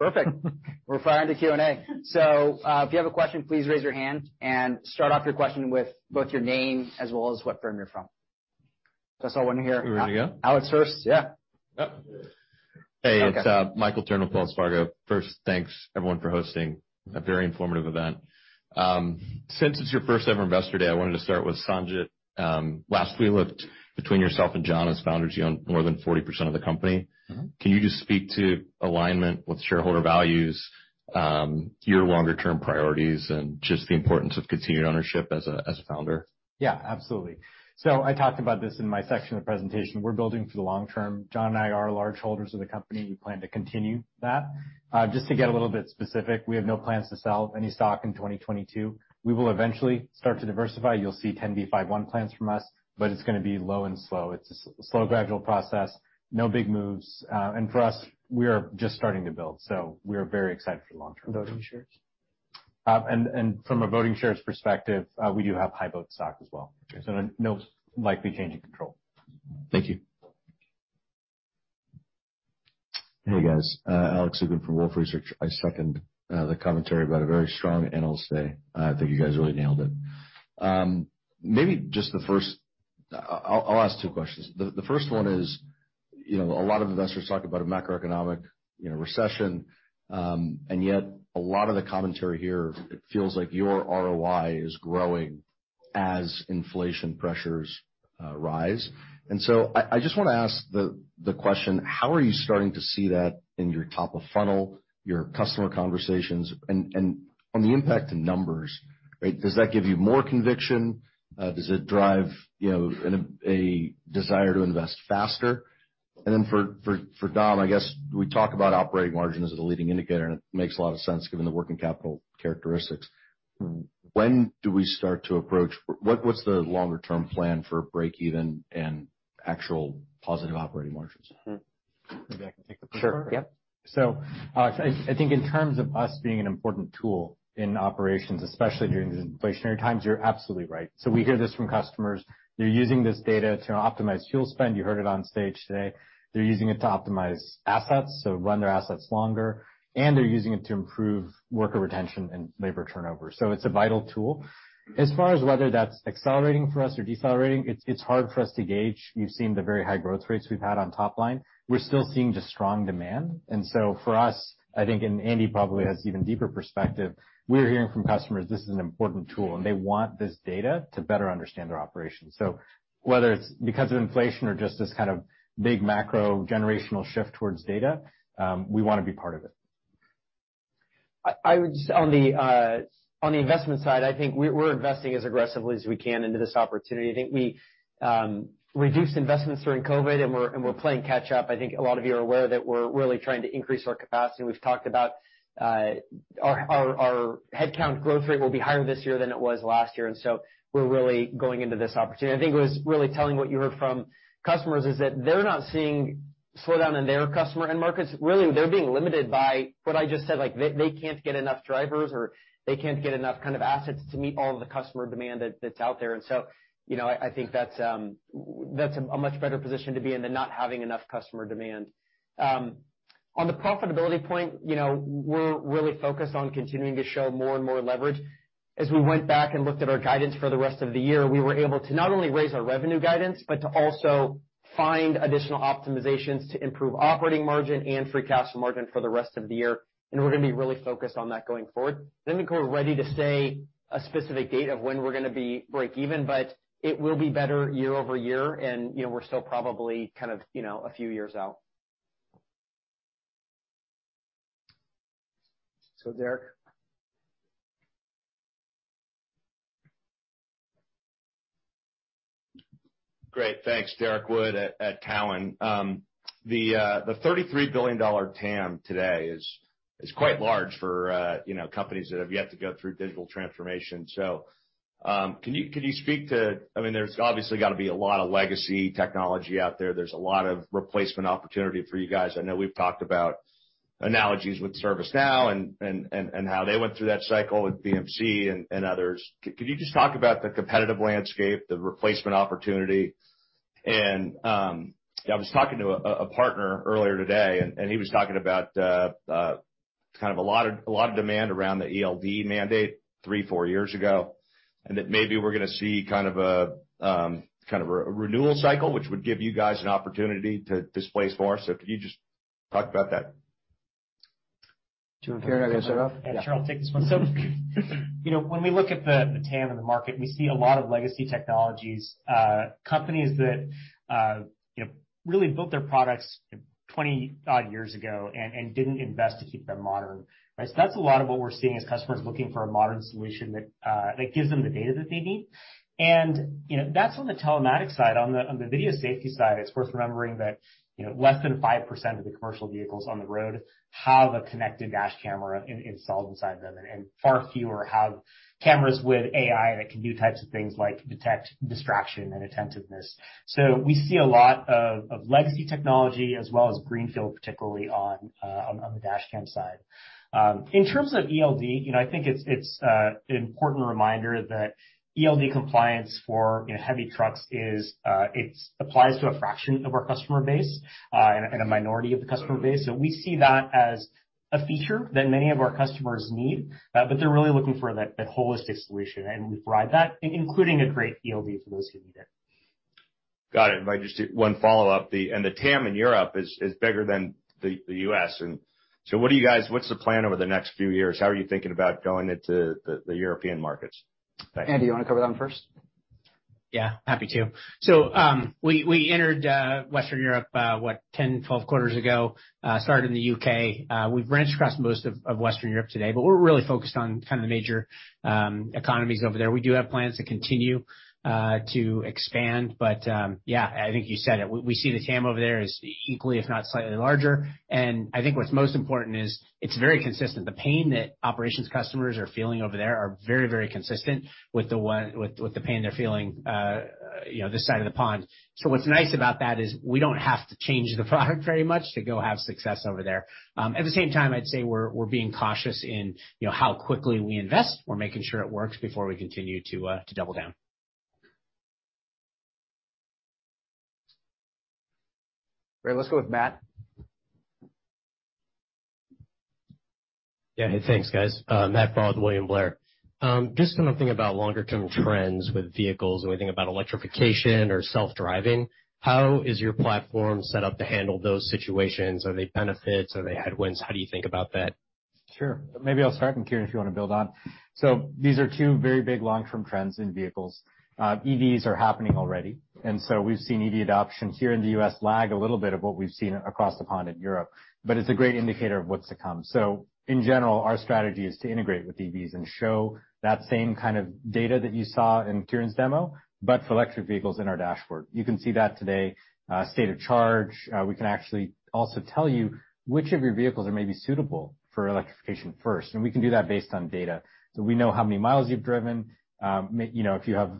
Perfect. We're turning to Q&A. If you have a question, please raise your hand and start off your question with both your name as well as what firm you're from. That's all one here. We ready to go? Alex first. Yeah. Hey, it's Michael Turrin, Wells Fargo. First, thanks, everyone, for hosting a very informative event. Since it's your first-ever investor day, I wanted to start with Sanjit. Last we looked between yourself and John as founders, you own more than 40% of the company. Can you just speak to alignment with shareholder values, your longer-term priorities, and just the importance of continued ownership as a founder? Yeah, absolutely. I talked about this in my section of the presentation. We're building for the long term. John and I are large holders of the company. We plan to continue that. Just to get a little bit specific, we have no plans to sell any stock in 2022. We will eventually start to diversify. You'll see 10b5-1 plans from us, but it's gonna be low and slow. It's a slow, gradual process. No big moves. For us, we are just starting to build. We are very excited for the long term. Voting shares. From a voting shares perspective, we do have high-vote stock as well. Okay. No likely change in control. Thank you. Hey, guys. Alex Zukin from Wolfe Research. I second the commentary about a very strong analysis. I think you guys really nailed it. Maybe just the first. I'll ask two questions. The first one is, you know, a lot of investors talk about a macroeconomic, you know, recession, and yet a lot of the commentary here, it feels like your ROI is growing as inflation pressures rise. I just wanna ask the question: How are you starting to see that in your top of funnel, your customer conversations? On the impact to numbers, right, does that give you more conviction? Does it drive, you know, a desire to invest faster? For Dom, I guess we talk about operating margin as a leading indicator, and it makes a lot of sense given the working capital characteristics. When do we start to approach? What's the longer term plan for break even and actual positive operating margins? Maybe I can take the first part. Sure. Yep. Alex, I think in terms of us being an important tool in operations, especially during these inflationary times, you're absolutely right. We hear this from customers. They're using this data to optimize fuel spend. You heard it on stage today. They're using it to optimize assets, so run their assets longer, and they're using it to improve worker retention and labor turnover. It's a vital tool. As far as whether that's accelerating for us or decelerating, it's hard for us to gauge. You've seen the very high growth rates we've had on top line. We're still seeing just strong demand. For us, I think, and Andy probably has even deeper perspective, we're hearing from customers this is an important tool, and they want this data to better understand their operations. Whether it's because of inflation or just this kind of big macro generational shift towards data, we wanna be part of it. On the investment side, I think we're investing as aggressively as we can into this opportunity. I think we reduced investments during COVID and we're playing catch up. I think a lot of you are aware that we're really trying to increase our capacity, and we've talked about our headcount growth rate will be higher this year than it was last year, and so we're really going into this opportunity. I think it was really telling what you heard from customers is that they're not seeing slowdown in their customer end markets. Really, they're being limited by what I just said, like, they can't get enough drivers or they can't get enough kind of assets to meet all of the customer demand that's out there. You know, I think that's a much better position to be in than not having enough customer demand. On the profitability point, you know, we're really focused on continuing to show more and more leverage. As we went back and looked at our guidance for the rest of the year, we were able to not only raise our revenue guidance, but to also find additional optimizations to improve operating margin and free cash flow margin for the rest of the year, and we're gonna be really focused on that going forward. I don't think we're ready to say a specific date of when we're gonna be break even, but it will be better year-over-year and, you know, we're still probably kind of, you know, a few years out. Derrick. Great. Thanks. Derrick Wood at Cowen. The $33 billion TAM today is quite large for, you know, companies that have yet to go through digital transformation. Can you speak to. I mean, there's obviously gotta be a lot of legacy technology out there. There's a lot of replacement opportunity for you guys. I know we've talked about analogies with ServiceNow and how they went through that cycle with BMC and others. Could you just talk about the competitive landscape, the replacement opportunity? I was talking to a partner earlier today, and he was talking about kind of a lot of demand around the ELD mandate 3-4 years ago, and that maybe we're gonna see kind of a renewal cycle, which would give you guys an opportunity to displace more. Could you just talk about that? Do you want Kiren and I to start off? Yeah, sure. I'll take this one. You know, when we look at the TAM in the market, we see a lot of legacy technologies, companies that you know, really built their products 20-odd years ago and didn't invest to keep them modern, right? That's a lot of what we're seeing is customers looking for a modern solution that gives them the data that they need. You know, that's on the telematics side. On the video safety side, it's worth remembering that you know, less than 5% of the commercial vehicles on the road have a connected dash camera installed inside them, and far fewer have cameras with AI that can do types of things like detect distraction and attentiveness. We see a lot of legacy technology as well as greenfield, particularly on the dash cam side. In terms of ELD, you know, I think it's an important reminder that ELD compliance for, you know, heavy trucks it applies to a fraction of our customer base, and a minority of the customer base. We see that as a feature that many of our customers need, but they're really looking for that holistic solution, and we provide that, including a great ELD for those who need it. Got it. If I could just do one follow-up. The TAM in Europe is bigger than the U.S. and so what are you guys? What's the plan over the next few years? How are you thinking about going into the European markets? Thanks. Andy, you wanna cover that one first? Yeah. Happy to. We entered Western Europe what, 10, 12 quarters ago, started in the UK. We've branched across most of Western Europe today, but we're really focused on kind of the major economies over there. We do have plans to continue to expand, but yeah, I think you said it, we see the TAM over there as equally, if not slightly larger. I think what's most important is it's very consistent. The pain that operations customers are feeling over there are very, very consistent with the pain they're feeling, you know, this side of the pond. What's nice about that is we don't have to change the product very much to go have success over there. At the same time, I'd say we're being cautious in, you know, how quickly we invest. We're making sure it works before we continue to double down. Great. Let's go with Matt. Yeah. Hey, thanks, guys. Matt Pfau, William Blair. Just kind of thinking about longer-term trends with vehicles, and we think about electrification or self-driving, how is your platform set up to handle those situations? Are they benefits? Are they headwinds? How do you think about that? Sure. Maybe I'll start, and Kiren, if you want to build on. These are two very big long-term trends in vehicles. EVs are happening already, and so we've seen EV adoption here in the U.S. lag a little bit of what we've seen across the pond in Europe, but it's a great indicator of what's to come. In general, our strategy is to integrate with EVs and show that same kind of data that you saw in Kiren's demo, but for electric vehicles in our dashboard. You can see that today, state of charge, we can actually also tell you which of your vehicles are maybe suitable for electrification first. We can do that based on data. We know how many miles you've driven, you know, if you have,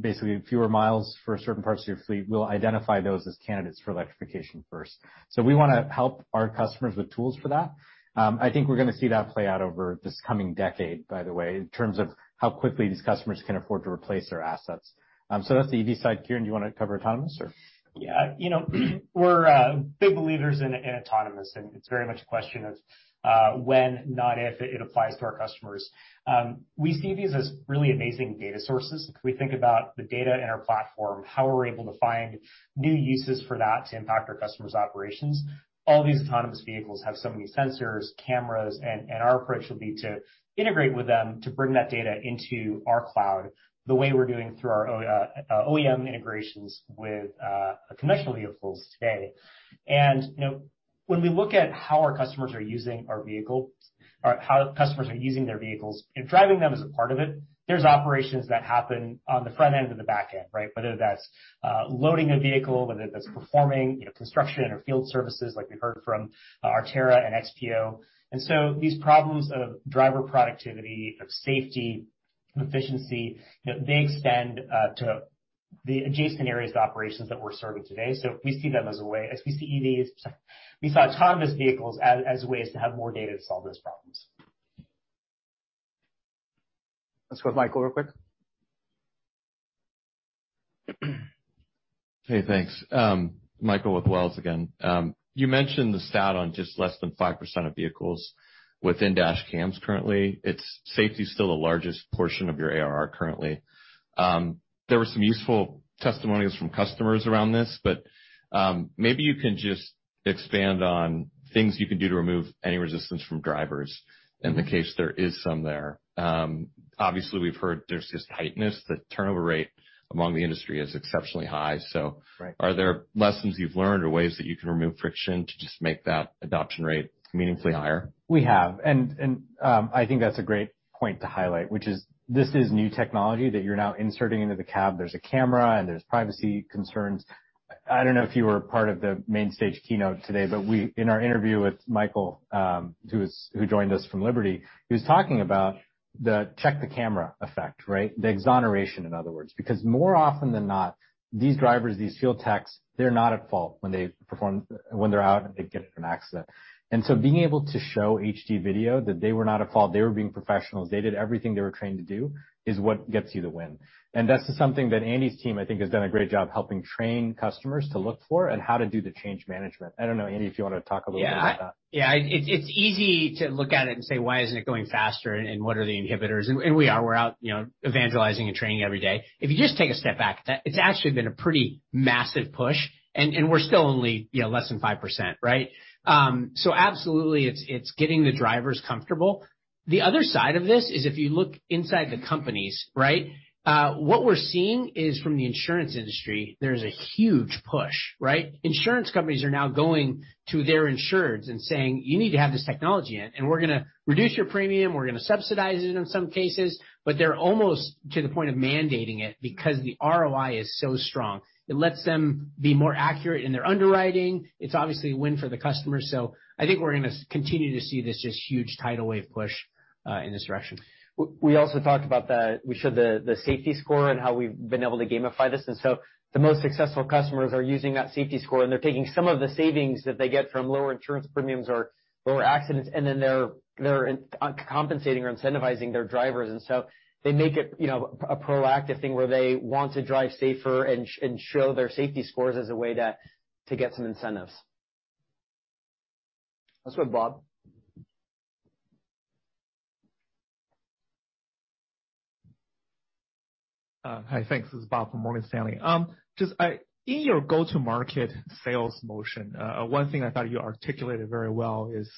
basically fewer miles for certain parts of your fleet, we'll identify those as candidates for electrification first. We wanna help our customers with tools for that. I think we're gonna see that play out over this coming decade, by the way, in terms of how quickly these customers can afford to replace their assets. That's the EV side. Kiren, do you wanna cover autonomous or? Yeah. You know, we're big believers in autonomous, and it's very much a question of when, not if, it applies to our customers. We see these as really amazing data sources. If we think about the data in our platform, how we're able to find new uses for that to impact our customers' operations. All these autonomous vehicles have so many sensors, cameras, and our approach will be to integrate with them to bring that data into our cloud, the way we're doing through our OEM integrations with conventional vehicles today. You know, when we look at how our customers are using our vehicle or how customers are using their vehicles and driving them as a part of it, there's operations that happen on the front end or the back end, right? Whether that's loading a vehicle, whether that's performing, you know, construction or field services like we heard from Artera and XPO. These problems of driver productivity, of safety, efficiency, you know, they extend to the adjacent areas of operations that we're serving today. We see them as a way, as we see EVs, we see autonomous vehicles as ways to have more data to solve those problems. Let's go with Michael real quick. Hey, thanks. Michael with Wells again. You mentioned the stat on just less than 5% of vehicles with dash cams currently. Safety is still the largest portion of your ARR currently. There were some useful testimonies from customers around this, but maybe you can just expand on things you can do to remove any resistance from drivers in the case there is some there. Obviously, we've heard there's just tightness. The turnover rate among the industry is exceptionally high. Are there lessons you've learned or ways that you can remove friction to just make that adoption rate meaningfully higher? I think that's a great point to highlight, which is this is new technology that you're now inserting into the cab. There's a camera, and there's privacy concerns. I don't know if you were part of the main stage keynote today, but in our interview with Michael, who joined us from Liberty Energy, he was talking about the check the camera effect, right? The exoneration, in other words. Because more often than not, these drivers, these field techs, they're not at fault when they're out and they get in an accident. Being able to show HD video that they were not at fault, they were being professionals, they did everything they were trained to do, is what gets you the win. That's something that Andy's team, I think, has done a great job helping train customers to look for and how to do the change management. I don't know, Andy, if you wanna talk a little bit about that. Yeah. It's easy to look at it and say, "Why isn't it going faster, and what are the inhibitors?" And we are. We're out, you know, evangelizing and training every day. If you just take a step back, it's actually been a pretty massive push, and we're still only, you know, less than 5%, right? So absolutely it's getting the drivers comfortable. The other side of this is if you look inside the companies, right? What we're seeing is from the insurance industry, there is a huge push, right? Insurance companies are now going to their insureds and saying, "You need to have this technology in, and we're gonna reduce your premium. We're gonna subsidize it in some cases." But they're almost to the point of mandating it because the ROI is so strong. It lets them be more accurate in their underwriting. It's obviously a win for the customer. I think we're gonna continue to see this just huge tidal wave push, in this direction. We also talked about the. We showed the safety score and how we've been able to gamify this. The most successful customers are using that safety score, and they're taking some of the savings that they get from lower insurance premiums or lower accidents, and then they're compensating or incentivizing their drivers. They make it, you know, a proactive thing where they want to drive safer and show their safety scores as a way to get some incentives. Let's go to Bob. Hi. Thanks. This is Bob from Morgan Stanley. Just, in your go-to-market sales motion, one thing I thought you articulated very well is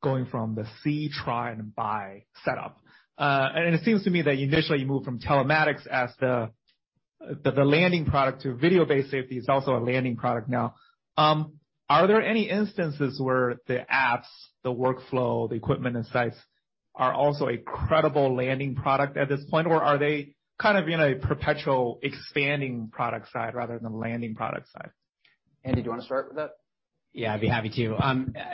going from the see, try and buy setup. It seems to me that you initially moved from telematics as the landing product to video-based safety is also a landing product now. Are there any instances where the apps, the workflow, the equipment and sites are also a credible landing product at this point, or are they kind of in a perpetual expanding product side rather than the landing product side? Andy, do you wanna start with that? Yeah, I'd be happy to.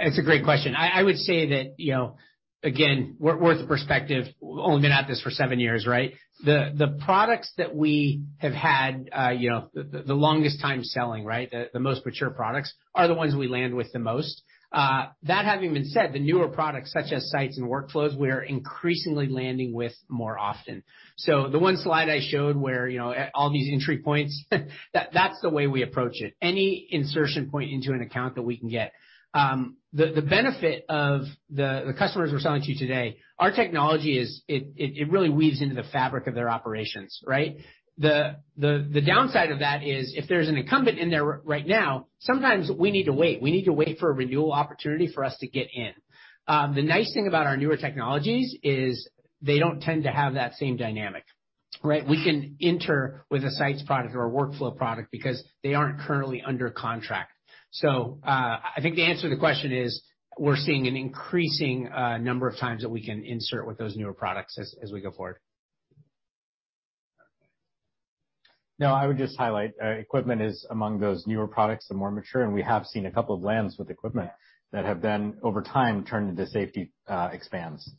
It's a great question. I would say that, you know, again, from our perspective. We've only been at this for seven years, right? The products that we have had, you know, the longest time selling, right, the most mature products are the ones we land with the most. That having been said, the newer products such as sites and workflows, we're increasingly landing with more often. The one slide I showed where, you know, all these entry points, that's the way we approach it. Any insertion point into an account that we can get. The benefit of the customers we're selling to today, our technology really weaves into the fabric of their operations, right? The downside of that is if there's an incumbent in there right now, sometimes we need to wait. We need to wait for a renewal opportunity for us to get in. The nice thing about our newer technologies is they don't tend to have that same dynamic, right? We can enter with a sites product or a workflow product because they aren't currently under contract. I think the answer to the question is, we're seeing an increasing number of times that we can insert with those newer products as we go forward. Now, I would just highlight, equipment is among those newer products and more mature, and we have seen a couple of lands with equipment that have then over time turned into safety, expansions.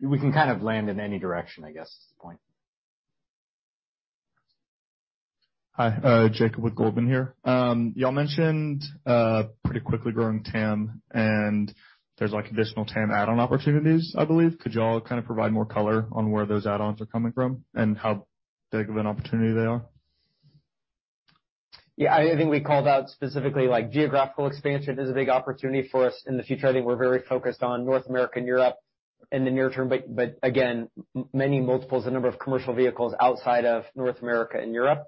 We can kind of land in any direction, I guess, is the point. Hi, Jacob with Goldman here. Y'all mentioned pretty quickly growing TAM, and there's like additional TAM add-on opportunities, I believe. Could you all kind of provide more color on where those add-ons are coming from and how big of an opportunity they are? Yeah, I think we called out specifically like geographical expansion is a big opportunity for us in the future. I think we're very focused on North America and Europe in the near term, but again, many multiples, the number of commercial vehicles outside of North America and Europe,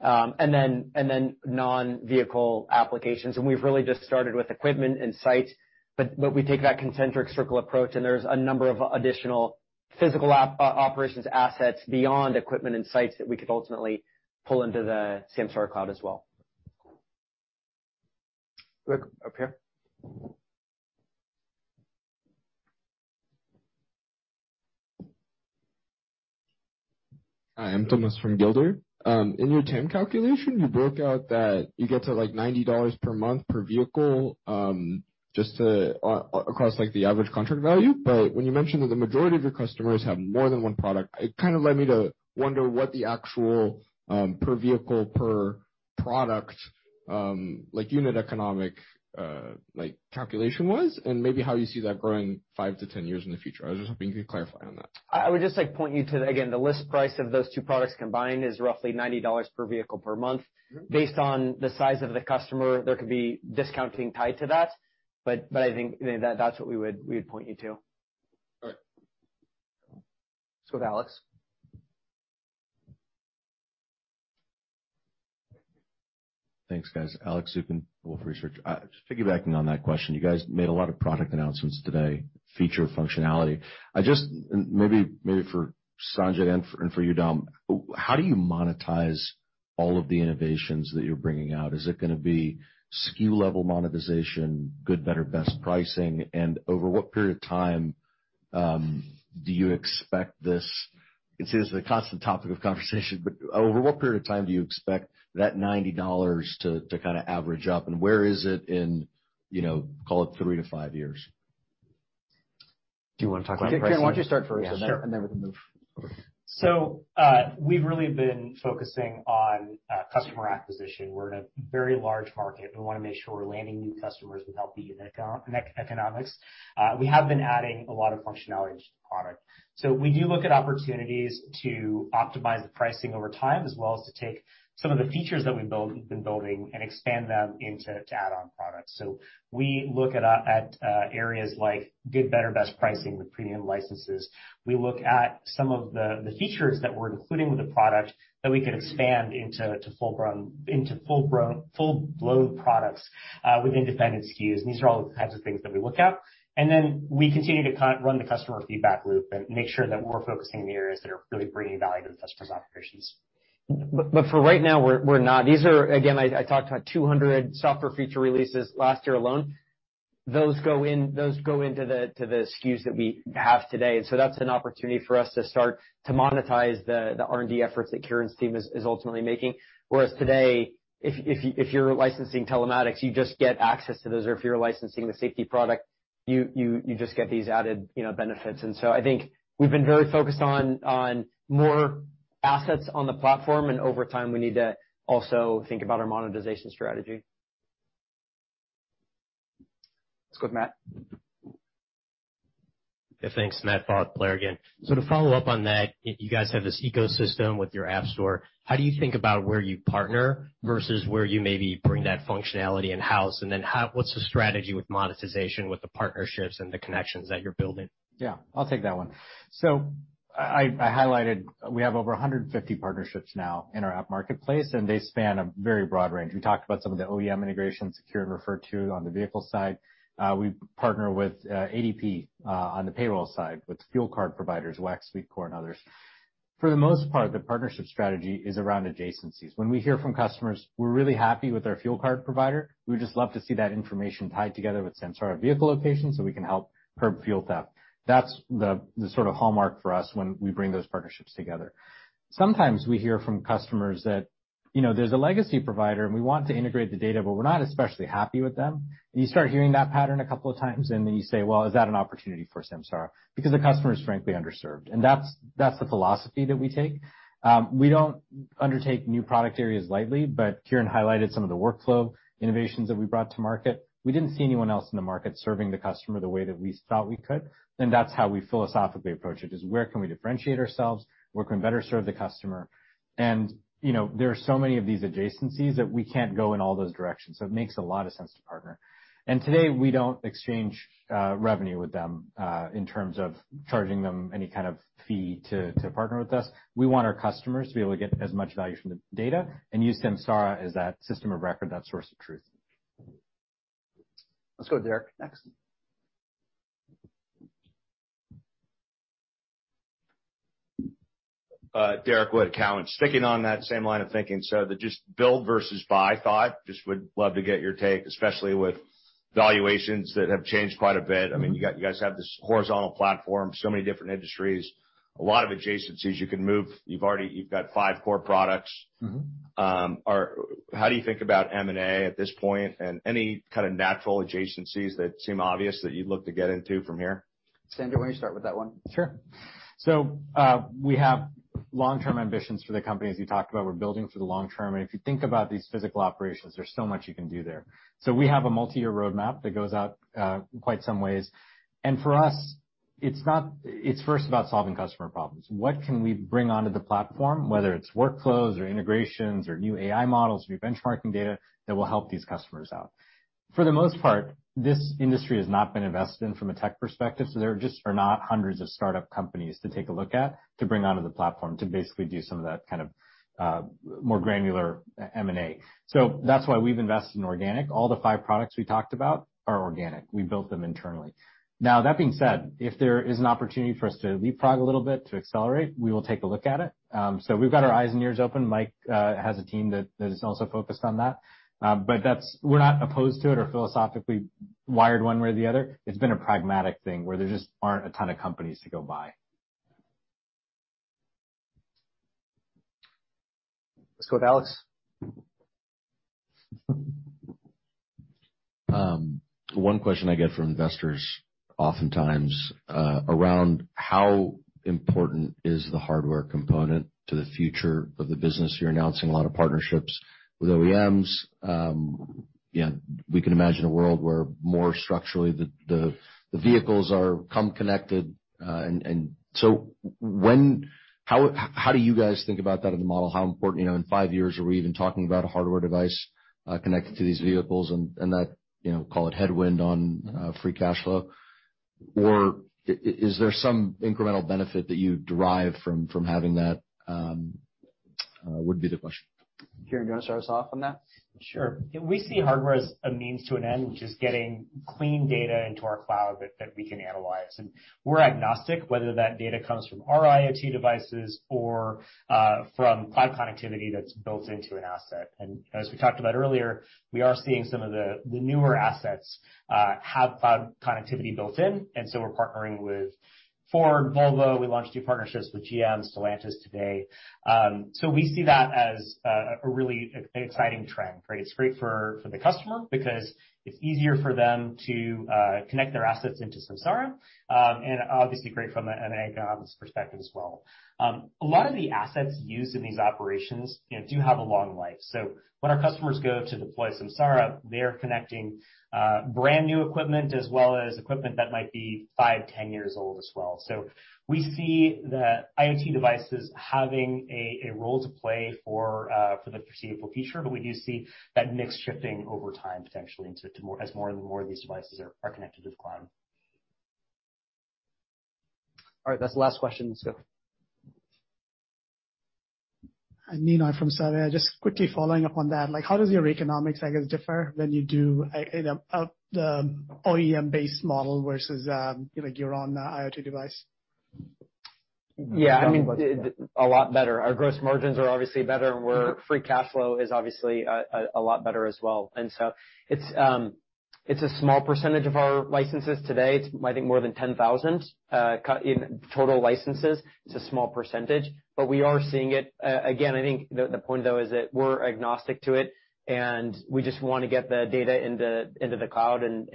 and then non-vehicle applications. We've really just started with equipment and sites. We take that concentric circle approach, and there's a number of additional physical operations assets beyond equipment and sites that we could ultimately pull into the Samsara cloud as well. Quick, up here. Hi, I'm Thomas from Gilder. In your TAM calculation, you broke out that you get to, like, $90 per month per vehicle, just across, like, the average contract value. When you mentioned that the majority of your customers have more than one product, it kind of led me to wonder what the actual, per vehicle, per product, like unit economics, like calculation was and maybe how you see that growing 5-10 years in the future. I was just hoping you could clarify on that. I would just like to point you to, again, the list price of those two products combined is roughly $90 per vehicle per month. Based on the size of the customer, there could be discounting tied to that, but I think that's what we would point you to. All right. Let's go with Alex. Thanks, guys. Alex Zukin, Wolfe Research. Just piggybacking on that question, you guys made a lot of product announcements today, feature functionality. Maybe for Sanjit and for you, Dom, how do you monetize all of the innovations that you're bringing out? Is it gonna be SKU level monetization, good, better, best pricing? Over what period of time do you expect this. It seems the constant topic of conversation, but over what period of time do you expect that $90 to kinda average up, and where is it in, you know, call it three to five years? Do you wanna talk about pricing? Kiren, why don't you start first. Yeah, sure. We can move. We've really been focusing on customer acquisition. We're in a very large market. We wanna make sure we're landing new customers without the economics. We have been adding a lot of functionality to the product. We do look at opportunities to optimize the pricing over time, as well as to take some of the features that we've been building and expand them into add-on products. We look at areas like good, better, best pricing with premium licenses. We look at some of the features that we're including with the product that we could expand into full-blown products with independent SKUs. These are all the kinds of things that we look at. We continue to run the customer feedback loop and make sure that we're focusing in the areas that are really bringing value to the customer's operations. For right now, we're not. These are, again, I talked about 200 software feature releases last year alone. Those go into the SKUs that we have today. That's an opportunity for us to start to monetize the R&D efforts that Kiren's team is ultimately making. Whereas today, if you're licensing telematics, you just get access to those, or if you're licensing the safety product, you just get these added, you know, benefits. I think we've been very focused on more assets on the platform, and over time, we need to also think about our monetization strategy. Let's go with Matt. Yeah, thanks. Matt, William Blair again. To follow up on that, you guys have this ecosystem with your App Store. How do you think about where you partner versus where you maybe bring that functionality in-house? Then what's the strategy with monetization, with the partnerships and the connections that you're building? Yeah, I'll take that one. I highlighted we have over 150 partnerships now in our app marketplace, and they span a very broad range. We talked about some of the OEM integrations, Kiren referred to on the vehicle side. We partner with ADP on the payroll side, with fuel card providers, WEX, FLEETCOR and others. For the most part, the partnership strategy is around adjacencies. When we hear from customers, "We're really happy with our fuel card provider, we would just love to see that information tied together with Samsara vehicle location, so we can help curb fuel theft." That's the sort of hallmark for us when we bring those partnerships together. Sometimes we hear from customers that, you know, there's a legacy provider, and we want to integrate the data, but we're not especially happy with them. You start hearing that pattern a couple of times, and then you say, "Well, is that an opportunity for Samsara?" Because the customer is frankly underserved. That's the philosophy that we take. We don't undertake new product areas lightly, but Kiren highlighted some of the workflow innovations that we brought to market. We didn't see anyone else in the market serving the customer the way that we thought we could, and that's how we philosophically approach it, is where can we differentiate ourselves? Where can we better serve the customer? You know, there are so many of these adjacencies that we can't go in all those directions, so it makes a lot of sense to partner. Today, we don't exchange revenue with them in terms of charging them any kind of fee to partner with us. We want our customers to be able to get as much value from the data and use Samsara as that system of record, that source of truth. Let's go with Derrick next. Derrick Wood at TD Cowen. Sticking on that same line of thinking, the just build versus buy thought, just would love to get your take, especially with valuations that have changed quite a bit. I mean, you got you guys have this horizontal platform, so many different industries, a lot of adjacencies you can move. You've already got five core products. How do you think about M&A at this point? Any kind of natural adjacencies that seem obvious that you'd look to get into from here? Sanjit, why don't you start with that one? Sure. We have long-term ambitions for the company. As you talked about, we're building for the long term. If you think about these physical operations, there's so much you can do there. We have a multi-year roadmap that goes out quite some ways. For us, it's first about solving customer problems. What can we bring onto the platform, whether it's workflows or integrations or new AI models, new benchmarking data that will help these customers out? For the most part, this industry has not been invested in from a tech perspective, so there just are not hundreds of startup companies to take a look at to bring onto the platform to basically do some of that kind of more granular M&A. That's why we've invested in organic. All the five products we talked about are organic. We built them internally. Now, that being said, if there is an opportunity for us to leapfrog a little bit to accelerate, we will take a look at it. We've got our eyes and ears open. Mike has a team that is also focused on that. That's, we're not opposed to it or philosophically wired one way or the other. It's been a pragmatic thing where there just aren't a ton of companies to go buy. Let's go with Alex. One question I get from investors oftentimes around how important is the hardware component to the future of the business? You're announcing a lot of partnerships with OEMs. You know, we can imagine a world where more structurally the vehicles come connected. How do you guys think about that in the model? How important, you know, in five years, are we even talking about a hardware device connected to these vehicles and that, you know, call it headwind on free cash flow? Or is there some incremental benefit that you derive from having that would be the question. Kiren, do you want to start us off on that? Sure. We see hardware as a means to an end, which is getting clean data into our cloud that we can analyze. We're agnostic whether that data comes from our IoT devices or from cloud connectivity that's built into an asset. As we talked about earlier, we are seeing some of the newer assets have cloud connectivity built in, and so we're partnering with Ford, Volvo. We launched new partnerships with GM, Stellantis today. We see that as a really exciting trend, right? It's great for the customer because it's easier for them to connect their assets into Samsara, and obviously great from an M&A governance perspective as well. A lot of the assets used in these operations, you know, do have a long life. When our customers go to deploy Samsara, they're connecting brand new equipment as well as equipment that might be five, 10 years old as well. We see the IoT devices having a role to play for the foreseeable future, but we do see that mix shifting over time, potentially to more as more and more of these devices are connected to the cloud. All right, that's the last question. Let's go. Hi. Nino from Siewert. Just quickly following up on that, like how does your economics, I guess, differ when you do, you know, the OEM-based model versus, you know, your own, IoT device? Yeah, I mean, a lot better. Our gross margins are obviously better and our free cash flow is obviously a lot better as well. It's a small percentage of our licenses today. It's, I think, more than 10,000 in total licenses, it's a small percentage. We are seeing it. Again, I think the point though is that we're agnostic to it, and we just wanna get the data into the cloud and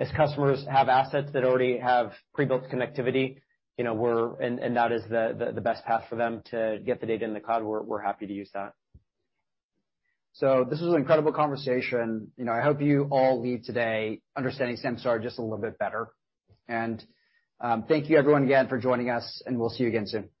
as customers have assets that already have pre-built connectivity, and that is the best path for them to get the data in the cloud, we're happy to use that. This was an incredible conversation. You know, I hope you all leave today understanding Samsara just a little bit better. Thank you everyone again for joining us, and we'll see you again soon.